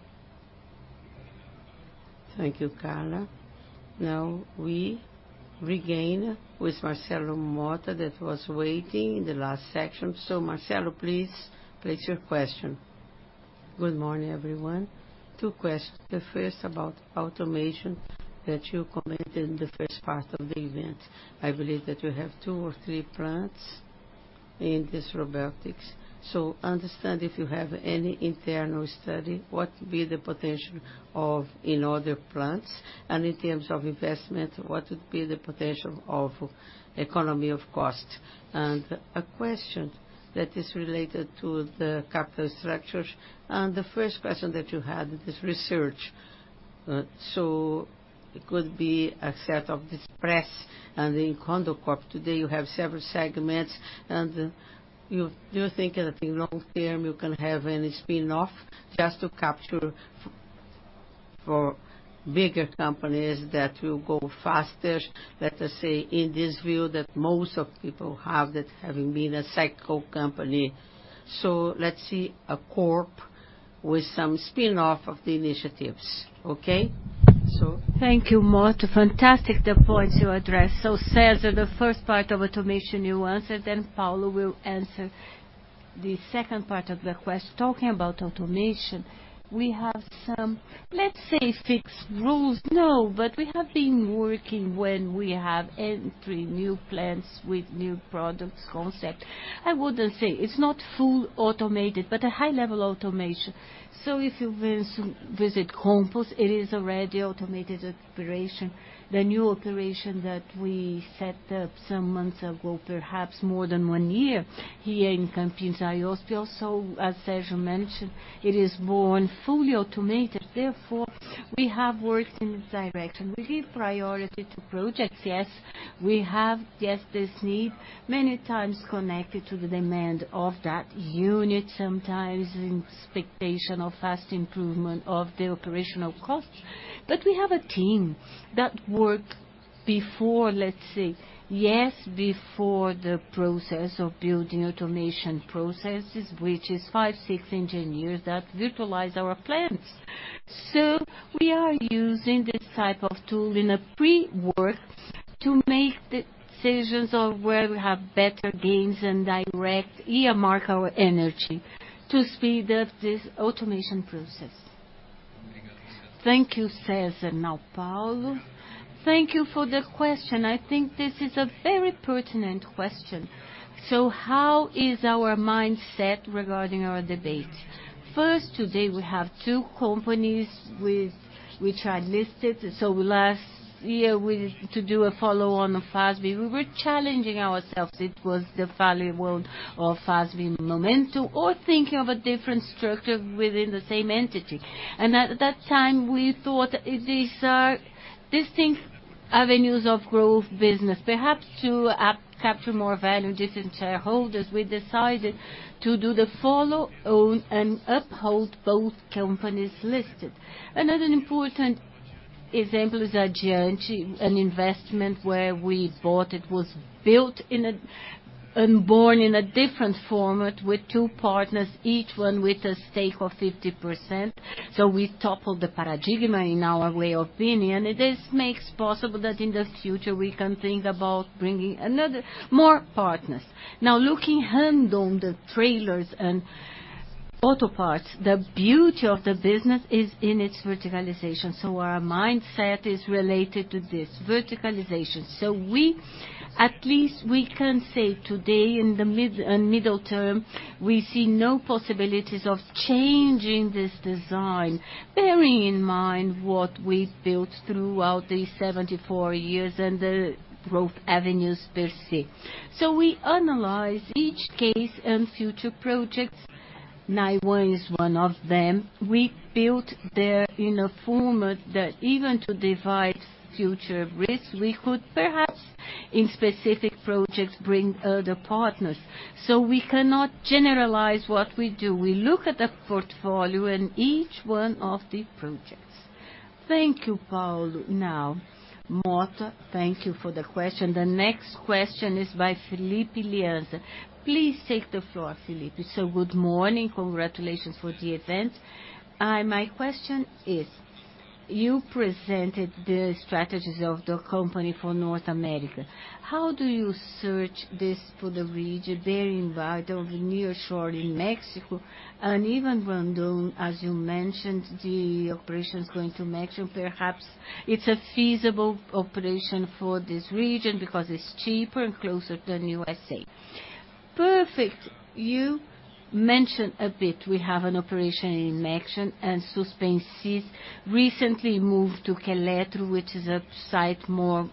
Speaker 2: Thank you, Carla. Now, we regain with Marcelo Mota, that was waiting in the last section. Marcelo, please place your question. Good morning, everyone. Two questions. The first about automation that you commented in the first part of the event. I believe that you have two or three plants in this robotics. Understand if you have any internal study, what would be the potential of in other plants? In terms of investment, what would be the potential of economy, of cost? A question that is related to the capital structures, and the first question that you had is research. It could be a set of this press and the Randoncorp. Today, you have several segments, and you, do you think that in long term, you can have any spin-off just to capture for bigger companies that will go faster, let us say, in this view, that most of people have that having been a cycle company? Let's see a Randoncorp with some spin-off of the initiatives, okay? Thank you, Mota. Fantastic, the points you addressed. César, the first part of automation, you answered, then Paulo will answer the second part of the question. Talking about automation, we have some, let's say, fixed rules. We have been working when we have entry, new plants with new products concept. I wouldn't say it's not full automated, but a high-level automation. If you visit Smart Composites, it is already automated operation. The new operation that we set up some months ago, perhaps more than 1 year, here in Campinas, Iospio. As Sérgio mentioned, it is born fully automated, therefore, we have worked in this direction. We give priority to projects, yes, we have this need, many times connected to the demand of that unit, sometimes in expectation of fast improvement of the operational costs. We have a team that. before, let's see. Before the process of building automation processes, which is 5, 6 engineers that virtualize our plants. We are using this type of tool in a pre-work to make decisions of where we have better gains and direct earmark our energy to speed up this automation process. Thank you, César. Paulo. Thank you for the question. I think this is a very pertinent question. How is our mindset regarding our debate? Today, we have two companies which are listed. Last year, we to do a follow on the Fras-le, we were challenging ourselves. It was the value world of Fras-le Momentum, or thinking of a different structure within the same entity. At that time, we thought these are distinct avenues of growth business. Perhaps to capture more value, different shareholders, we decided to do the follow own and uphold both companies listed. Another important example is Addiante, an investment where we bought, it was built and born in a different format, with two partners, each one with a stake of 50%. We toppled the paradigm, in our way of opinion. This makes possible that in the future, we can think about bringing more partners. Now, looking hand on the trailers and auto parts, the beauty of the business is in its verticalization. Our mindset is related to this verticalization. We, at least we can say today, in the mid, middle term, we see no possibilities of changing this design, bearing in mind what we've built throughout the 74 years and the growth avenues per se. We analyze each case and future projects. NIONE is one of them. We built there in a format that even to divide future risks, we could perhaps, in specific projects, bring other partners. We cannot generalize what we do. We look at the portfolio in each one of the projects. Thank you, Paulo. Mota, thank you for the question. The next question is by Felipe Lianza. Please take the floor, Felipe. Good morning. Congratulations for the event. My question is, you presented the strategies of the company for North America. How do you search this for the region, bearing by the near shore in Mexico, and even when done, as you mentioned, the operation is going to Mexico. Perhaps it's a feasible operation for this region because it's cheaper and closer than USA. Perfect. You mentioned a bit, we have an operation in Mexico, and Suspensys recently moved to Querétaro, which is a site more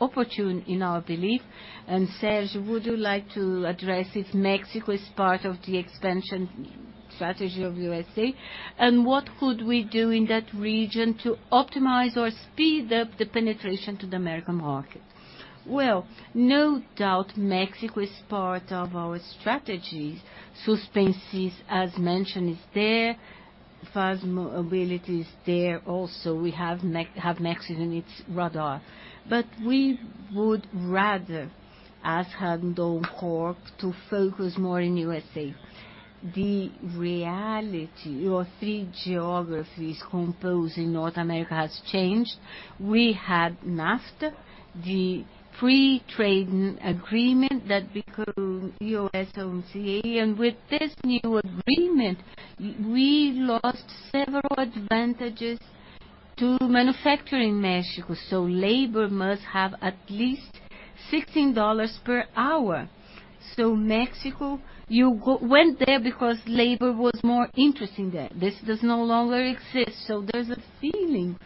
Speaker 2: opportune, in our belief. Sérgio, would you like to address if Mexico is part of the expansion strategy of USA? What could we do in that region to optimize or speed up the penetration to the American market? No doubt, Mexico is part of our strategy. Suspensys, as mentioned, is there. Fras-le Mobility is there also. We have Mexico in its radar. We would rather, as Randoncorp, to focus more in USA. The reality, your three geographies composing North America has changed. We had NAFTA, the Free Trade Agreement, that become USMCA, and with this new agreement, we lost several advantages to manufacture in Mexico. Labor must have at least $16 per hour. Mexico, you went there because labor was more interesting there. This does no longer exist, there's a feeling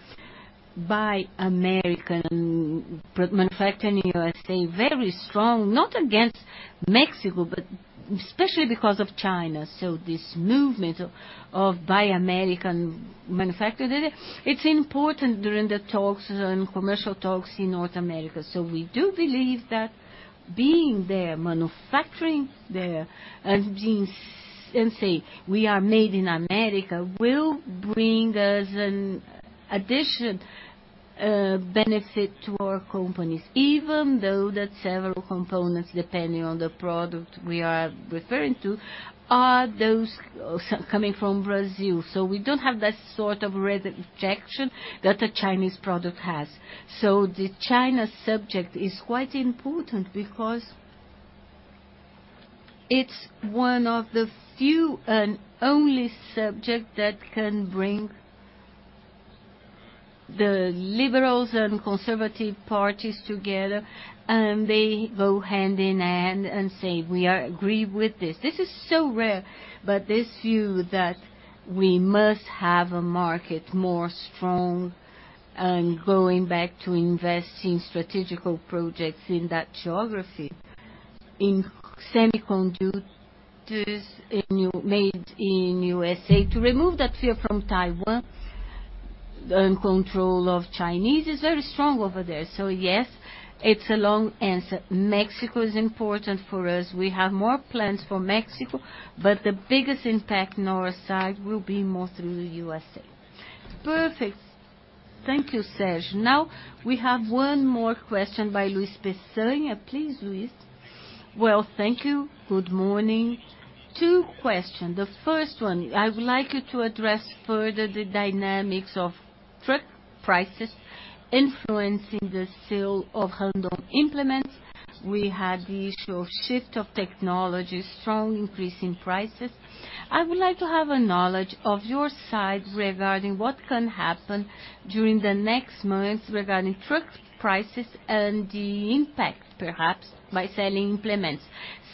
Speaker 2: by American manufacturing in USA, very strong, not against Mexico, but especially because of China. This movement of buy American manufacture there, it's important during the talks and commercial talks in North America. We do believe that being there, manufacturing there and being and say, "We are made in America," will bring us an addition benefit to our companies, even though that several components, depending on the product we are referring to, are those coming from Brazil. We don't have that sort of red rejection that a Chinese product has. The China subject is quite important because it's one of the few and only subject that can bring the liberals and conservative parties together, and they go hand in hand and say, "We are agree with this." This is so rare, this view that we must have a market more strong and going back to investing in strategical projects in that geography, in semiconductors, in Made in USA, to remove that fear from Taiwan and control of Chinese, is very strong over there. It's a long answer. Mexico is important for us. We have more plans for Mexico, the biggest impact on our side will be more through the USA. Perfect. Thank you, Serge. We have one more question by Luiz Pessanha. Please, Luiz. Thank you. Good morning. Two questions. The first one, I would like you to address further the dynamics of truck prices influencing the sale of Randon Implementos. We had the issue of shift of technology, strong increase in prices. I would like to have a knowledge of your side regarding what can happen during the next months regarding truck prices and the impact, perhaps, by selling implements.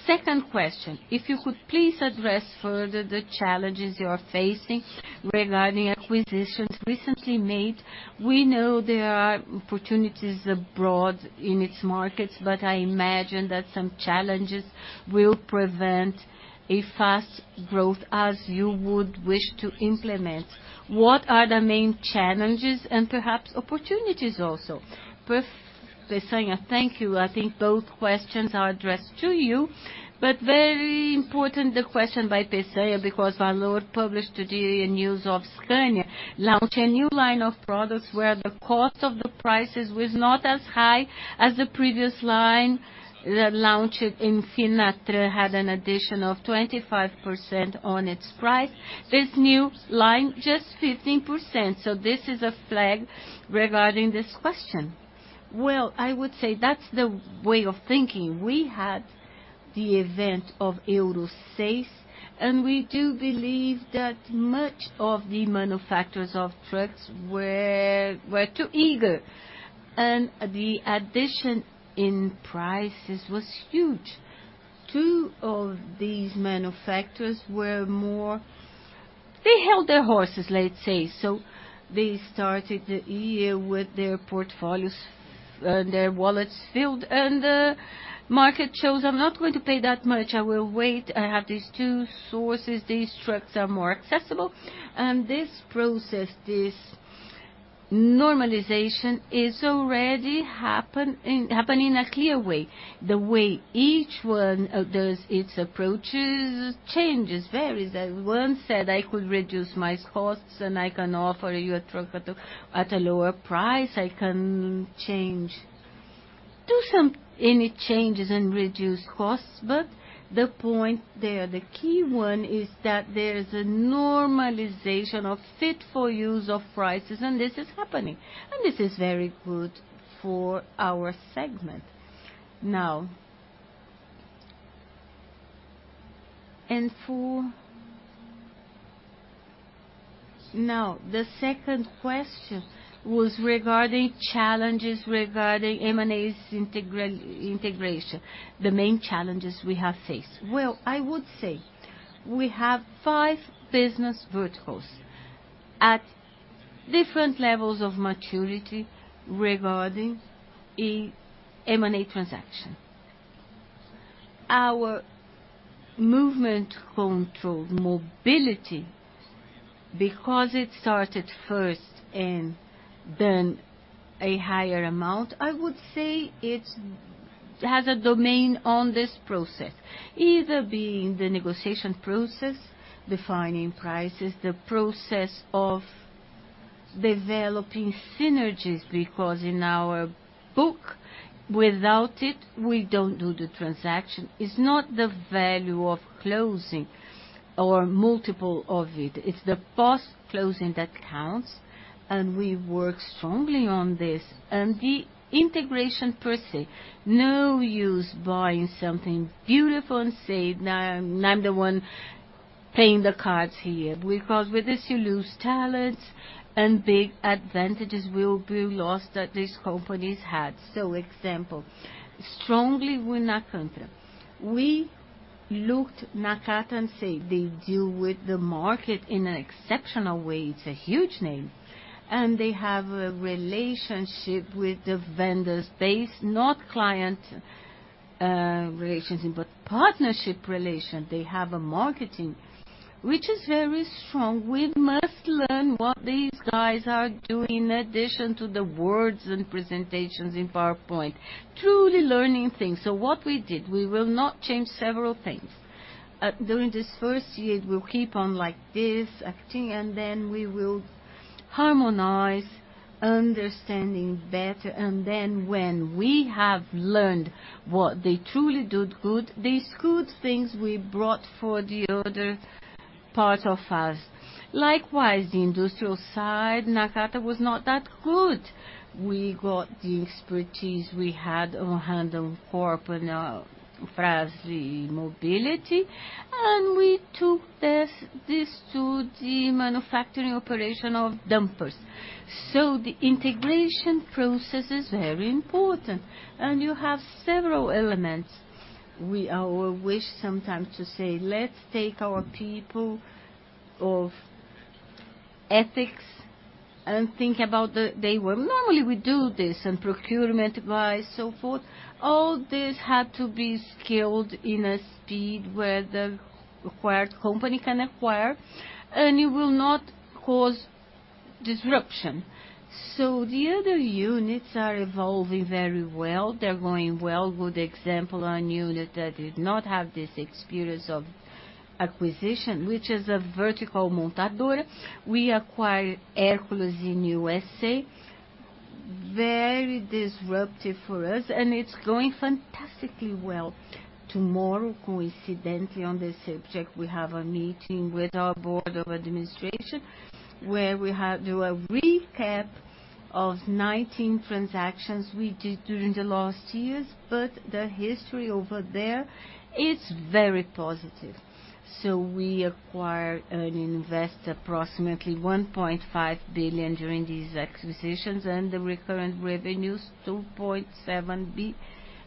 Speaker 2: Second question, if you could please address further the challenges you are facing regarding acquisitions recently made. I imagine that some challenges will prevent a fast growth as you would wish to implement. What are the main challenges and perhaps opportunities also? Pessanha, thank you. I think both questions are addressed to you. Very important, the question by Luiz Pessanha, because Valor published today a news of Scania, launched a new line of products, where the cost of the prices was not as high as the previous line that launched in Finatra, had an addition of 25% on its price. This new line, just 15%. This is a flag regarding this question. Well, I would say that's the way of thinking. We had the event of Euro 6. We do believe that much of the manufacturers of trucks were too eager. The addition in prices was huge. Two of these manufacturers held their horses, let's say. They started the year with their portfolios and their wallets filled. The market shows, I'm not going to pay that much, I will wait. I have these two sources, these trucks are more accessible, and this process, this normalization, is already happening in a clear way. The way each one does its approaches, changes, varies. One said, I could reduce my costs, and I can offer you a truck at a lower price. I can change any changes and reduce costs, but the point there, the key one, is that there is a normalization of fit for use of prices, and this is happening, and this is very good for our segment. The second question was regarding challenges, regarding M&A's integration, the main challenges we have faced. Well, I would say we have five business verticals at different levels of maturity regarding a M&A transaction. Our movement control, mobility, it started first and then a higher amount, I would say it has a domain on this process, either being the negotiation process, defining prices, the process of developing synergies, because in our book, without it, we don't do the transaction. It's not the value of closing or multiple of it's the post-closing that counts, and we work strongly on this. The integration per se, no use buying something beautiful and say, now I'm the one playing the cards here, because with this, you lose talents and big advantages will be lost that these companies had. Example, strongly with Nakata. We looked Nakata and say, they deal with the market in an exceptional way. It's a huge name, and they have a relationship with the vendors based, not client, relationship, but partnership relation. They have a marketing which is very strong. We must learn what these guys are doing, in addition to the words and presentations in PowerPoint, truly learning things. What we did, we will not change several things. During this first year, we'll keep on like this, acting, and then we will harmonize, understanding better, and then when we have learned what they truly do good, these good things we brought for the other part of us. Likewise, the industrial side, Nakata was not that good. We got the expertise we had on hand on Corp and on Fras-le Mobility, and we took this to the manufacturing operation of dumpers. The integration process is very important, and you have several elements. We, our wish sometimes to say, let's take our people of ethics and think about normally, we do this and procurement, buy, so forth. All this had to be skilled in a speed where the acquired company can acquire, and it will not cause disruption. The other units are evolving very well. They're going well, good example, on unit that did not have this experience of acquisition, which is a Vertical Montadora. We acquired Hercules in U.S.A., very disruptive for us, and it's going fantastically well. Tomorrow, coincidentally, on this subject, we have a meeting with our board of administration, where we have do a recap of 19 transactions we did during the last years, but the history over there, it's very positive. We acquire and invest approximately 1.5 billion during these acquisitions, and the recurrent revenues, 2.7 billion,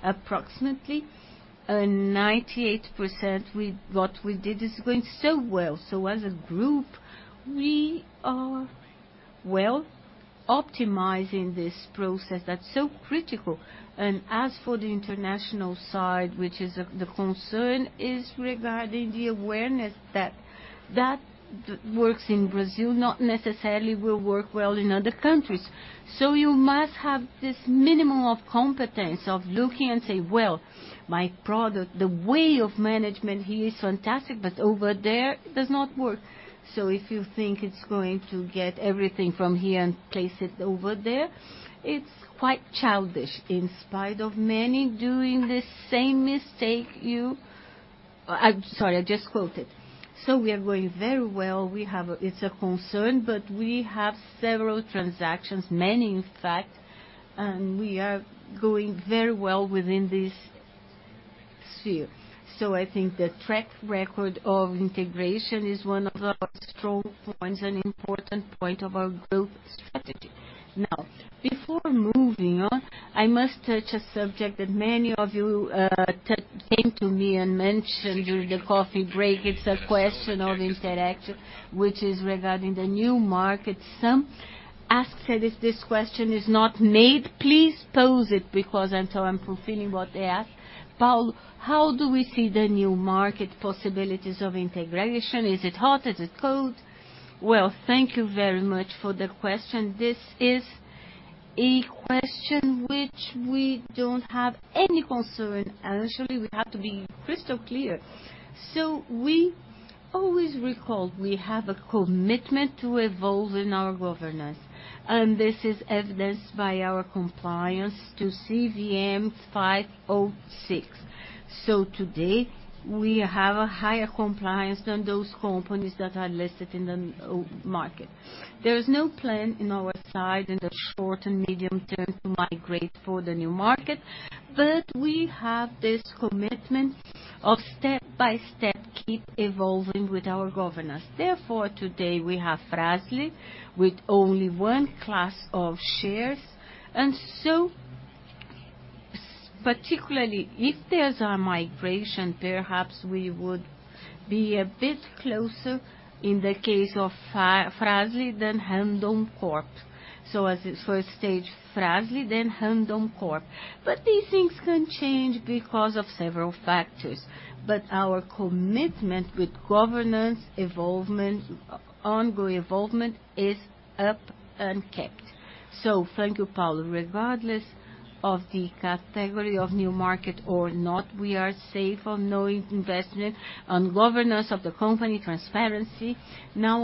Speaker 2: approximately, and 98% with what we did, is going so well. As a group, we are well, optimizing this process that's so critical. As for the international side, which is the concern, is regarding the awareness that works in Brazil, not necessarily will work well in other countries. You must have this minimum of competence of looking and say: Well, my product, the way of management here is fantastic, but over there, it does not work. If you think it's going to get everything from here and place it over there, it's quite childish, in spite of many doing the same mistake, I'm sorry, I just quoted. We are going very well. We have it's a concern, but we have several transactions, many, in fact, and we are going very well within this sphere. I think the track record of integration is one of our strong points and important point of our group strategy. Before moving on, I must touch a subject that many of you that came to me and mentioned during the coffee break. It's a question of interaction, which is regarding the new market. Some asked that if this question is not made, please pose it, because until I'm fulfilling what they asked. Paulo, how do we see the new market possibilities of integration? Is it hot? Is it cold? Thank you very much for the question. This is a question which we don't have any concern, and actually, we have to be crystal clear. We always recall, we have a commitment to evolve in our governance, and this is evidenced by our compliance to CVM's 506. Today, we have a higher compliance than those companies that are listed in the market. There is no plan in our side in the short and medium term to migrate for the new market, but we have this commitment of step by step, keep evolving with our governance. Therefore, today, we have Fras-le with only one class of shares, and so particularly, if there's a migration, perhaps we would be a bit closer in the case of Fras-le than Randoncorp. As a first stage, Fras-le, then Randoncorp. These things can change because of several factors. Our commitment with governance, evolvement, ongoing evolvement is up and kept. Thank you, Paulo. Regardless of the category of new market or not, we are safe on knowing investment, on governance of the company, transparency. Now,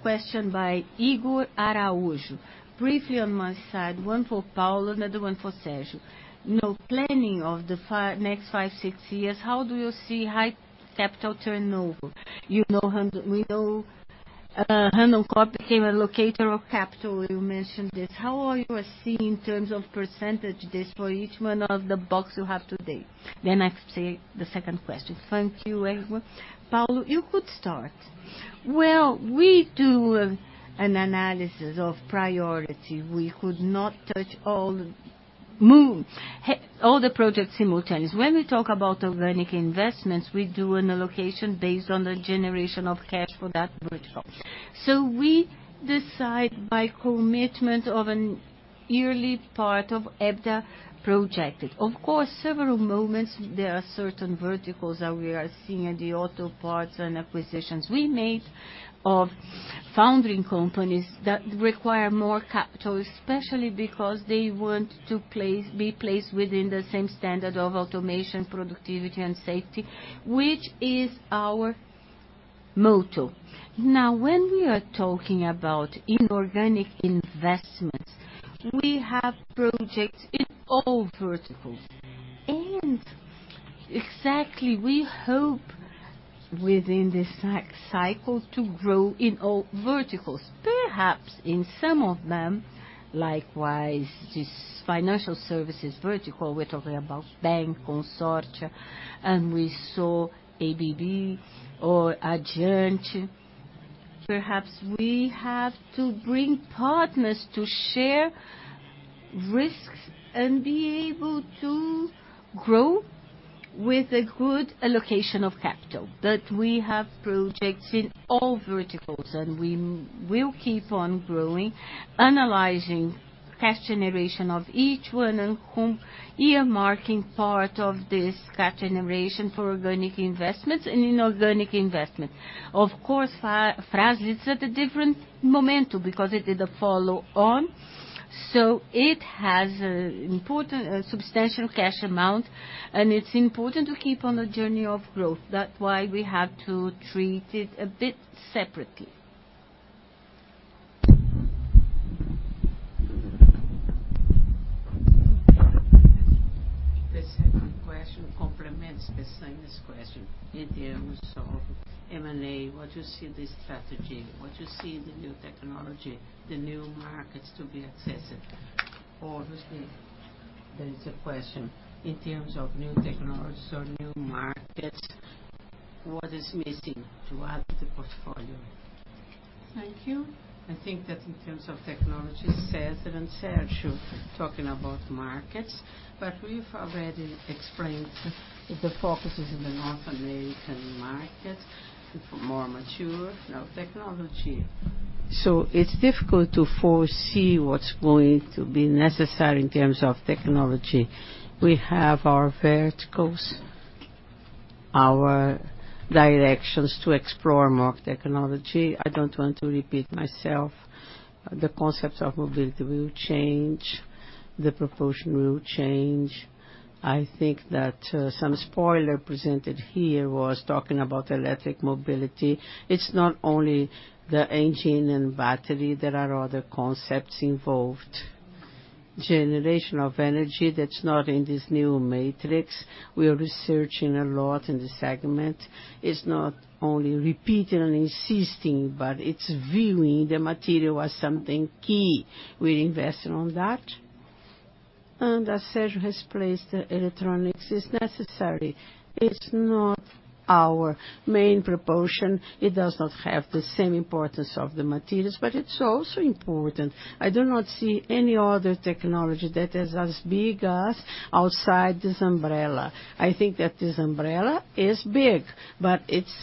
Speaker 2: question by Igor Araujo. Briefly on my side, one for Paulo, another one for Sérgio. No planning of the next five, six years, how do you see high capital turnover? You know we know Randoncorp became a locator of capital, you mentioned this. How are you seeing in terms of %, this for each one of the box you have today? I say the second question. Thank you, Igor. Paulo, you could start. Well, we do an analysis of priority. We could not touch all the moons, all the projects simultaneous. When we talk about organic investments, we do an allocation based on the generation of cash for that vertical. We decide by commitment of an yearly part of EBITDA projected. Several moments, there are certain verticals that we are seeing in the auto parts and acquisitions we made of founding companies that require more capital, especially because they want to be placed within the same standard of automation, productivity, and safety, which is our motto. When we are talking about inorganic investments, we have projects in all verticals, and exactly, we hope within this cycle to grow in all verticals, perhaps in some of them. This financial services vertical, we're talking about bank consortia, and we saw ADD or Addiante. Perhaps we have to bring partners to share risks and be able to grow with a good allocation of capital. We have projects in all verticals, and we will keep on growing, analyzing.... cash generation of each one, and whom earmarking part of this cash generation for organic investments and inorganic investment. Of course, Fras-le, it's at a different momentum because it is a follow-on, so it has a important, substantial cash amount, and it's important to keep on the journey of growth. That's why we have to treat it a bit separately. The second question complements the same as question in terms of M&A, what you see the strategy, what you see in the new technology, the new markets to be accessed? Obviously, there is a question in terms of new technologies or new markets, what is missing to add to the portfolio? Thank you. I think that in terms of technology, César and Sérgio talking about markets. We've already explained the focus is in the North American market for more mature, now technology. It's difficult to foresee what's going to be necessary in terms of technology. We have our verticals, our directions to explore more technology. I don't want to repeat myself. The concepts of mobility will change, the proportion will change. I think that some spoiler presented here was talking about electric mobility. It's not only the engine and battery, there are other concepts involved. Generation of energy, that's not in this new matrix. We are researching a lot in the segment. It's not only repeating and insisting, but it's viewing the material as something key. We're investing on that. As Sérgio has placed, the electronics is necessary. It's not our main proportion. It does not have the same importance of the materials, but it's also important. I do not see any other technology that is as big as outside this umbrella. I think that this umbrella is big, but it's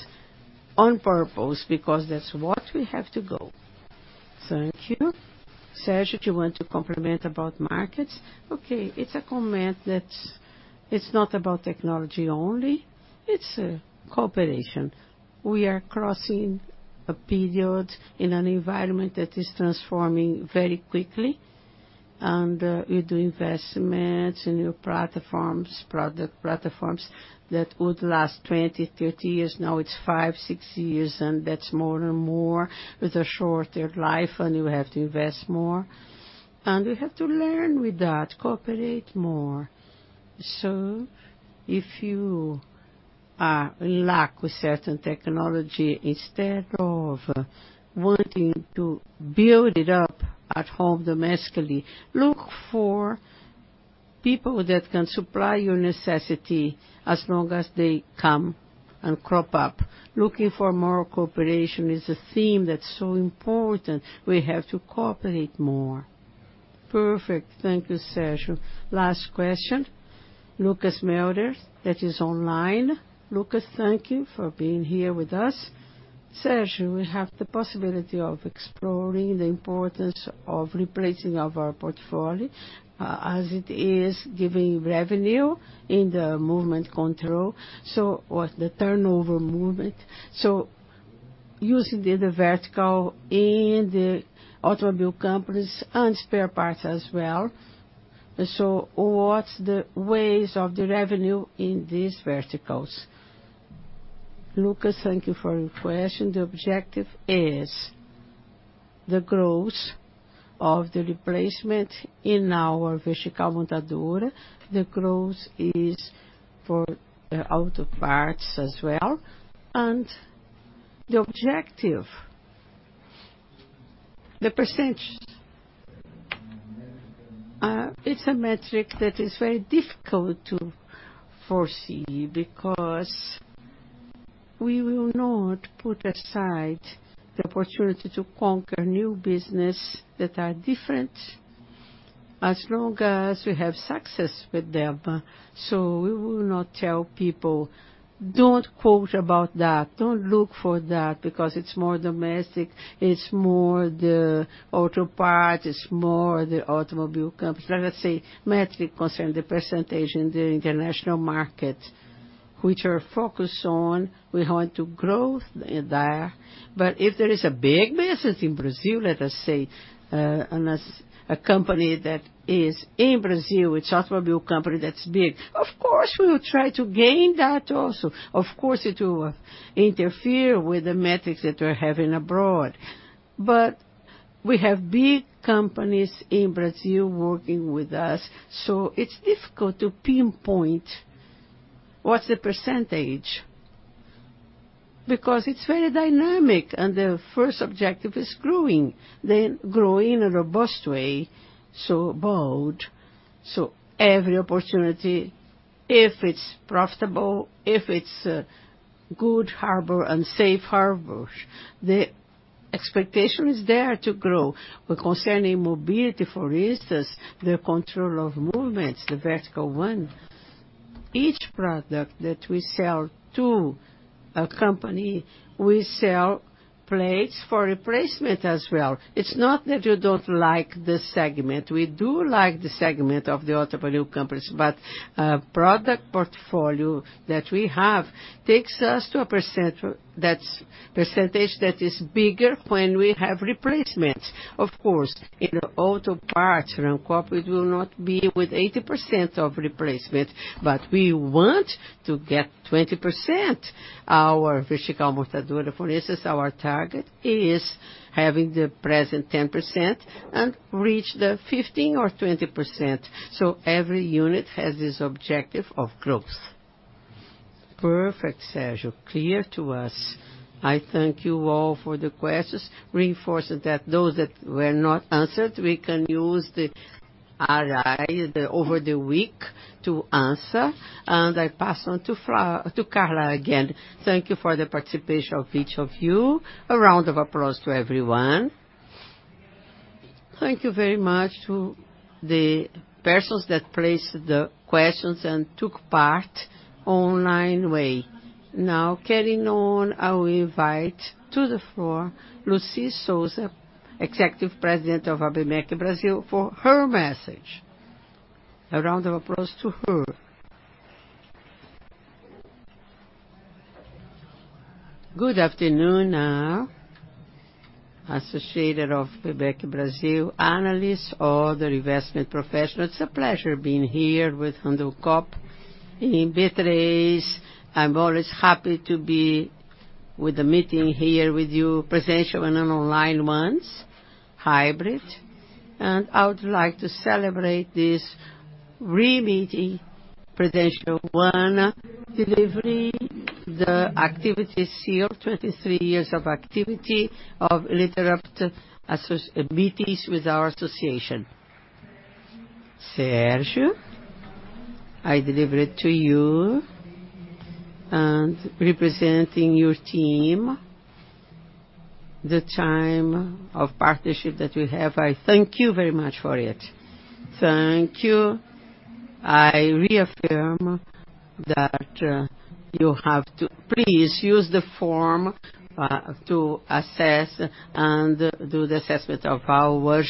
Speaker 2: on purpose because that's what we have to go. Thank you. Sérgio, do you want to complement about markets? Okay, it's a comment. It's not about technology only, it's a cooperation. We are crossing a period in an environment that is transforming very quickly, and, you do investments in your platforms, product platforms that would last 20, 30 years. Now, it's 5, 6 years, and that's more and more with a shorter life, and you have to invest more, and you have to learn with that, cooperate more. If you are in lack with certain technology, instead of wanting to build it up at home domestically, look for people that can supply your necessity as long as they come and crop up. Looking for more cooperation is a theme that's so important. We have to cooperate more. Perfect. Thank you, Sérgio. Last question, Lucas Melder, that is online. Lucas, thank you for being here with us. Sérgio, we have the possibility of exploring the importance of replacing of our portfolio, as it is giving revenue in the movement control, what the turnover movement. Using the vertical in the automobile companies and spare parts as well. What's the ways of the revenue in these verticals? Lucas, thank you for your question. The objective is the growth of the replacement in our Vertical Montadora. The growth is for auto parts as well, the objective, the percentage, it's a metric that is very difficult to foresee because we will not put aside the opportunity to conquer new business that are different as long as we have success with them. We will not tell people, "Don't quote about that. Don't look for that, because it's more domestic, it's more the auto part, it's more the automobile company." Let us say, metric concern, the percentage in the international market, which are focused on, we want to growth there. If there is a big business in Brazil, let us say, unless a company that is in Brazil, it's automobile company that's big, of course, we will try to gain that also. Of course, it will interfere with the metrics that we're having abroad. We have big companies in Brazil working with us, so it's difficult to pinpoint what's the percentage, because it's very dynamic, and the first objective is growing, then growing in a robust way, so bold. Every opportunity, if it's profitable, if it's a good harbor and safe harbors, the expectation is there to grow. Concerning mobility, for instance, the control of movements. Each product that we sell to a company, we sell plates for replacement as well. It's not that you don't like the segment. We do like the segment of the automobile companies, but product portfolio that we have takes us to a percent, that's percentage that is bigger when we have replacements. Of course, in auto parts, Randoncorp will not be with 80% of replacement, but we want to get 20%. Our Vertical Montadora, for instance, our target is having the present 10% and reach the 15% or 20%. Every unit has this objective of growth. Perfect, Sérgio, clear to us. I thank you all for the questions. Reinforcing that those that were not answered, we can use the RI over the week to answer, I pass on to Carla again.
Speaker 1: Thank you for the participation of each of you. A round of applause to everyone. Thank you very much to the persons that placed the questions and took part online way. Carrying on, I will invite to the floor, Lucy Sousa, Executive President of ABIMEC Brasil, for her message. A round of applause to her.
Speaker 2: Good afternoon, Associated of ABIMEC Brasil, analysts, all the investment professionals. It's a pleasure being here with Randoncorp in Caxias. I'm always happy to be with the meeting here with you, presential and on online ones, hybrid, I would like to celebrate this re-meeting, presential one, delivering the activities here, 23 years of activity of interrupt meetings with our association. Sérgio, I deliver it to you and representing your team, the time of partnership that we have, I thank you very much for it. Thank you. I reaffirm that you have to please use the form to assess and do the assessment of our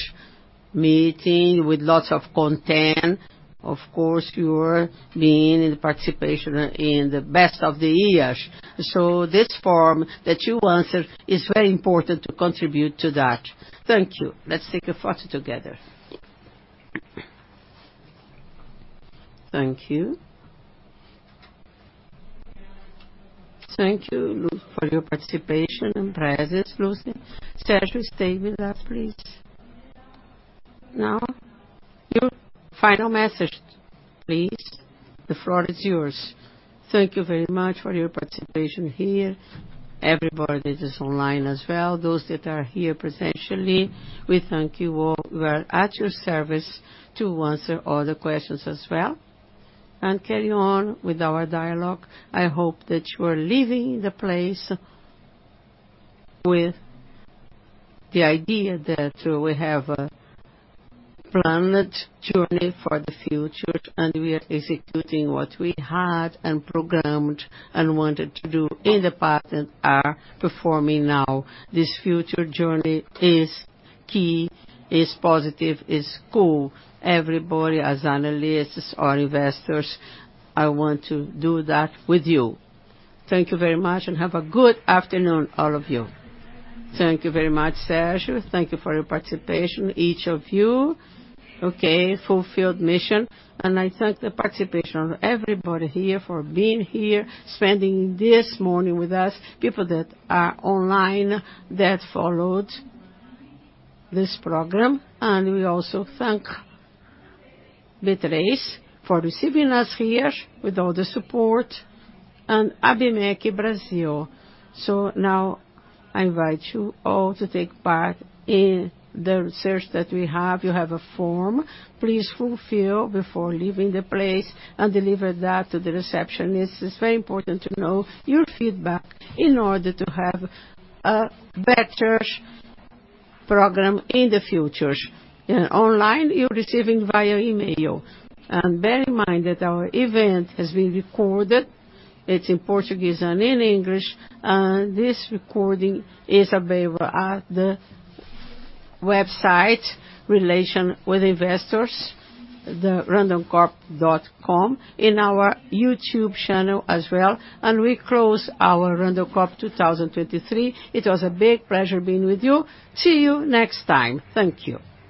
Speaker 2: meeting with lots of content. Of course, you're being in participation in the best of the years. This form that you answer is very important to contribute to that. Thank you. Let's take a photo together. Thank you. Thank you, Lu, for your participation and presence, Lucy. Sérgio, stay with us, please. Your final message, please. The floor is yours. Thank you very much for your participation here. Everybody that is online as well, those that are here presentially, we thank you all. We are at your service to answer all the questions as well, and carry on with our dialogue. I hope that you are leaving the place with the idea that we have a planned journey for the future, and we are executing what we had and programmed and wanted to do in the past and are performing now. This future journey is key, is positive, is cool. Everybody, as analysts or investors, I want to do that with you. Thank you very much, and have a good afternoon, all of you. Thank you very much, Sérgio. Thank you for your participation, each of you. Okay, fulfilled mission, I thank the participation of everybody here for being here, spending this morning with us, people that are online, that followed this program. We also thank Caxias for receiving us here with all the support and ABIMEC Brasil. Now I invite you all to take part in the research that we have. You have a form. Please fulfill before leaving the place and deliver that to the receptionist. It's very important to know your feedback in order to have a better program in the future. Online, you're receiving via email. Bear in mind that our event has been recorded. It's in Portuguese and in English, and this recording is available at the website, Relation with Investors, the randoncorp.com, in our YouTube channel as well. We close our Randoncorp 2023. It was a big pleasure being with you. See you next time. Thank you.